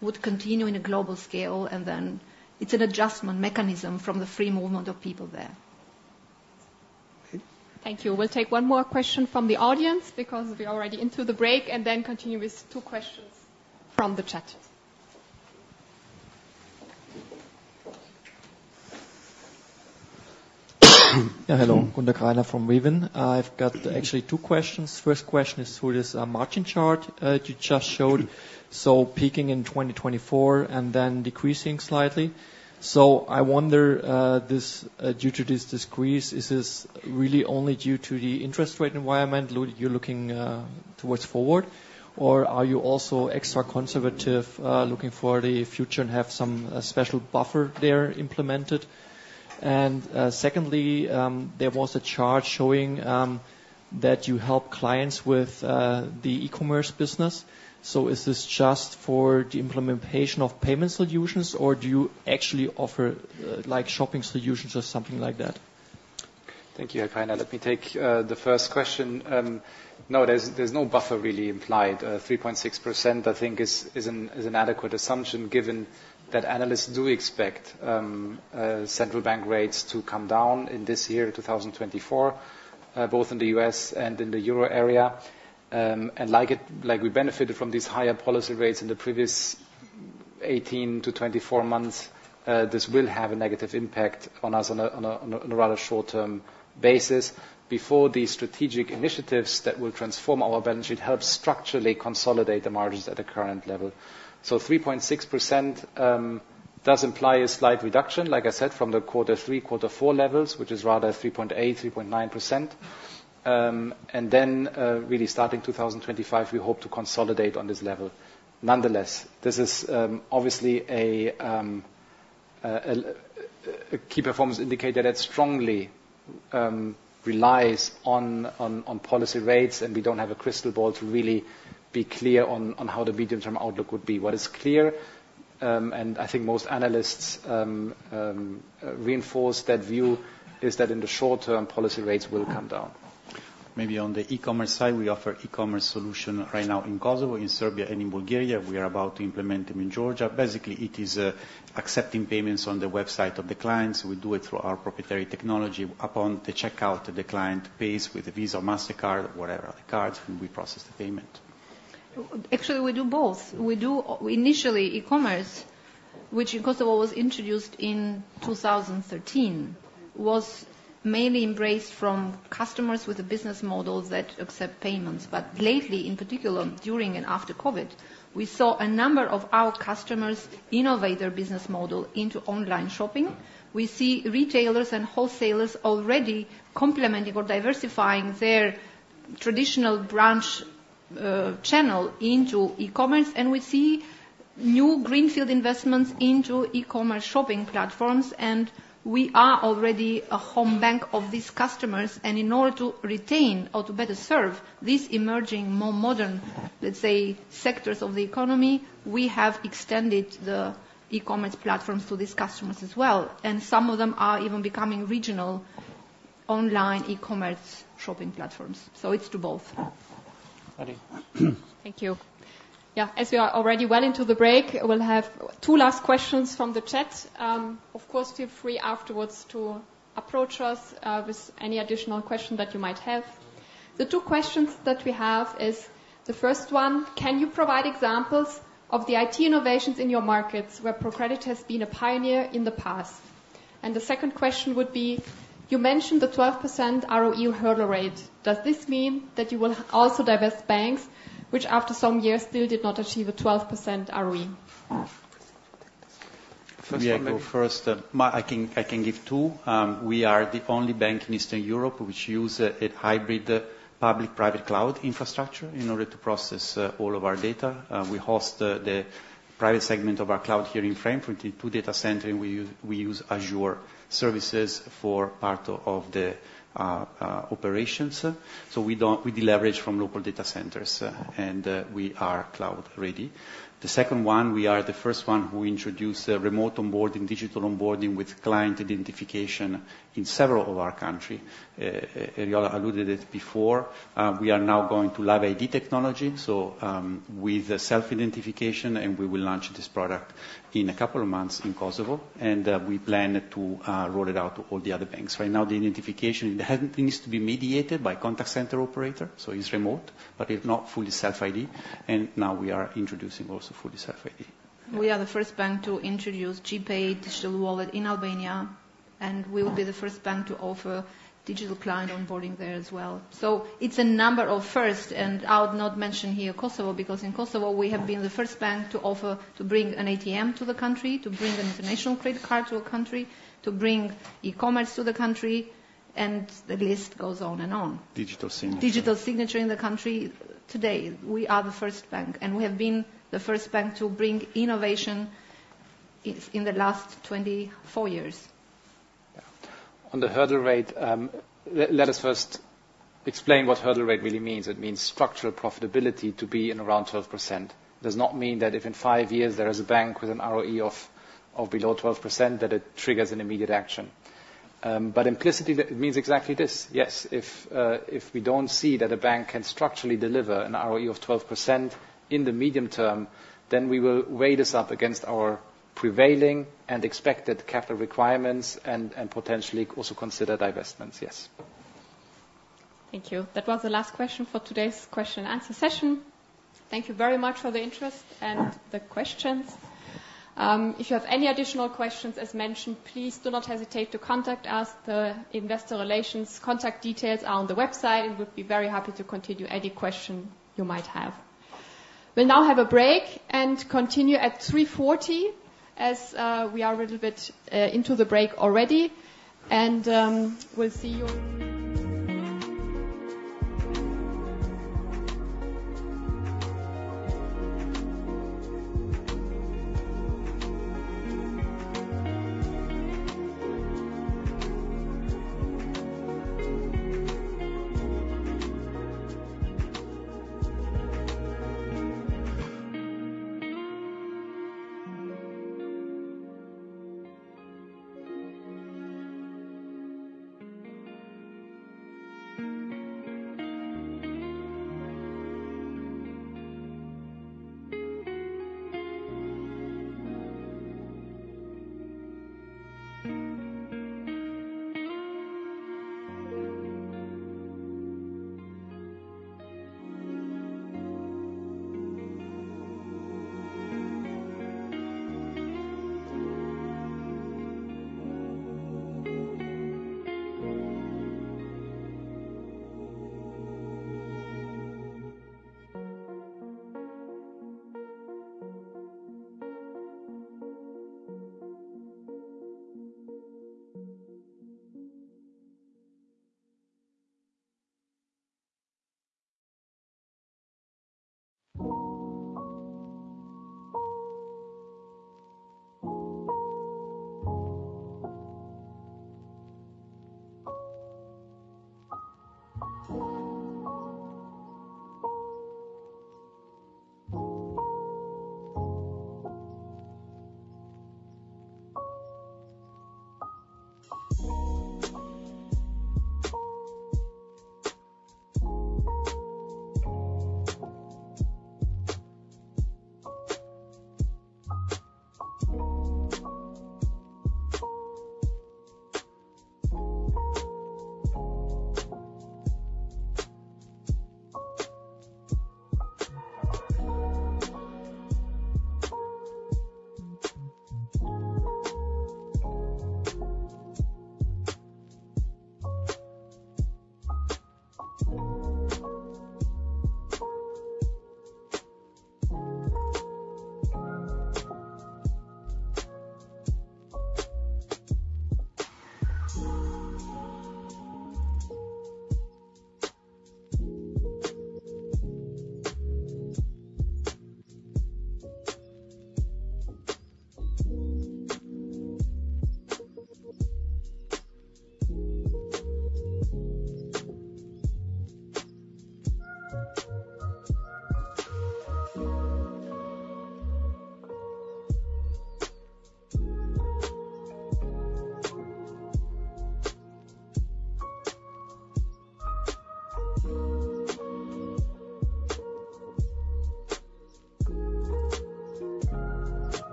would continue in a global scale, then it's an adjustment mechanism from the free movement of people there. Okay. Thank you. We'll take one more question from the audience because we are already into the break, then continue with two questions from the chat. Hello. Gunda Greiner from Weven. I've got actually two questions. First question is for this margin chart that you just showed. Peaking in 2024 then decreasing slightly. I wonder, due to this decrease, is this really only due to the interest rate environment you're looking towards forward, or are you also extra conservative looking for the future and have some special buffer there implemented? Secondly, there was a chart showing that you help clients with the e-commerce business. Is this just for the implementation of payment solutions, or do you actually offer shopping solutions or something like that? Thank you, Greiner. Let me take the first question. No, there's no buffer really implied. 3.6% I think is an adequate assumption given that analysts do expect central bank rates to come down in this year, 2024, both in the U.S. and in the Euro area. Like we benefited from these higher policy rates in the previous 18-24 months, this will have a negative impact on us on a rather short-term basis. Before these strategic initiatives that will transform our balance sheet help structurally consolidate the margins at the current level. 3.6% does imply a slight reduction, like I said, from the quarter 3, quarter 4 levels, which is rather 3.8%, 3.9%. Then really starting 2025, we hope to consolidate on this level. Nonetheless, this is obviously a key performance indicator that strongly relies on policy rates, and we don't have a crystal ball to really be clear on how the medium-term outlook would be. What is clear, and I think most analysts reinforce that view, is that in the short term, policy rates will come down. Maybe on the e-commerce side, we offer e-commerce solution right now in Kosovo, in Serbia, and in Bulgaria. We are about to implement them in Georgia. Basically, it is accepting payments on the website of the clients. We do it through our proprietary technology. Upon the checkout, the client pays with a Visa, Mastercard, whatever the cards, and we process the payment. Actually, we do both. Initially e-commerce, which in Kosovo was introduced in 2013, was mainly embraced from customers with the business models that accept payments. Lately, in particular during and after COVID, we saw a number of our customers innovate their business model into online shopping. We see retailers and wholesalers already complementing or diversifying their Traditional branch channel into e-commerce, and we see new greenfield investments into e-commerce shopping platforms. We are already a home bank of these customers. In order to retain or to better serve these emerging, more modern, let's say, sectors of the economy, we have extended the e-commerce platforms to these customers as well. Some of them are even becoming regional online e-commerce shopping platforms. It's to both. Patrik? Thank you. Yeah. As we are already well into the break, we'll have two last questions from the chat. Of course, feel free afterwards to approach us with any additional question that you might have. The two questions that we have is, the first one: can you provide examples of the IT innovations in your markets where ProCredit has been a pioneer in the past? The second question would be: you mentioned the 12% ROE hurdle rate. Does this mean that you will also divest banks, which after some years, still did not achieve a 12% ROE? First one, maybe. Me, I go first. I can give two. We are the only bank in Eastern Europe which use a hybrid public-private cloud infrastructure in order to process all of our data. We host the private segment of our cloud here in Frankfurt in two data center, and we use Azure services for part of the operations. We deleverage from local data centers, and we are cloud ready. The second one, we are the first one who introduce a remote onboarding, digital onboarding with client identification in several of our country. Eriola alluded it before. We are now going to live ID technology, so with self-identification, and we will launch this product in a couple of months in Kosovo. We plan to roll it out to all the other banks. Right now, the identification needs to be mediated by contact center operator, so it's remote, but it's not fully self ID. Now we are introducing also fully self ID. We are the first bank to introduce G-Pay digital wallet in Albania, and we will be the first bank to offer digital client onboarding there as well. It's a number of first, and I would not mention here Kosovo, because in Kosovo, we have been the first bank to offer to bring an ATM to the country, to bring an international credit card to a country, to bring e-commerce to the country, and the list goes on and on. Digital signature. Digital signature in the country. Today, we are the first bank, we have been the first bank to bring innovation in the last 24 years. On the hurdle rate, let us first explain what hurdle rate really means. It means structural profitability to be in around 12%. Does not mean that if in five years there is a bank with an ROE of below 12%, that it triggers an immediate action. Implicitly, it means exactly this. Yes. If we don't see that a bank can structurally deliver an ROE of 12% in the medium term, we will weigh this up against our prevailing and expected capital requirements and potentially also consider divestments, yes. Thank you. That was the last question for today's question and answer session. Thank you very much for the interest and the questions. If you have any additional questions, as mentioned, please do not hesitate to contact us. The investor relations contact details are on the website, we'll be very happy to continue any question you might have. We'll now have a break and continue at 3:40 P.M., as we are a little bit into the break already. We'll see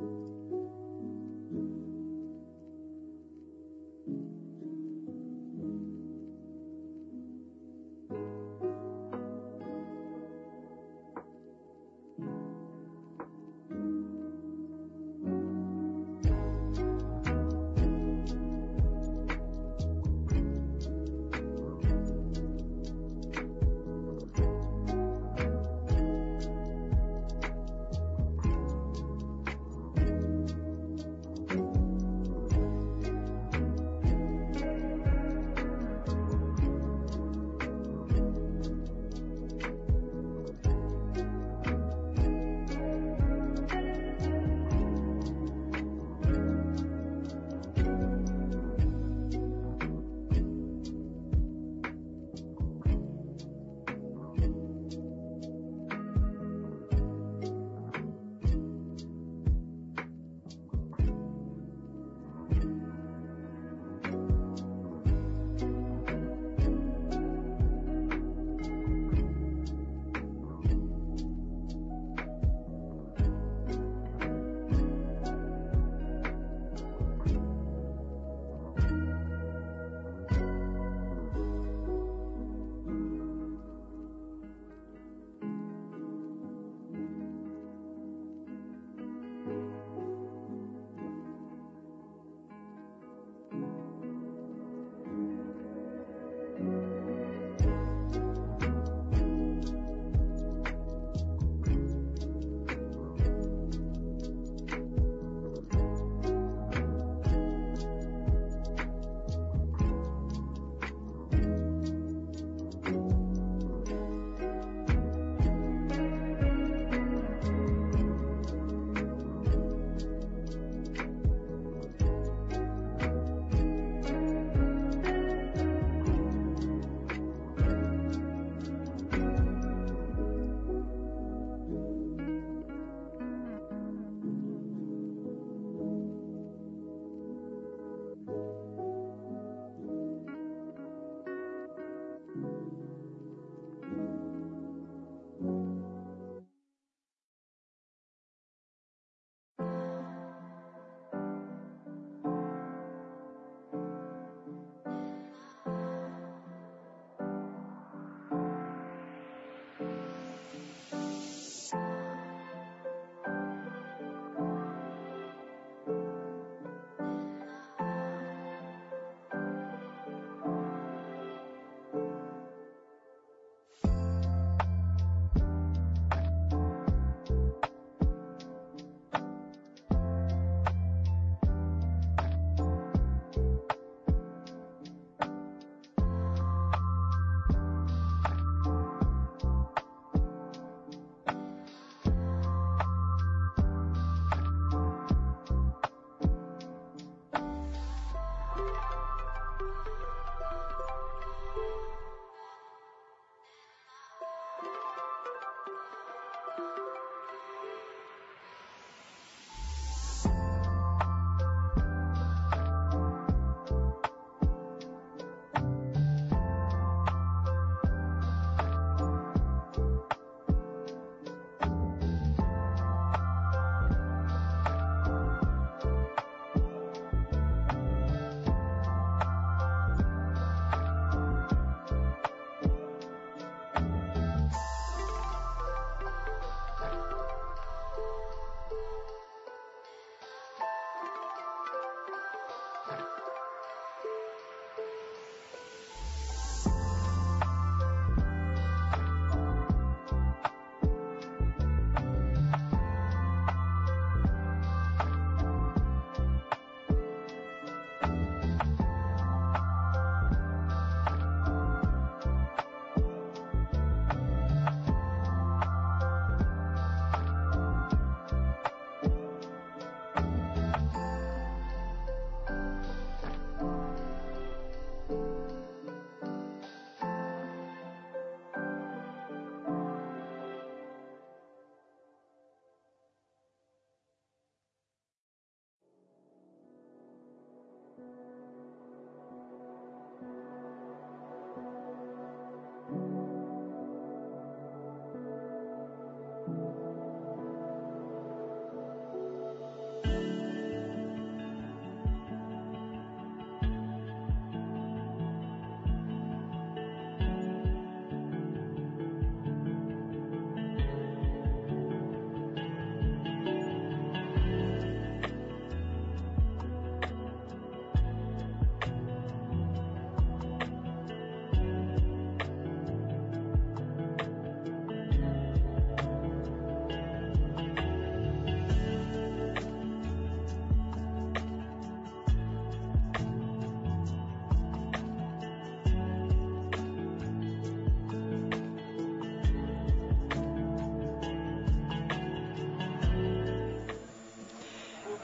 you.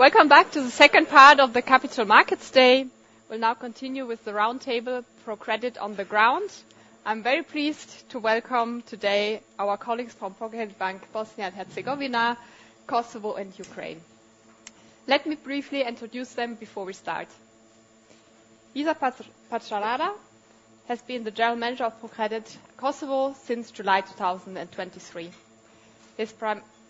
Welcome back to the second part of the Capital Markets Day. We'll now continue with the round table, ProCredit On The Ground. I'm very pleased to welcome today our colleagues from ProCredit Bank Bosnia and Herzegovina, Kosovo, and Ukraine. Let me briefly introduce them before we start. Visar Paçarada has been the general manager of ProCredit Kosovo since July 2023. His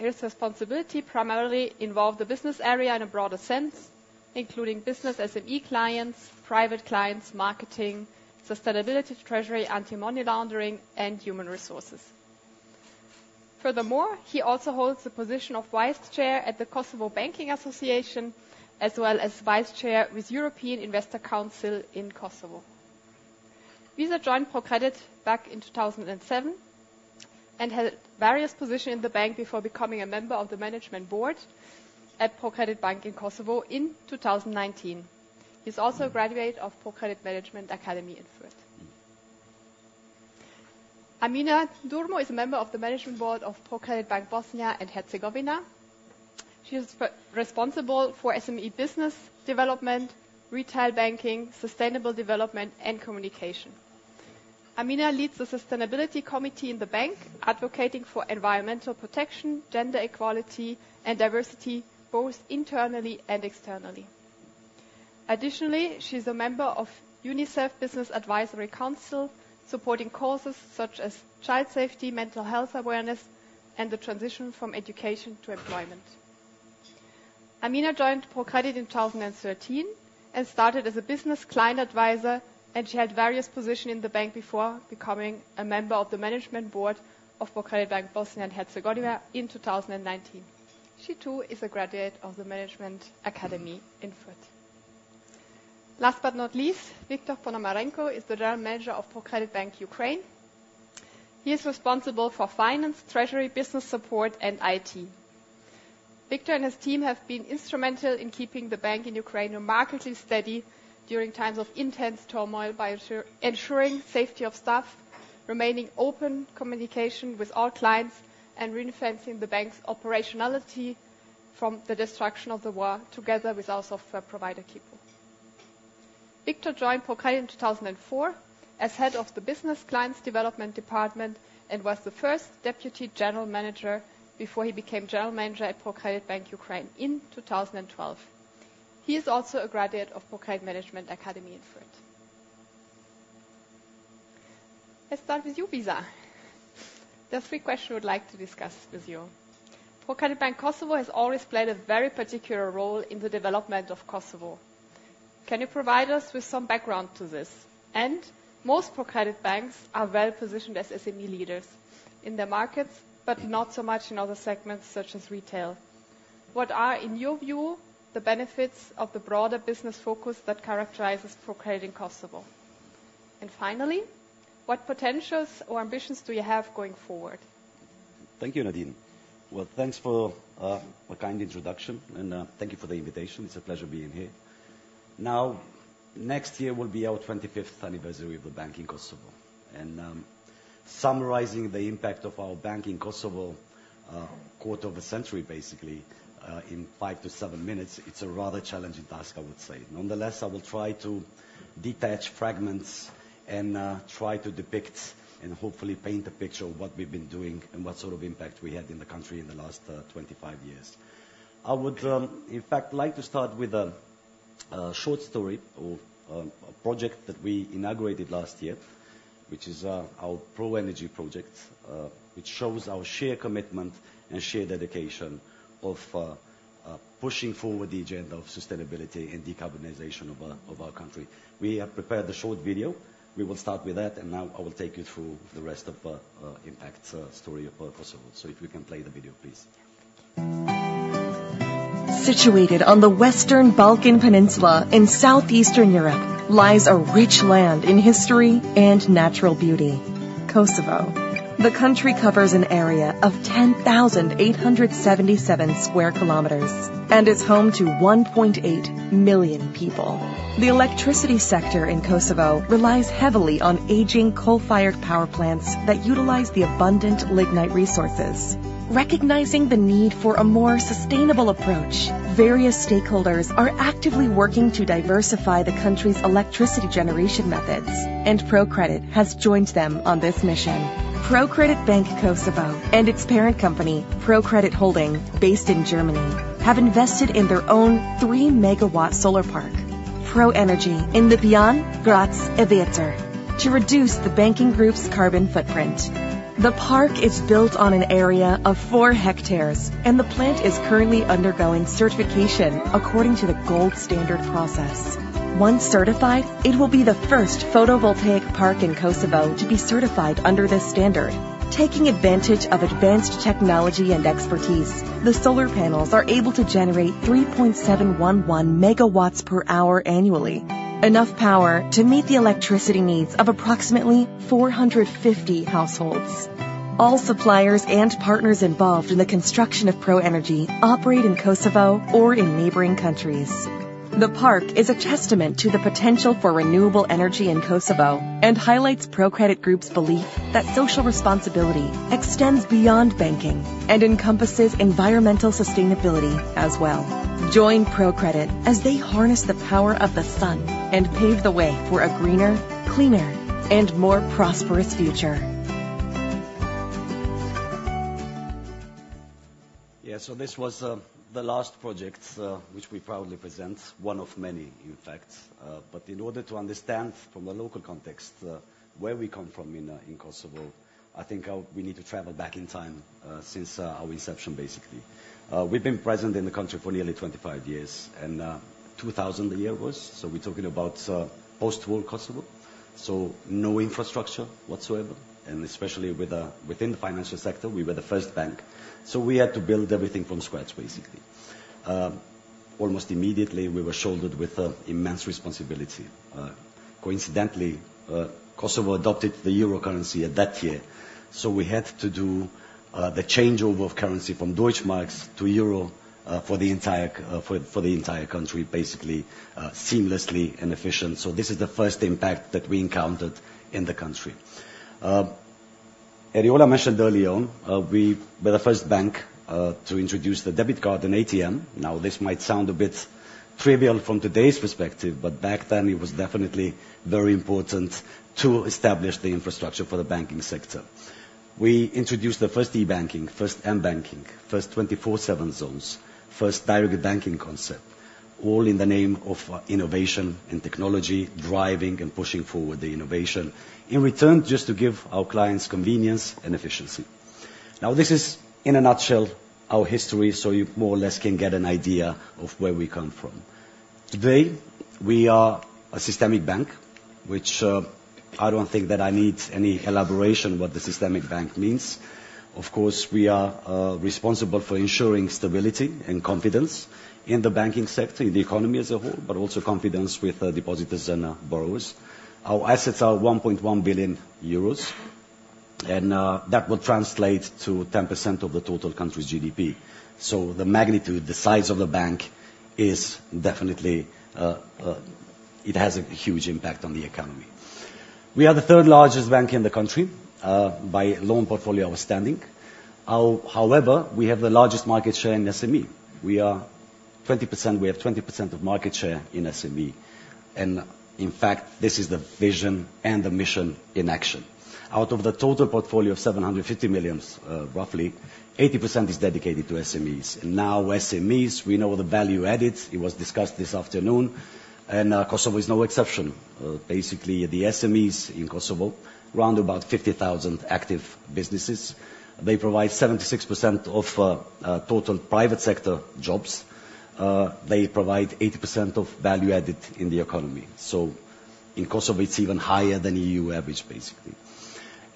responsibility primarily involve the business area in a broader sense, including business SME clients, private clients, marketing, sustainability, treasury, anti-money laundering, and human resources. Furthermore, he also holds the position of Vice Chair at the Kosovo Banking Association, as well as Vice Chair with European Investors Council in Kosovo. Visar joined ProCredit back in 2007 and held various positions in the bank before becoming a member of the Management Board at ProCredit Bank Kosovo in 2019. He's also a graduate of ProCredit Management Academy in Fürth. Amina Durmo is a member of the Management Board of ProCredit Bank Bosnia and Herzegovina. She is responsible for SME business development, retail banking, sustainable development, and communication. Amina leads the sustainability committee in the bank, advocating for environmental protection, gender equality, and diversity, both internally and externally. Additionally, she's a member of UNICEF Business Advisory Council, supporting causes such as child safety, mental health awareness, and the transition from education to employment. Amina joined ProCredit in 2013 and started as a business client advisor. She had various positions in the bank before becoming a member of the Management Board of ProCredit Bank Bosnia and Herzegovina in 2019. She too is a graduate of the Management Academy in Fürth. Last but not least, Viktor Ponomarenko is the General Manager of ProCredit Bank Ukraine. He is responsible for finance, treasury, business support, and IT. Viktor and his team have been instrumental in keeping the bank in Ukraine remarkably steady during times of intense turmoil by ensuring safety of staff, remaining open communication with all clients, and reinforcing the bank's operationality from the destruction of the war, together with our software provider, Quipu. Viktor joined ProCredit in 2004 as Head of the Business Clients Development Department and was the First Deputy General Manager before he became General Manager at ProCredit Bank Ukraine in 2012. He is also a graduate of ProCredit Management Academy in Fürth. Let's start with you, Visar. There are three questions we would like to discuss with you. ProCredit Bank Kosovo has always played a very particular role in the development of Kosovo. Can you provide us with some background to this? Most ProCredit banks are well positioned as SME leaders in their markets, but not so much in other segments such as retail. What are, in your view, the benefits of the broader business focus that characterizes ProCredit in Kosovo? Finally, what potentials or ambitions do you have going forward? Thank you, Nadine Frerot. Well, thanks for a kind introduction and thank you for the invitation. It's a pleasure being here. Next year will be our 25th anniversary of the bank in Kosovo, and summarizing the impact of our bank in Kosovo, a quarter of a century, basically, in five to seven minutes, it's a rather challenging task, I would say. Nonetheless, I will try to detach fragments and try to depict and hopefully paint a picture of what we've been doing and what sort of impact we had in the country in the last 25 years. I would, in fact, like to start with a short story of a project that we inaugurated last year, which is our ProEnergy project. It shows our sheer commitment and sheer dedication of pushing forward the agenda of sustainability and decarbonization of our country. We have prepared a short video. Now I will take you through the rest of the impact story of Kosovo. If we can play the video, please. Situated on the western Balkan Peninsula in southeastern Europe lies a rich land in history and natural beauty, Kosovo. The country covers an area of 10,877 square kilometers and is home to 1.8 million people. The electricity sector in Kosovo relies heavily on aging coal-fired power plants that utilize the abundant lignite resources. Recognizing the need for a more sustainable approach, various stakeholders are actively working to diversify the country's electricity generation methods. ProCredit has joined them on this mission. ProCredit Bank Kosovo and its parent company, ProCredit Holding, based in Germany, have invested in their own 3-megawatt solar park, ProEnergy, in Lipjan, Grackë e Vjetër, to reduce the banking group's carbon footprint. The park is built on an area of four hectares. The plant is currently undergoing certification according to the Gold Standard process. Once certified, it will be the first photovoltaic park in Kosovo to be certified under this standard. Taking advantage of advanced technology and expertise, the solar panels are able to generate 3.711 megawatts per hour annually, enough power to meet the electricity needs of approximately 450 households. All suppliers and partners involved in the construction of ProEnergy operate in Kosovo or in neighboring countries. The park is a testament to the potential for renewable energy in Kosovo and highlights ProCredit group's belief that social responsibility extends beyond banking and encompasses environmental sustainability as well. Join ProCredit as they harness the power of the sun and pave the way for a greener, cleaner, and more prosperous future. This was the last project which we proudly present. One of many, in fact. In order to understand from a local context where we come from in Kosovo, I think we need to travel back in time since our inception, basically. We've been present in the country for nearly 25 years. 2000 the year was. We're talking about post-war Kosovo. No infrastructure whatsoever. Especially within the financial sector, we were the first bank. We had to build everything from scratch, basically. Almost immediately, we were shouldered with immense responsibility. Coincidentally, Kosovo adopted the euro currency at that year. We had to do the changeover of currency from Deutsche Marks to euro, for the entire country, basically, seamlessly and efficient. This is the first impact that we encountered in the country. Eriola mentioned earlier on, we were the first bank to introduce the debit card and ATM. This might sound a bit trivial from today's perspective, but back then it was definitely very important to establish the infrastructure for the banking sector. We introduced the first e-banking, first m-banking, first 24/7 zones, first direct banking concept, all in the name of innovation and technology, driving and pushing forward the innovation in return, just to give our clients convenience and efficiency. This is, in a nutshell, our history, so you more or less can get an idea of where we come from. Today, we are a systemic bank, which I don't think that I need any elaboration what the systemic bank means. Of course, we are responsible for ensuring stability and confidence in the banking sector, in the economy as a whole, but also confidence with depositors and borrowers. Our assets are 1.1 billion euros, that will translate to 10% of the total country's GDP. The magnitude, the size of the bank is definitely It has a huge impact on the economy. We are the third largest bank in the country, by loan portfolio outstanding. However, we have the largest market share in SME. We have 20% of market share in SME, and in fact, this is the vision and the mission in action. Out of the total portfolio of 750 million, roughly 80% is dedicated to SMEs. Now SMEs, we know the value added, it was discussed this afternoon, and Kosovo is no exception. Basically, the SMEs in Kosovo, around about 50,000 active businesses, they provide 76% of total private sector jobs. They provide 80% of value added in the economy. In Kosovo, it's even higher than EU average, basically.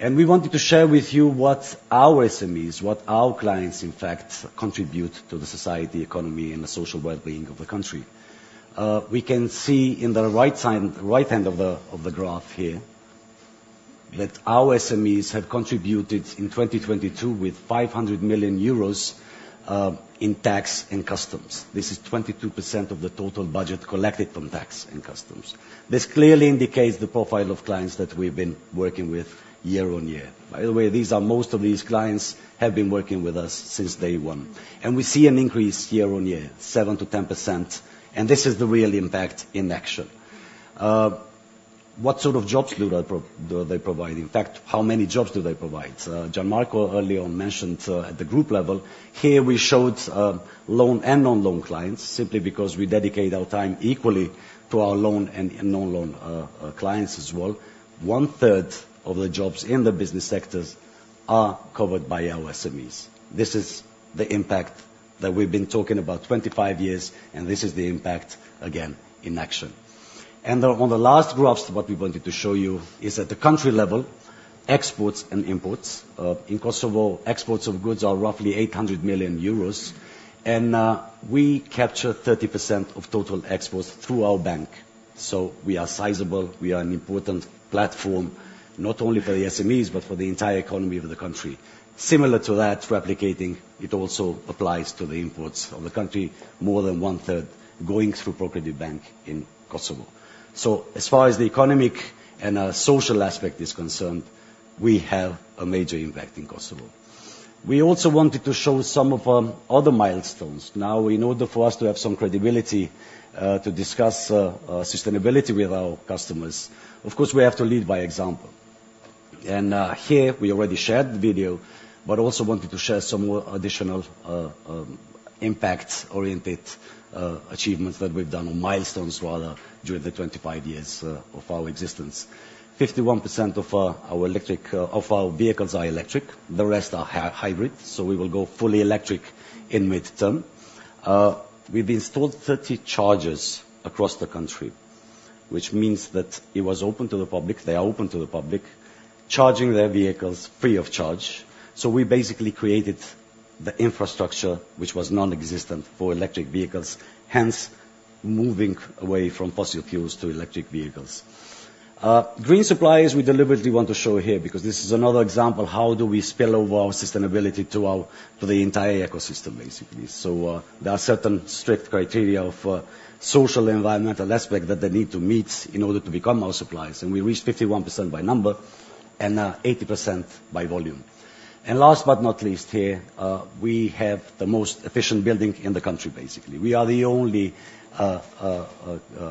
We wanted to share with you what our SMEs, what our clients, in fact, contribute to the society, economy, and the social well-being of the country. We can see in the right end of the graph here that our SMEs have contributed in 2022 with 500 million euros in tax and customs. This is 22% of the total budget collected from tax and customs. This clearly indicates the profile of clients that we've been working with year-on-year. By the way, most of these clients have been working with us since day one. We see an increase year-on-year, 7%-10%, and this is the real impact in action. What sort of jobs do they provide? In fact, how many jobs do they provide? Gian Marco earlier on mentioned at the group level, here we showed loan and non-loan clients, simply because we dedicate our time equally to our loan and non-loan clients as well. One-third of the jobs in the business sectors are covered by our SMEs. This is the impact that we've been talking about 25 years, this is the impact, again, in action. On the last graphs, what we wanted to show you is at the country level, exports and imports. In Kosovo, exports of goods are roughly 800 million euros and we capture 30% of total exports through our bank. We are sizable, we are an important platform not only for the SMEs but for the entire economy of the country. Similar to that, replicating, it also applies to the imports of the country, more than 1/3 going through ProCredit Bank in Kosovo. As far as the economic and social aspect is concerned, we have a major impact in Kosovo. We also wanted to show some of our other milestones. In order for us to have some credibility to discuss sustainability with our customers, of course, we have to lead by example. Here we already shared the video, but also wanted to share some more additional impact-oriented achievements that we've done or milestones rather, during the 25 years of our existence. 51% of our vehicles are electric, the rest are hybrid, we will go fully electric in midterm. We've installed 30 chargers across the country, which means that it was open to the public, they are open to the public, charging their vehicles free of charge. We basically created the infrastructure which was non-existent for electric vehicles, hence moving away from fossil fuels to electric vehicles. Green suppliers we deliberately want to show here because this is another example, how do we spill over our sustainability to the entire ecosystem, basically. There are certain strict criteria of social environmental aspect that they need to meet in order to become our suppliers, and we reached 51% by number and 80% by volume. Last but not least, here we have the most efficient building in the country, basically. We are the only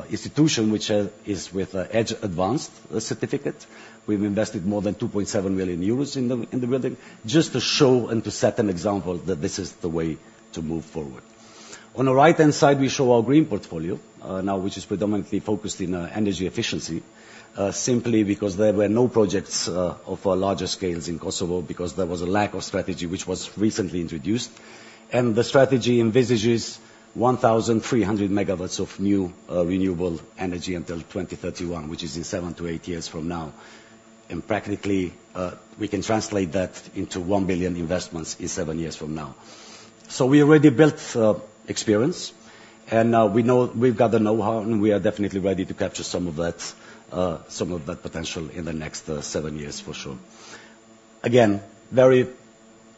institution which is with EDGE Advanced certificate. We've invested more than 2.7 million euros in the building just to show and to set an example that this is the way to move forward. On the right-hand side, we show our green portfolio, which is predominantly focused in energy efficiency, simply because there were no projects of larger scales in Kosovo because there was a lack of strategy, which was recently introduced. The strategy envisages 1,300 megawatts of new renewable energy until 2031, which is in seven to eight years from now. Practically, we can translate that into 1 billion investments in seven years from now. We already built experience, and now we've got the know-how, and we are definitely ready to capture some of that potential in the next seven years for sure. Again, very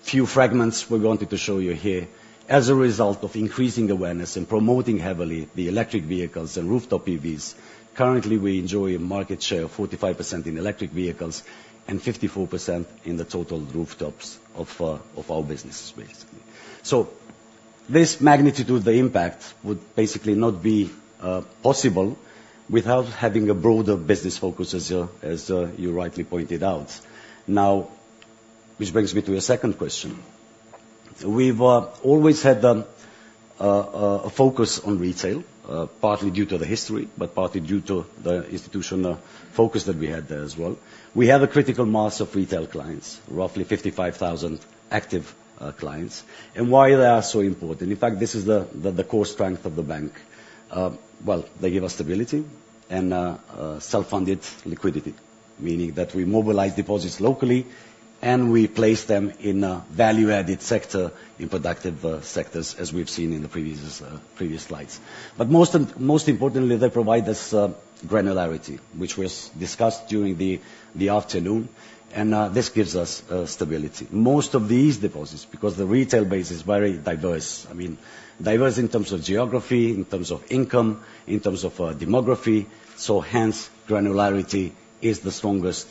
few fragments we wanted to show you here. As a result of increasing awareness and promoting heavily the electric vehicles and rooftop PVs, currently we enjoy a market share of 45% in electric vehicles and 54% in the total rooftops of our businesses, basically. This magnitude of the impact would basically not be possible without having a broader business focus as you rightly pointed out. Which brings me to a second question. We've always had a focus on retail, partly due to the history, but partly due to the institutional focus that we had there as well. We have a critical mass of retail clients, roughly 55,000 active clients. Why they are so important? In fact, this is the core strength of the bank. Well, they give us stability and self-funded liquidity, meaning that we mobilize deposits locally and we place them in a value-added sector in productive sectors as we've seen in the previous slides. Most importantly, they provide us granularity, which was discussed during the afternoon, and this gives us stability. Most of these deposits, because the retail base is very diverse in terms of geography, in terms of income, in terms of demography, hence, granularity is the strongest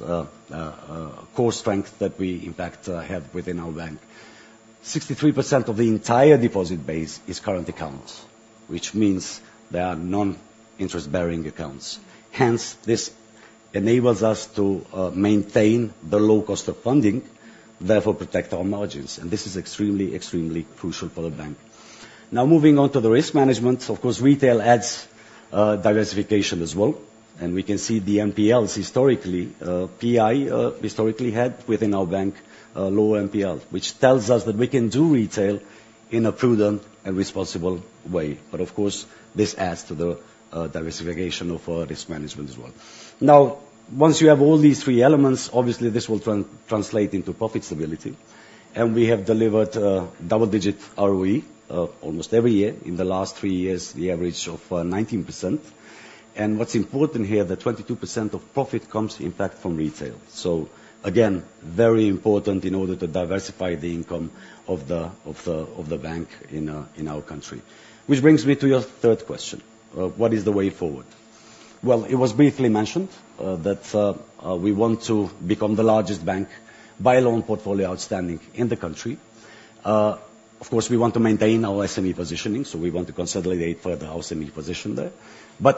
core strength that we in fact have within our bank. 63% of the entire deposit base is current accounts, which means they are non-interest-bearing accounts. Hence, this enables us to maintain the low cost of funding, therefore protect our margins. This is extremely crucial for the bank. Now moving on to the risk management. Of course, retail adds diversification as well, and we can see the NPLs historically, PI historically had within our bank a low NPL, which tells us that we can do retail in a prudent and responsible way. Of course, this adds to the diversification of our risk management as well. Now, once you have all these three elements, obviously this will translate into profit stability and we have delivered double-digit ROE almost every year. In the last three years, the average of 19%. What's important here, that 22% of profit comes in fact from retail. Again, very important in order to diversify the income of the bank in our country. Which brings me to your third question. What is the way forward? Well, it was briefly mentioned that we want to become the largest bank by loan portfolio outstanding in the country. Of course, we want to maintain our SME positioning, so we want to consolidate further our SME position there.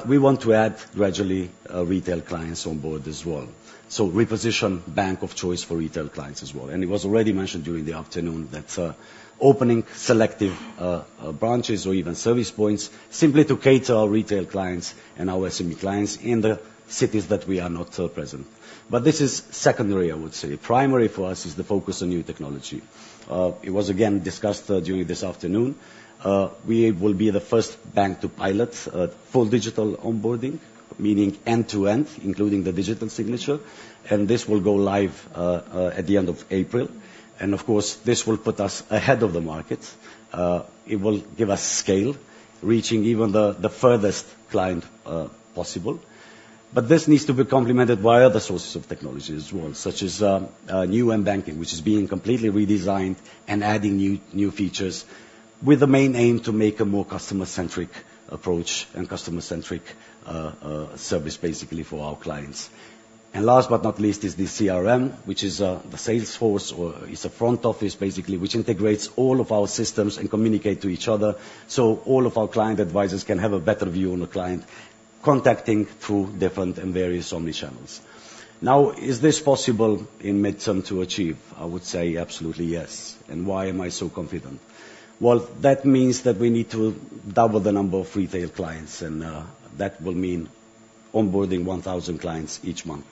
We want to add gradually retail clients on board as well. Reposition bank of choice for retail clients as well. It was already mentioned during the afternoon that opening selective branches or even service points simply to cater our retail clients and our SME clients in the cities that we are not present. This is secondary, I would say. Primary for us is the focus on new technology. It was again discussed during this afternoon. We will be the first bank to pilot full digital onboarding, meaning end to end, including the digital signature. This will go live at the end of April. Of course, this will put us ahead of the market. It will give us scale, reaching even the furthest client possible. This needs to be complemented by other sources of technology as well, such as new mBanking, which is being completely redesigned and adding new features with the main aim to make a more customer-centric approach and customer-centric service basically for our clients. Last but not least is the CRM, which is the Salesforce, or it's a front office basically, which integrates all of our systems and communicate to each other so all of our client advisors can have a better view on the client contacting through different and various omnichannels. Now, is this possible in mid-term to achieve? I would say absolutely yes and why am I so confident? Well, that means that we need to double the number of retail clients, and that will mean onboarding 1,000 clients each month.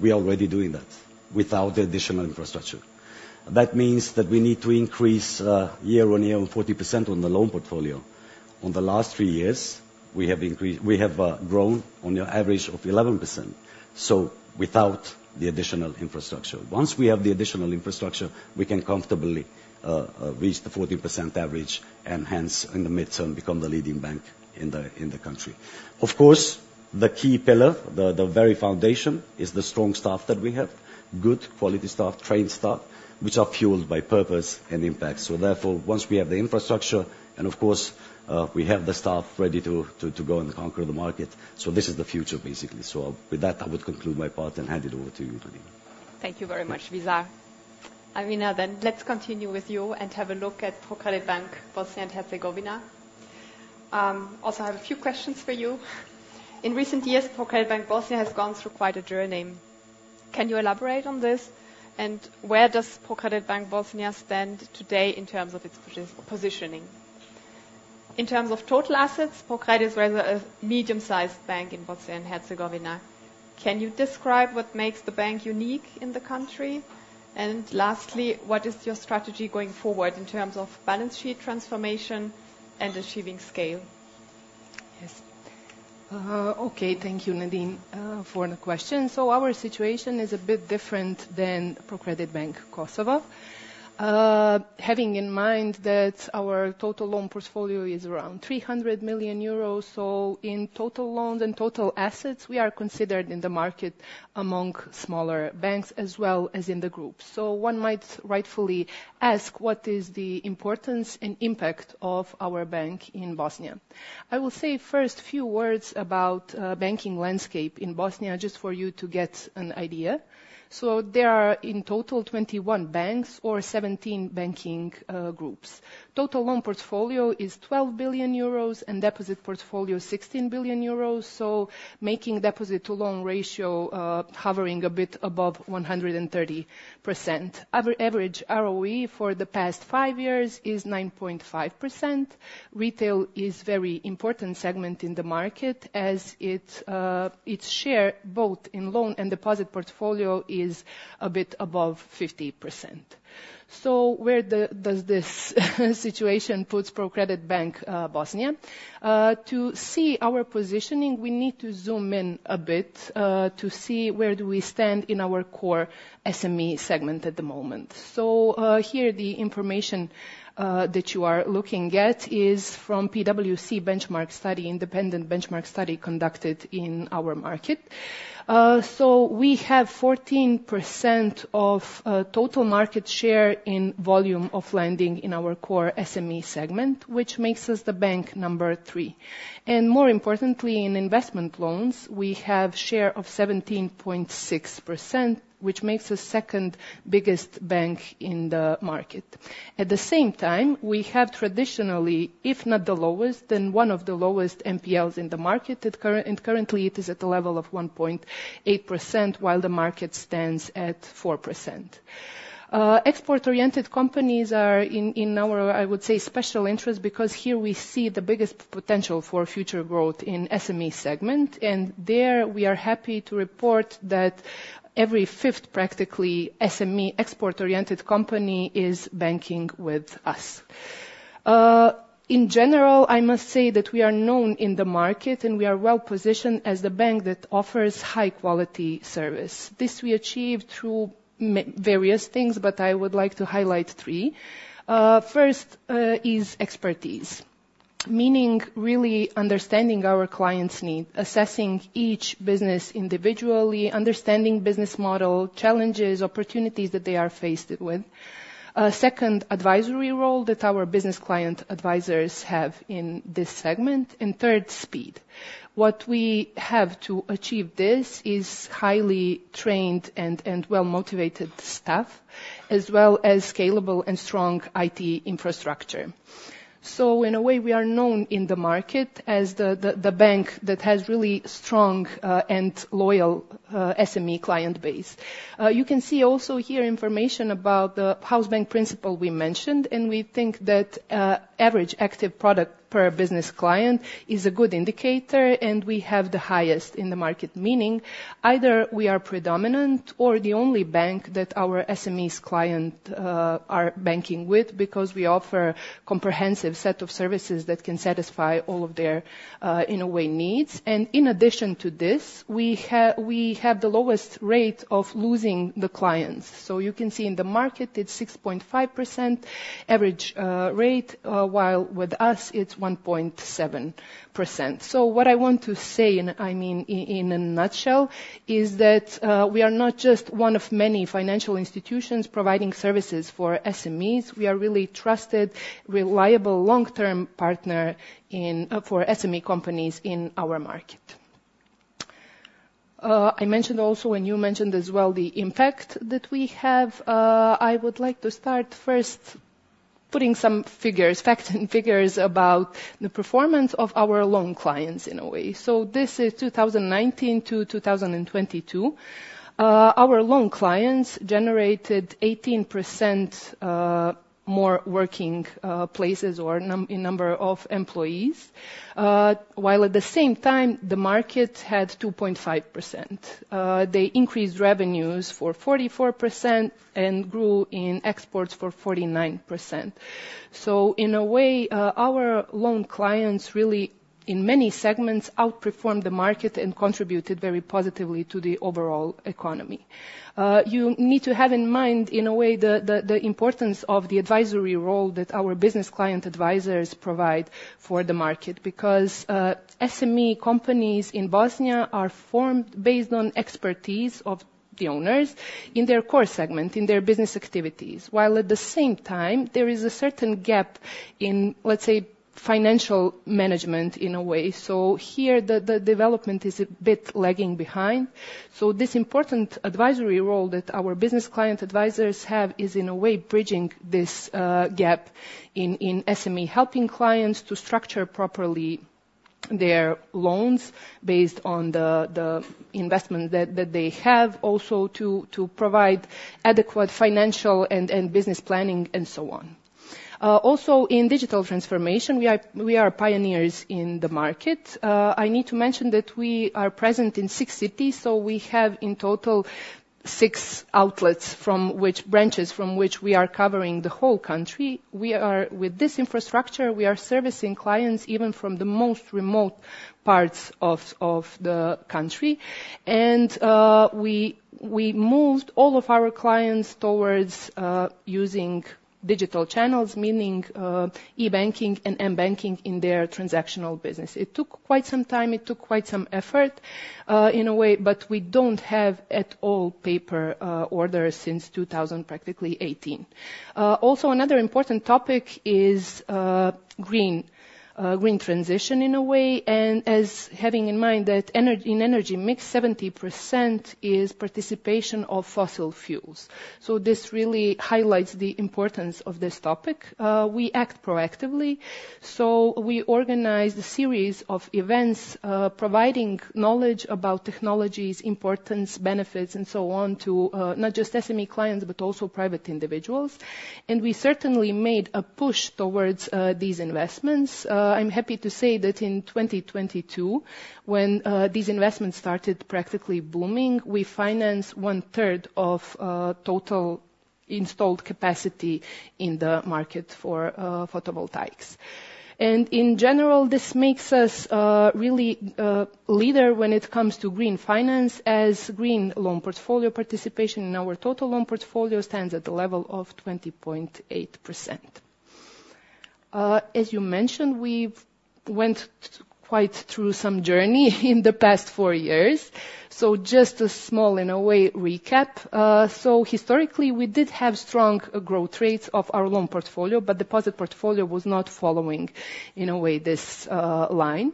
We are already doing that without the additional infrastructure. That means that we need to increase year-on-year on 40% on the loan portfolio. On the last three years, we have grown on an average of 11%. Without the additional infrastructure, once we have the additional infrastructure, we can comfortably reach the 40% average and hence in the mid-term become the leading bank in the country. Of course, the key pillar, the very foundation is the strong staff that we have. Good quality staff, trained staff, which are fueled by purpose and impact. Therefore, once we have the infrastructure and of course, we have the staff ready to go and conquer the market. This is the future basically. With that, I would conclude my part and hand it over to you, Nadine. Thank you very much, Visar. Amina, let's continue with you and have a look at ProCredit Bank Bosnia and Herzegovina. Also, I have a few questions for you. In recent years, ProCredit Bank Bosnia has gone through quite a journey. Can you elaborate on this and where does ProCredit Bank Bosnia stand today in terms of its positioning? In terms of total assets, ProCredit is a medium-sized bank in Bosnia and Herzegovina. Can you describe what makes the bank unique in the country? Lastly, what is your strategy going forward in terms of balance sheet transformation and achieving scale? Yes. Okay. Thank you, Nadine, for the question. Our situation is a bit different than ProCredit Bank Kosovo. Having in mind that our total loan portfolio is around 300 million euros. In total loans and total assets, we are considered in the market among smaller banks as well as in the group. One might rightfully ask, what is the importance and impact of our bank in Bosnia? I will say first few words about banking landscape in Bosnia, just for you to get an idea. There are in total 21 banks or 17 banking groups. Total loan portfolio is 12 billion euros and deposit portfolio 16 billion euros, so making deposit to loan ratio hovering a bit above 130%. Average ROE for the past five years is 9.5%. Retail is very important segment in the market as its share both in loan and deposit portfolio is a bit above 50%. Where does this situation puts ProCredit Bank Bosnia? To see our positioning, we need to zoom in a bit, to see where do we stand in our core SME segment at the moment. Here the information that you are looking at is from PwC benchmark study, independent benchmark study conducted in our market. We have 14% of total market share in volume of lending in our core SME segment, which makes us the bank number 3. More importantly, in investment loans, we have share of 17.6%, which makes us second biggest bank in the market. At the same time, we have traditionally, if not the lowest, then one of the lowest NPLs in the market and currently it is at the level of 1.8% while the market stands at 4%. Export-oriented companies are in our, I would say, special interest because here we see the biggest potential for future growth in SME segment and there we are happy to report that every fifth practically SME export-oriented company is banking with us. In general, I must say that we are known in the market and we are well-positioned as the bank that offers high-quality service. This we achieve through various things, but I would like to highlight three. First is expertise, meaning really understanding our clients' needs, assessing each business individually, understanding business model challenges, opportunities that they are faced with. Second, advisory role that our business client advisors have in this segment. Third, speed. What we have to achieve this is highly trained and well-motivated staff, as well as scalable and strong IT infrastructure. In a way, we are known in the market as the bank that has really strong and loyal SME client base. You can see also here information about the house bank principle we mentioned, and we think that average active product per business client is a good indicator and we have the highest in the market. Meaning either we are predominant or the only bank that our SMEs client are banking with because we offer comprehensive set of services that can satisfy all of their, in a way, needs. In addition to this, we have the lowest rate of losing the clients. You can see in the market it's 6.5% average rate, while with us it's 1.7%. What I want to say, and I mean in a nutshell, is that we are not just one of many financial institutions providing services for SMEs. We are really trusted, reliable, long-term partner for SME companies in our market. I mentioned also and you mentioned as well the impact that we have. I would like to start first putting some facts and figures about the performance of our loan clients in a way. This is 2019 to 2022. Our loan clients generated 18% more working places or number of employees. While at the same time, the market had 2.5%. They increased revenues for 44% and grew in exports for 49%. In a way, our loan clients really, in many segments, outperformed the market and contributed very positively to the overall economy. You need to have in mind, in a way, the importance of the advisory role that our business client advisors provide for the market. Because SME companies in Bosnia are formed based on expertise of the owners in their core segment, in their business activities. While at the same time, there is a certain gap in, let's say, financial management in a way. Here the development is a bit lagging behind. This important advisory role that our business client advisors have is, in a way, bridging this gap in SME, helping clients to structure properly their loans based on the investment that they have also to provide adequate financial and business planning and so on. Also in digital transformation, we are pioneers in the market. I need to mention that we are present in six cities, we have in total six outlets, branches from which we are covering the whole country. With this infrastructure, we are servicing clients even from the most remote parts of the country. We moved all of our clients towards using digital channels, meaning e-banking and m-banking in their transactional business. It took quite some time, it took quite some effort in a way, but we don't have at all paper orders since 2000, practically 18. Also, another important topic is green transition in a way, as having in mind that in energy mix, 70% is participation of fossil fuels. This really highlights the importance of this topic. We act proactively. We organize a series of events, providing knowledge about technologies, importance, benefits, and so on to, not just SME clients, but also private individuals. We certainly made a push towards these investments. I'm happy to say that in 2022, when these investments started practically booming, we financed one third of total installed capacity in the market for photovoltaics. In general, this makes us really a leader when it comes to green finance as green loan portfolio participation in our total loan portfolio stands at the level of 20.8%. As you mentioned, we've went quite through some journey in the past four years. Just a small in a way recap. Historically, we did have strong growth rates of our loan portfolio, but deposit portfolio was not following in a way this line.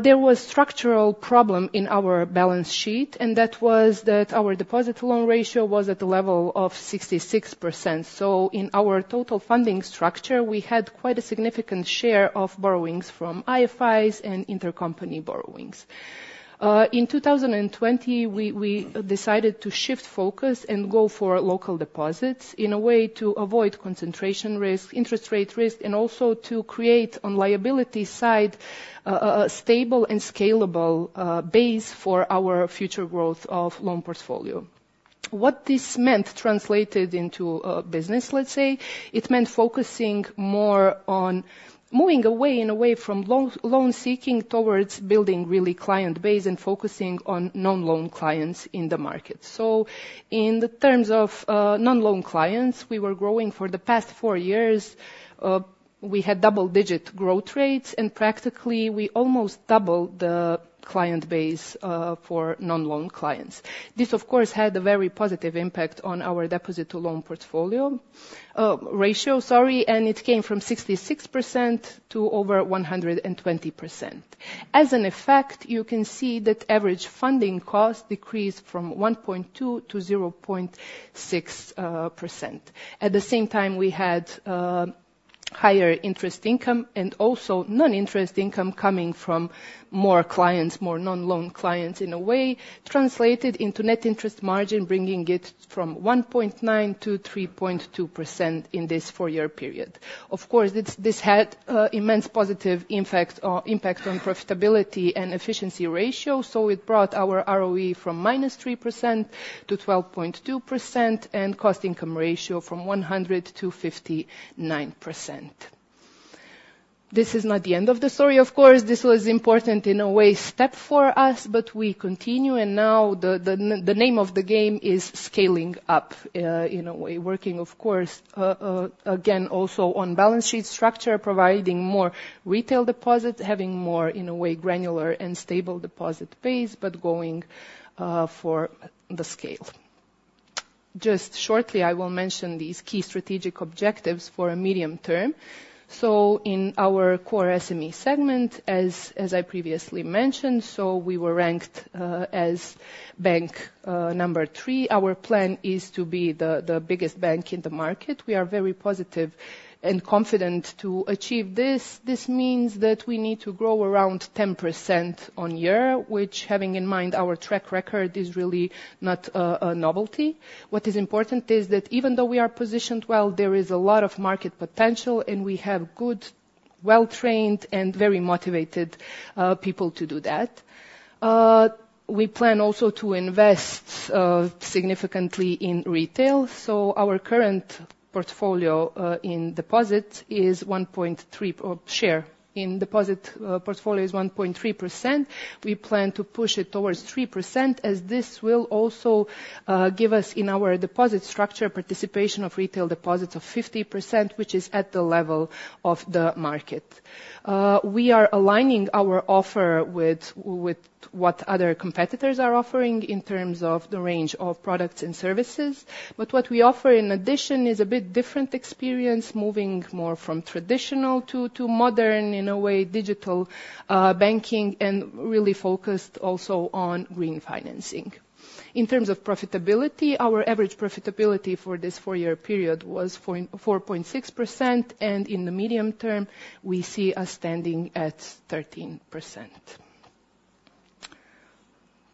There was structural problem in our balance sheet, and that was that our deposit loan ratio was at the level of 66%. In our total funding structure, we had quite a significant share of borrowings from IFIs and intercompany borrowings. In 2020, we decided to shift focus and go for local deposits in a way to avoid concentration risk, interest rate risk, and also to create on liability side, a stable and scalable base for our future growth of loan portfolio. What this meant translated into a business, let's say, it meant focusing more on moving away in a way from loan seeking towards building really client base and focusing on non-loan clients in the market. In the terms of non-loan clients, we were growing for the past four years, we had double-digit growth rates, and practically, we almost doubled the client base for non-loan clients. This, of course, had a very positive impact on our deposit to loan portfolio ratio, and it came from 66% to over 120%. As an effect, you can see that average funding cost decreased from 1.2% to 0.6%. At the same time, we had higher interest income and also non-interest income coming from more clients, more non-loan clients, in a way, translated into net interest margin, bringing it from 1.9% to 3.2% in this four-year period. Of course, this had immense positive impact on profitability and efficiency ratio. It brought our ROE from -3% to 12.2% and cost income ratio from 100% to 59%. This is not the end of the story, of course. This was important in a way, step for us, we continue and now the name of the game is scaling up, in a way. Working, of course, again, also on balance sheet structure, providing more retail deposits, having more, in a way, granular and stable deposit base, going for the scale. Just shortly, I will mention these key strategic objectives for a medium term. In our core SME segment, as I previously mentioned, we were ranked as bank number 3. Our plan is to be the biggest bank in the market. We are very positive and confident to achieve this. This means that we need to grow around 10% on year, which having in mind our track record, is really not a novelty. What is important is that even though we are positioned well, there is a lot of market potential, and we have good, well-trained, and very motivated people to do that. We plan also to invest significantly in retail. Our current share in deposit portfolio is 1.3%. We plan to push it towards 3%, as this will also give us, in our deposit structure, participation of retail deposits of 50%, which is at the level of the market. We are aligning our offer with what other competitors are offering in terms of the range of products and services. What we offer in addition is a bit different experience, moving more from traditional to modern, in a way, digital banking, and really focused also on green financing. In terms of profitability, our average profitability for this four-year period was 4.6%, and in the medium term, we see us standing at 13%.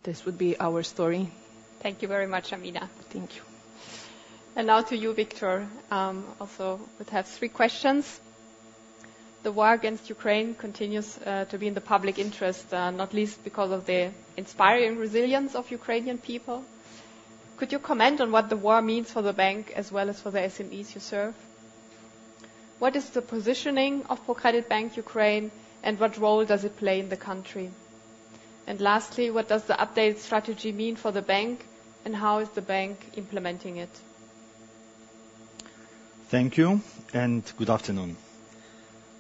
This would be our story. Thank you very much, Amina. Thank you. To you, Viktor. Also would have three questions. The war against Ukraine continues to be in the public interest, not least because of the inspiring resilience of Ukrainian people. Could you comment on what the war means for the bank as well as for the SMEs you serve? What is the positioning of ProCredit Bank Ukraine, and what role does it play in the country? Lastly, what does the updated strategy mean for the bank, and how is the bank implementing it? Thank you and good afternoon.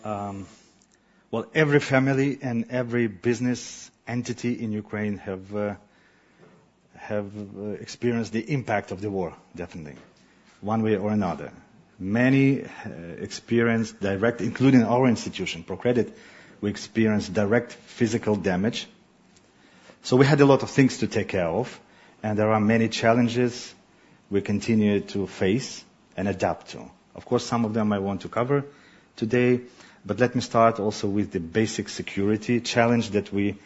Well, every family and every business entity in Ukraine have experienced the impact of the war, definitely, one way or another. Many experienced direct, including our institution, ProCredit, we experienced direct physical damage. We had a lot of things to take care of, and there are many challenges we continue to face and adapt to. Of course, some of them I want to cover today, but let me start also with the basic security challenge that we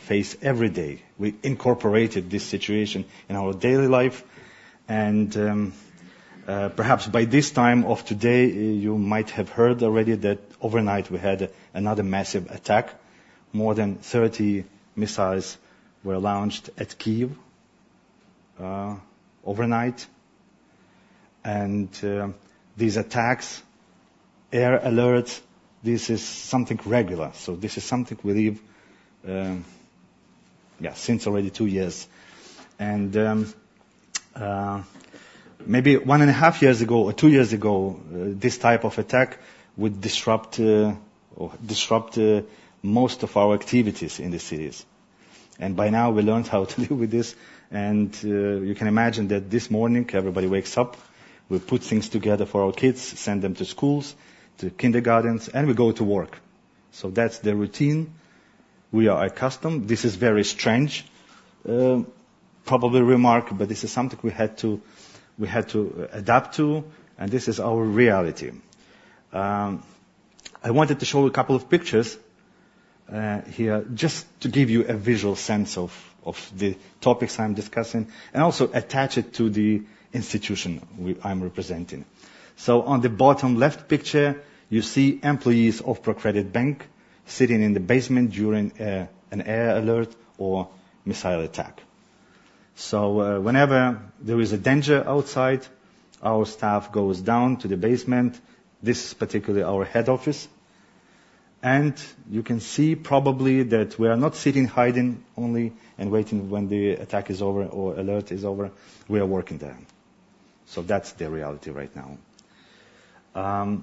face every day. We incorporated this situation in our daily life, and perhaps by this time of today, you might have heard already that overnight we had another massive attack. More than 30 missiles were launched at Kyiv overnight. These attacks, air alerts, this is something regular. This is something we live, yeah, since already two years. Maybe one and a half years ago or two years ago, this type of attack would disrupt most of our activities in the cities. By now we learned how to live with this, and you can imagine that this morning, everybody wakes up, we put things together for our kids, send them to schools, to kindergartens, and we go to work. That's the routine we are accustomed. This is very strange, probably remark, but this is something we had to adapt to, and this is our reality. I wanted to show a couple of pictures here just to give you a visual sense of the topics I'm discussing and also attach it to the institution I'm representing. On the bottom left picture, you see employees of ProCredit Bank sitting in the basement during an air alert or missile attack. Whenever there is a danger outside, our staff goes down to the basement. This is particularly our head office. You can see probably that we are not sitting, hiding only, and waiting when the attack is over or alert is over, we are working there. That's the reality right now. Other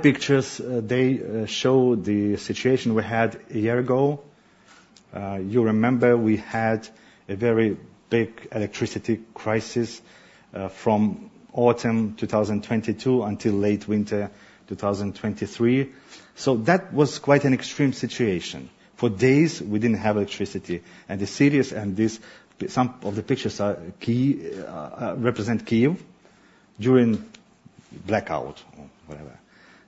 pictures, they show the situation we had a year ago. You remember we had a very big electricity crisis from autumn 2022 until late winter 2023. That was quite an extreme situation. For days, we didn't have electricity. Some of the pictures represent Kyiv during blackout or whatever.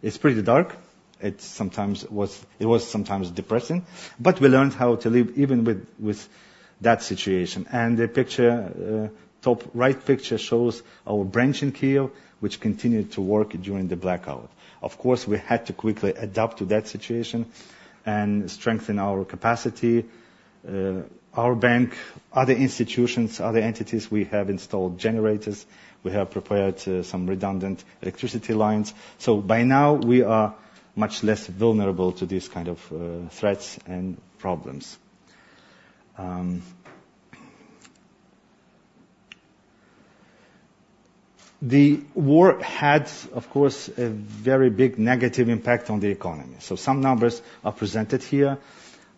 It's pretty dark. It was sometimes depressing, but we learned how to live even with that situation. The top right picture shows our branch in Kyiv, which continued to work during the blackout. We had to quickly adapt to that situation and strengthen our capacity. Our bank, other institutions, other entities, we have installed generators. We have prepared some redundant electricity lines. By now, we are much less vulnerable to these kind of threats and problems. The war had, of course, a very big negative impact on the economy. Some numbers are presented here.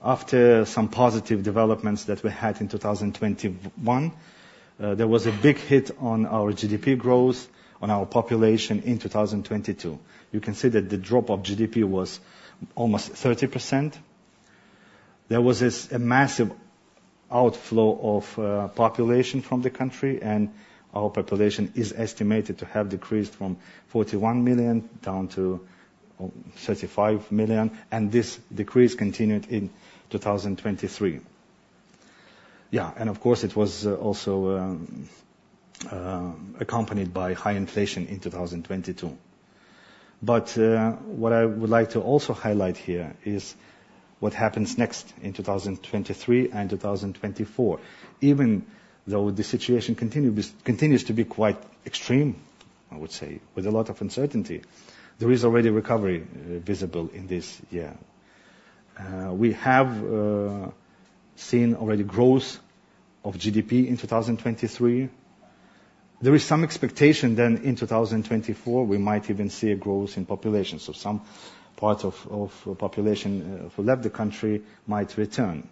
After some positive developments that we had in 2021, there was a big hit on our GDP growth, on our population in 2022. You can see that the drop of GDP was almost 30%. There was this massive outflow of population from the country, and our population is estimated to have decreased from 41 million down to 35 million, and this decrease continued in 2023. Of course it was also accompanied by high inflation in 2022. What I would like to also highlight here is what happens next in 2023 and 2024. Even though the situation continues to be quite extreme, I would say, with a lot of uncertainty, there is already recovery visible in this year. We have seen already growth of GDP in 2023. There is some expectation then in 2024, we might even see a growth in population. Some part of population who left the country might return.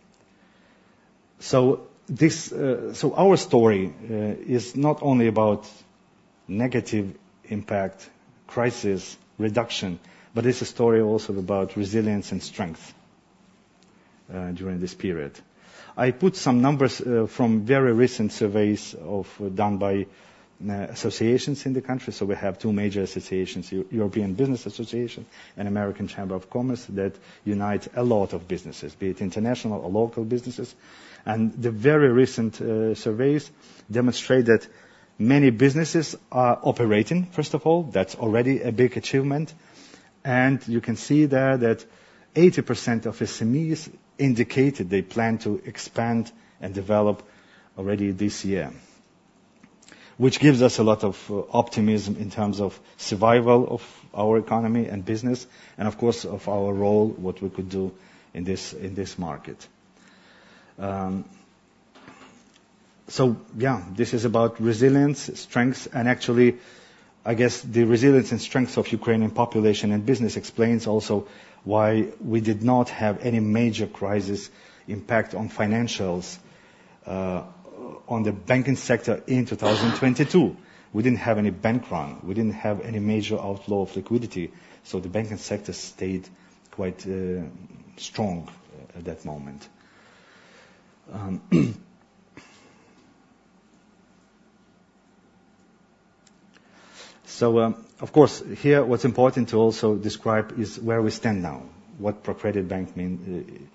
Our story is not only about negative impact, crisis reduction, but it's a story also about resilience and strength during this period. I put some numbers from very recent surveys done by associations in the country. We have two major associations, European Business Association and American Chamber of Commerce, that unite a lot of businesses, be it international or local businesses. The very recent surveys demonstrate that many businesses are operating, first of all. That's already a big achievement. You can see there that 80% of SMEs indicated they plan to expand and develop already this year, which gives us a lot of optimism in terms of survival of our economy and business, and of course of our role, what we could do in this market. This is about resilience, strength, and actually, I guess the resilience and strength of Ukrainian population and business explains also why we did not have any major crisis impact on financials on the banking sector in 2022. We didn't have any bank run. We didn't have any major outflow of liquidity. The banking sector stayed quite strong at that moment. Of course, here what's important to also describe is where we stand now, what position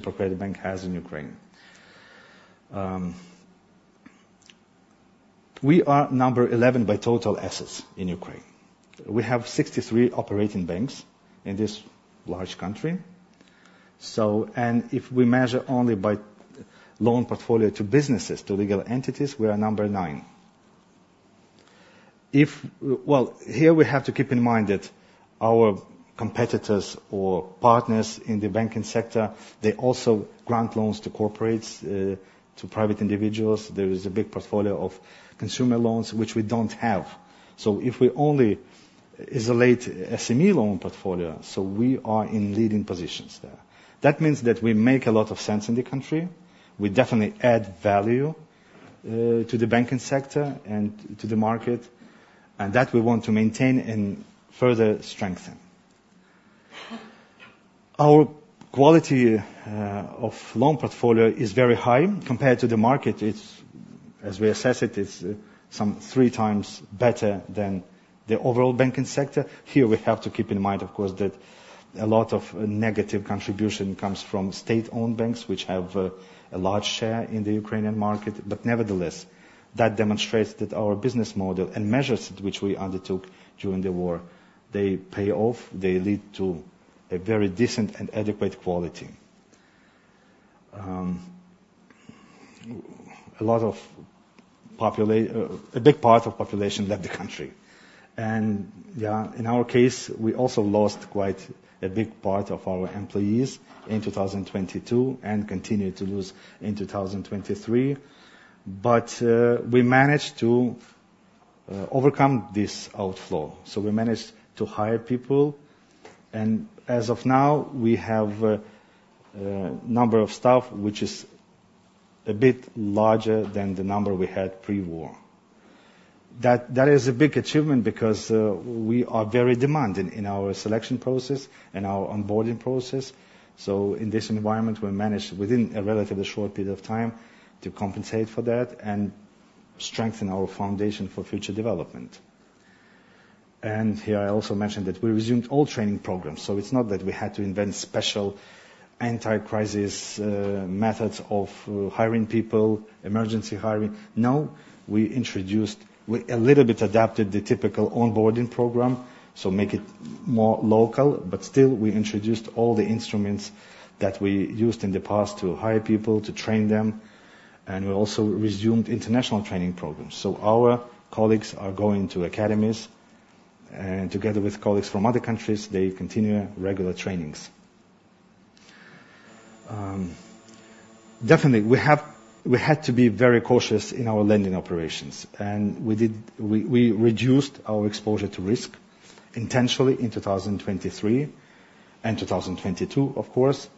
ProCredit Bank has in Ukraine. We are number 11 by total assets in Ukraine. We have 63 operating banks in this large country. If we measure only by loan portfolio to businesses, to legal entities, we are number 9. Here we have to keep in mind that our competitors or partners in the banking sector, they also grant loans to corporates, to private individuals. There is a big portfolio of consumer loans, which we don't have. If we only isolate SME loan portfolio, we are in leading positions there. That means that we make a lot of sense in the country. We definitely add value to the banking sector and to the market, that we want to maintain and further strengthen. Our quality of loan portfolio is very high compared to the market. As we assess it's some three times better than the overall banking sector. Here we have to keep in mind, of course, that a lot of negative contribution comes from state-owned banks, which have a large share in the Ukrainian market. Nevertheless, that demonstrates that our business model and measures which we undertook during the war, they pay off, they lead to a very decent and adequate quality. A big part of population left the country. Yeah, in our case, we also lost quite a big part of our employees in 2022 and continue to lose in 2023. We managed to overcome this outflow. We managed to hire people, as of now, we have a number of staff, which is a bit larger than the number we had pre-war. That is a big achievement because we are very demanding in our selection process and our onboarding process. In this environment, we managed within a relatively short period of time to compensate for that and strengthen our foundation for future development. Here I also mentioned that we resumed all training programs. It's not that we had to invent special anti-crisis methods of hiring people, emergency hiring. No, we a little bit adapted the typical onboarding program, make it more local, but still we introduced all the instruments that we used in the past to hire people, to train them, we also resumed international training programs. Our colleagues are going to academies, together with colleagues from other countries, they continue regular trainings. Definitely, we had to be very cautious in our lending operations, we reduced our exposure to risk intentionally in 2023 and 2022, of course.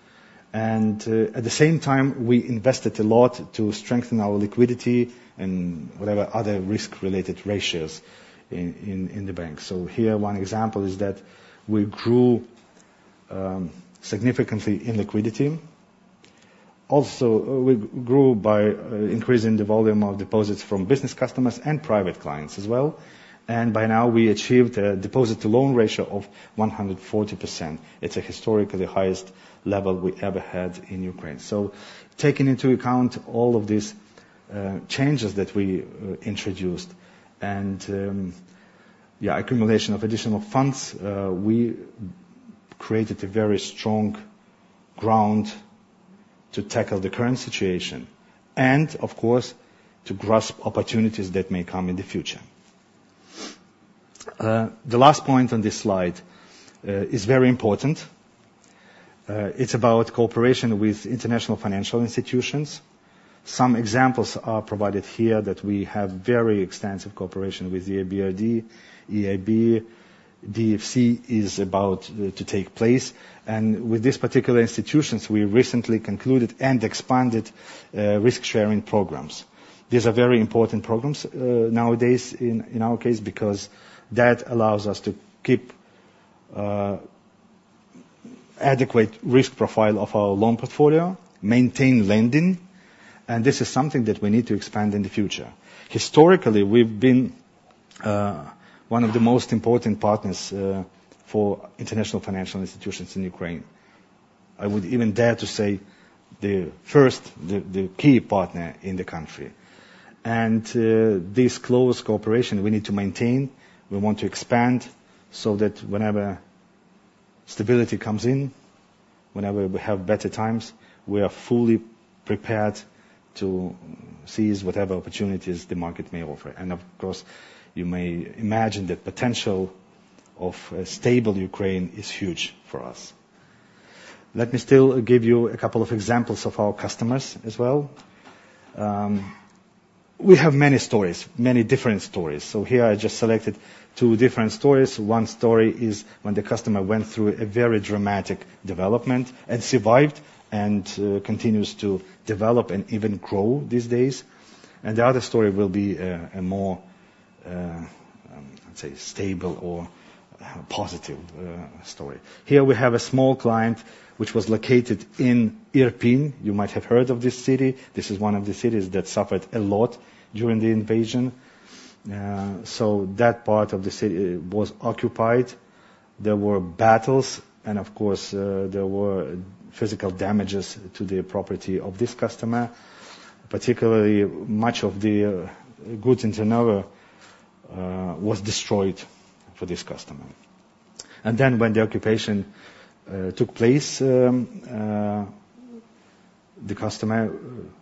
At the same time, we invested a lot to strengthen our liquidity and whatever other risk-related ratios in the bank. Here, one example is that we grew, significantly in liquidity. Also, we grew by increasing the volume of deposits from business customers and private clients as well. By now, we achieved a deposit-to-loan ratio of 140%. It's a historically highest level we ever had in Ukraine. Taking into account all of these changes that we introduced, yeah, accumulation of additional funds, we created a very strong ground to tackle the current situation and, of course, to grasp opportunities that may come in the future. The last point on this slide is very important. It's about cooperation with international financial institutions. Some examples are provided here that we have very extensive cooperation with the EBRD, EIB, DFC is about to take place. With these particular institutions, we recently concluded expanded risk-sharing programs. These are very important programs, nowadays in our case, because that allows us to keep adequate risk profile of our loan portfolio, maintain lending, this is something that we need to expand in the future. Historically, we've been one of the most important partners for international financial institutions in Ukraine. I would even dare to say the first, the key partner in the country. This close cooperation we need to maintain, we want to expand so that whenever stability comes in, whenever we have better times, we are fully prepared to seize whatever opportunities the market may offer. Of course, you may imagine the potential of a stable Ukraine is huge for us. Let me still give you a couple of examples of our customers as well. We have many stories, many different stories. Here I just selected two different stories. One story is when the customer went through a very dramatic development and survived and continues to develop and even grow these days. The other story will be a more, let's say, stable or a positive story. Here we have a small client which was located in Irpin. You might have heard of this city. This is one of the cities that suffered a lot during the invasion. That part of the city was occupied. There were battles, and of course, there were physical damages to the property of this customer. Particularly, much of the goods in turnover, was destroyed for this customer. When the occupation took place, the customer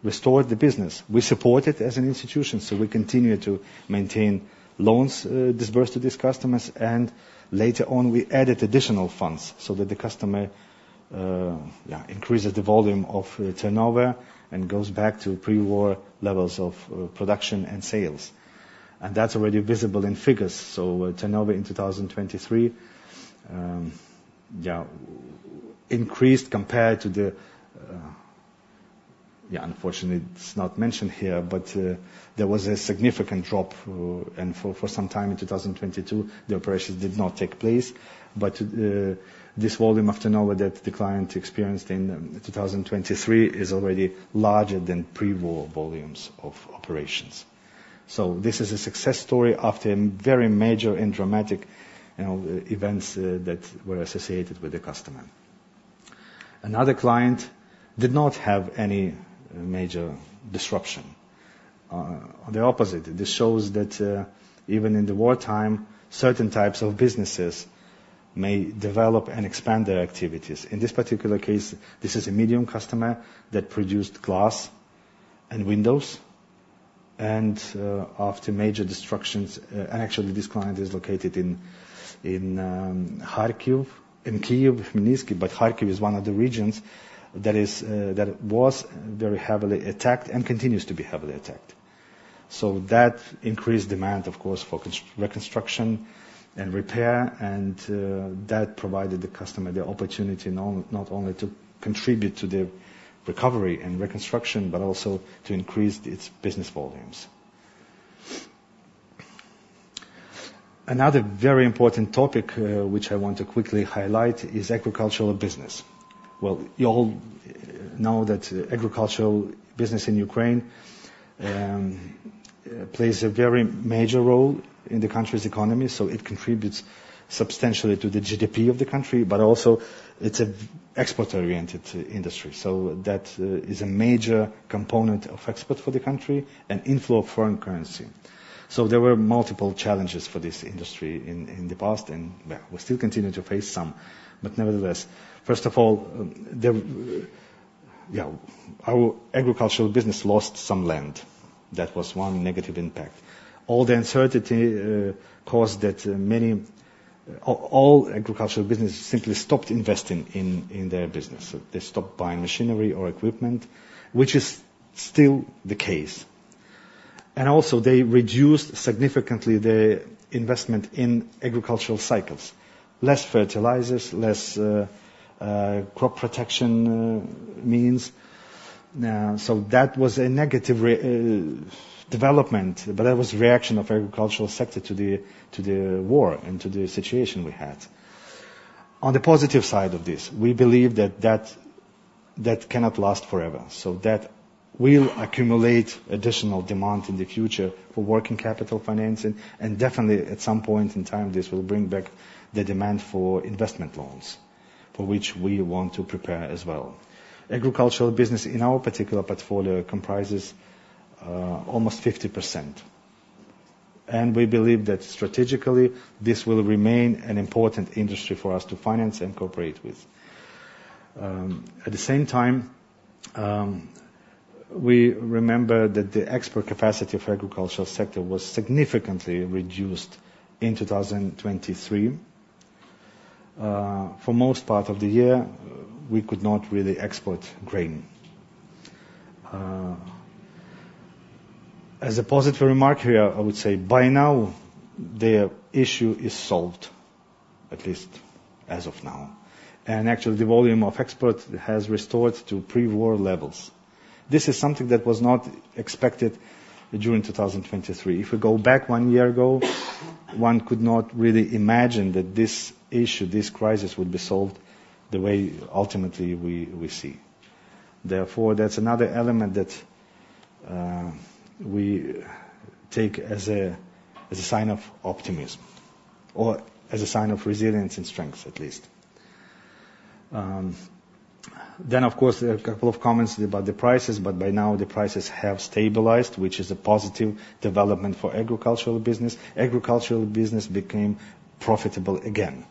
restored the business. We support it as an institution, so we continue to maintain loans disbursed to these customers. Later on, we added additional funds so that the customer, yeah, increases the volume of turnover and goes back to pre-war levels of production and sales. That's already visible in figures. Turnover in 2023, yeah, increased compared to the Yeah, unfortunately, it's not mentioned here, but there was a significant drop and for some time in 2022, the operations did not take place. This volume of turnover that the client experienced in 2023 is already larger than pre-war volumes of operations. This is a success story after very major and dramatic events that were associated with the customer. Another client did not have any major disruption. On the opposite, this shows that even in the wartime, certain types of businesses may develop and expand their activities. In this particular case, this is a medium customer that produced glass and windows, and after major destructions. Actually, this client is located in Kyiv, Khmelnytskyi, but Kharkiv is one of the regions that was very heavily attacked and continues to be heavily attacked. That increased demand, of course, for reconstruction and repair, and that provided the customer the opportunity not only to contribute to the recovery and reconstruction, but also to increase its business volumes. Another very important topic, which I want to quickly highlight, is agricultural business. Well, you all know that agricultural business in Ukraine plays a very major role in the country's economy, so it contributes substantially to the GDP of the country, but also it's an export-oriented industry. That is a major component of export for the country and inflow of foreign currency. There were multiple challenges for this industry in the past, and we still continue to face some. Nevertheless, first of all, our agricultural business lost some land. That was one negative impact. All the uncertainty caused that all agricultural businesses simply stopped investing in their business. They stopped buying machinery or equipment, which is still the case. Also, they reduced significantly their investment in agricultural cycles. Less fertilizers, less crop protection means. That was a negative development, but that was the reaction of agricultural sector to the war and to the situation we had. On the positive side of this, we believe that that cannot last forever. That will accumulate additional demand in the future for working capital financing, and definitely at some point in time, this will bring back the demand for investment loans, for which we want to prepare as well. Agricultural business in our particular portfolio comprises almost 50%. We believe that strategically, this will remain an important industry for us to finance and cooperate with. At the same time, we remember that the export capacity for agricultural sector was significantly reduced in 2023. For most part of the year, we could not really export grain. As a positive remark here, I would say by now the issue is solved, at least as of now. Actually, the volume of export has restored to pre-war levels. This is something that was not expected during 2023. If we go back one year ago, one could not really imagine that this issue, this crisis, would be solved the way ultimately we see. That's another element that we take as a sign of optimism or as a sign of resilience and strength, at least. Of course, there are a couple of comments about the prices. By now the prices have stabilized, which is a positive development for agricultural business. Agricultural business became profitable again.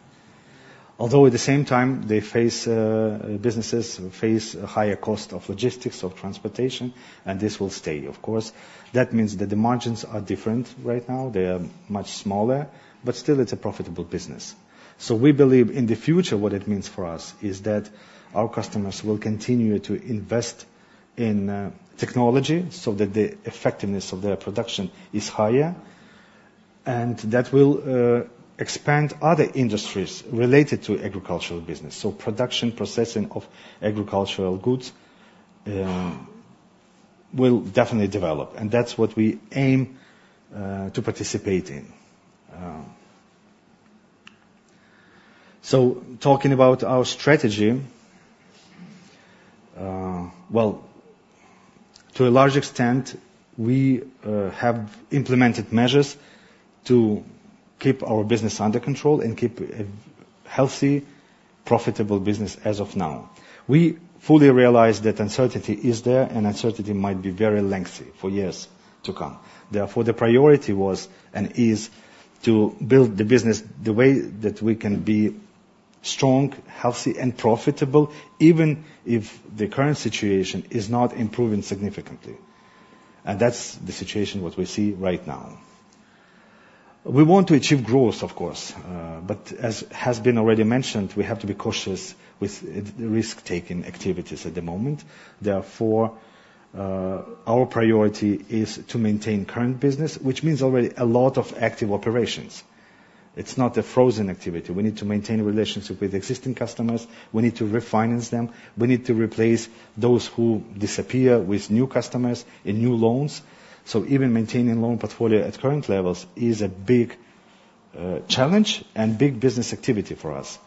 Although at the same time, businesses face a higher cost of logistics, of transportation. This will stay, of course. That means that the margins are different right now. They are much smaller. Still it's a profitable business. We believe in the future what it means for us is that our customers will continue to invest in technology so that the effectiveness of their production is higher. That will expand other industries related to agricultural business. Production processing of agricultural goods will definitely develop. That's what we aim to participate in. Talking about our strategy, well, to a large extent, we have implemented measures to keep our business under control. Keep a healthy, profitable business as of now. We fully realize that uncertainty is there and uncertainty might be very lengthy for years to come. The priority was and is to build the business the way that we can be strong, healthy, and profitable, even if the current situation is not improving significantly. That's the situation what we see right now. We want to achieve growth, of course. As has been already mentioned, we have to be cautious with risk-taking activities at the moment. Our priority is to maintain current business, which means already a lot of active operations. It's not a frozen activity. We need to maintain relationship with existing customers. We need to refinance them. We need to replace those who disappear with new customers and new loans. Even maintaining loan portfolio at current levels is a big challenge and big business activity for us.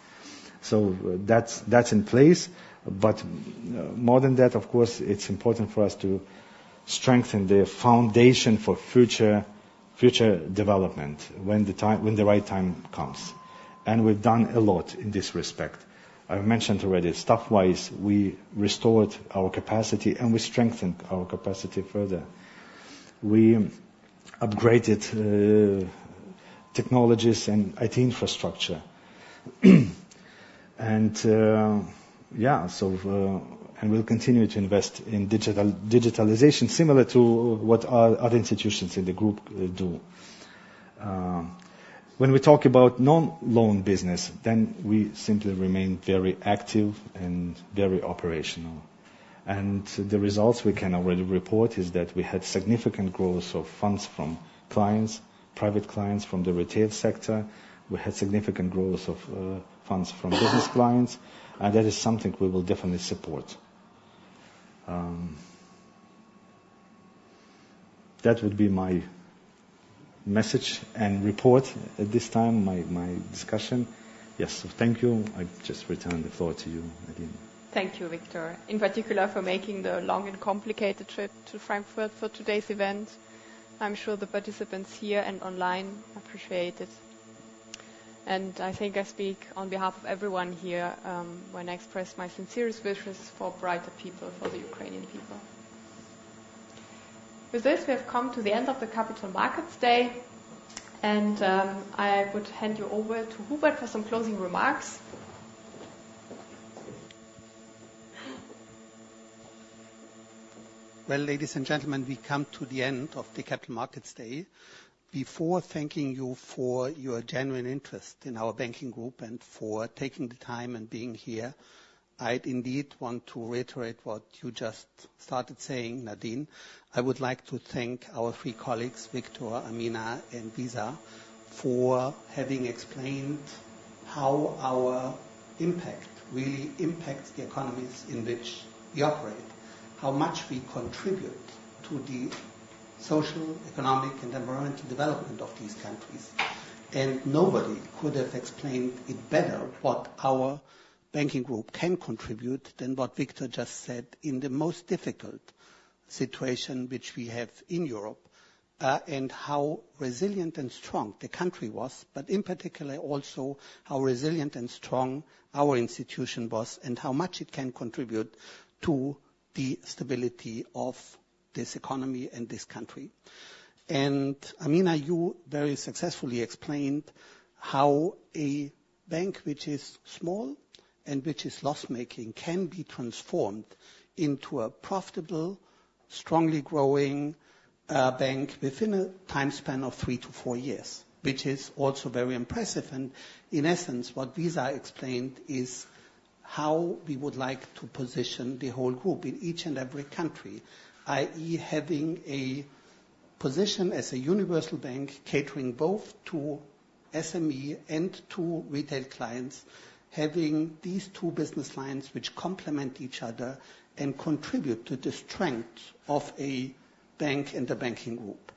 That's in place. More than that, of course, it's important for us to strengthen the foundation for future development when the right time comes. We've done a lot in this respect. I mentioned already, staff-wise, we restored our capacity. We strengthened our capacity further. We upgraded technologies and IT infrastructure. We'll continue to invest in digitalization, similar to what our other institutions in the group do. We talk about non-loan business, we simply remain very active and very operational. The results we can already report is that we had significant growth of funds from clients, private clients from the retail sector. We had significant growth of funds from business clients, and that is something we will definitely support. That would be my message and report at this time, my discussion. Thank you. I just return the floor to you, Nadine. Thank you, Viktor. In particular, for making the long and complicated trip to Frankfurt for today's event. I'm sure the participants here and online appreciate it. I think I speak on behalf of everyone here, when I express my sincerest wishes for brighter people for the Ukrainian people. With this, we have come to the end of the Capital Markets Day, and I would hand you over to Hubert for some closing remarks. Ladies and gentlemen, we come to the end of the Capital Markets Day. Before thanking you for your genuine interest in our banking group and for taking the time and being here, I'd indeed want to reiterate what you just started saying, Nadine. I would like to thank our three colleagues, Viktor, Amina, and Visar, for having explained how our impact really impacts the economies in which we operate, how much we contribute to the social, economic, and environmental development of these countries. Nobody could have explained it better what our banking group can contribute than what Viktor just said in the most difficult situation which we have in Europe, and how resilient and strong the country was, but in particular also how resilient and strong our institution was, and how much it can contribute to the stability of this economy and this country. Amina, you very successfully explained how a bank which is small and which is loss-making can be transformed into a profitable, strongly growing bank within a time span of 3-4 years, which is also very impressive. In essence, what Visar explained is how we would like to position the whole group in each and every country, i.e., having a position as a universal bank catering both to SME and to retail clients, having these two business lines which complement each other and contribute to the strength of a bank and the banking group.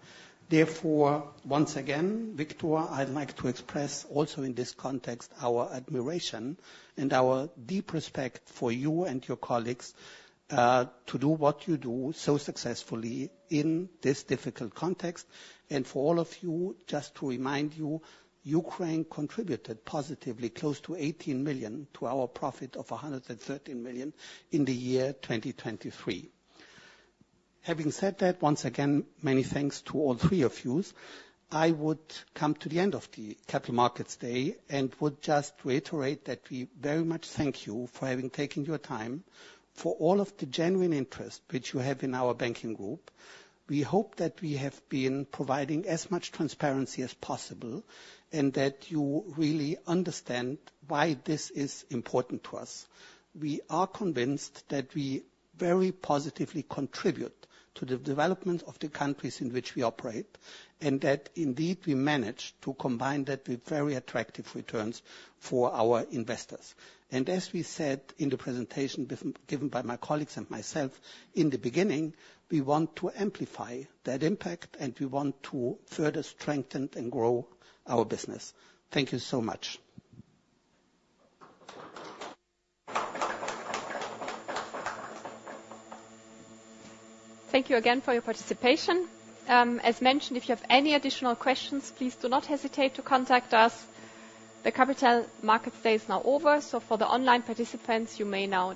Therefore, once again, Viktor, I'd like to express also in this context our admiration and our deep respect for you and your colleagues, to do what you do so successfully in this difficult context. For all of you, just to remind you, Ukraine contributed positively close to 18 million to our profit of 113 million in the year 2023. Having said that, once again, many thanks to all three of you. I would come to the end of the Capital Markets Day, would just reiterate that we very much thank you for having taken your time, for all of the genuine interest which you have in our banking group. We hope that we have been providing as much transparency as possible, that you really understand why this is important to us. We are convinced that we very positively contribute to the development of the countries in which we operate, that indeed we manage to combine that with very attractive returns for our investors. As we said in the presentation given by my colleagues and myself in the beginning, we want to amplify that impact, we want to further strengthen and grow our business. Thank you so much. Thank you again for your participation. As mentioned, if you have any additional questions, please do not hesitate to contact us. The Capital Markets Day is now over, for the online participants, you may now.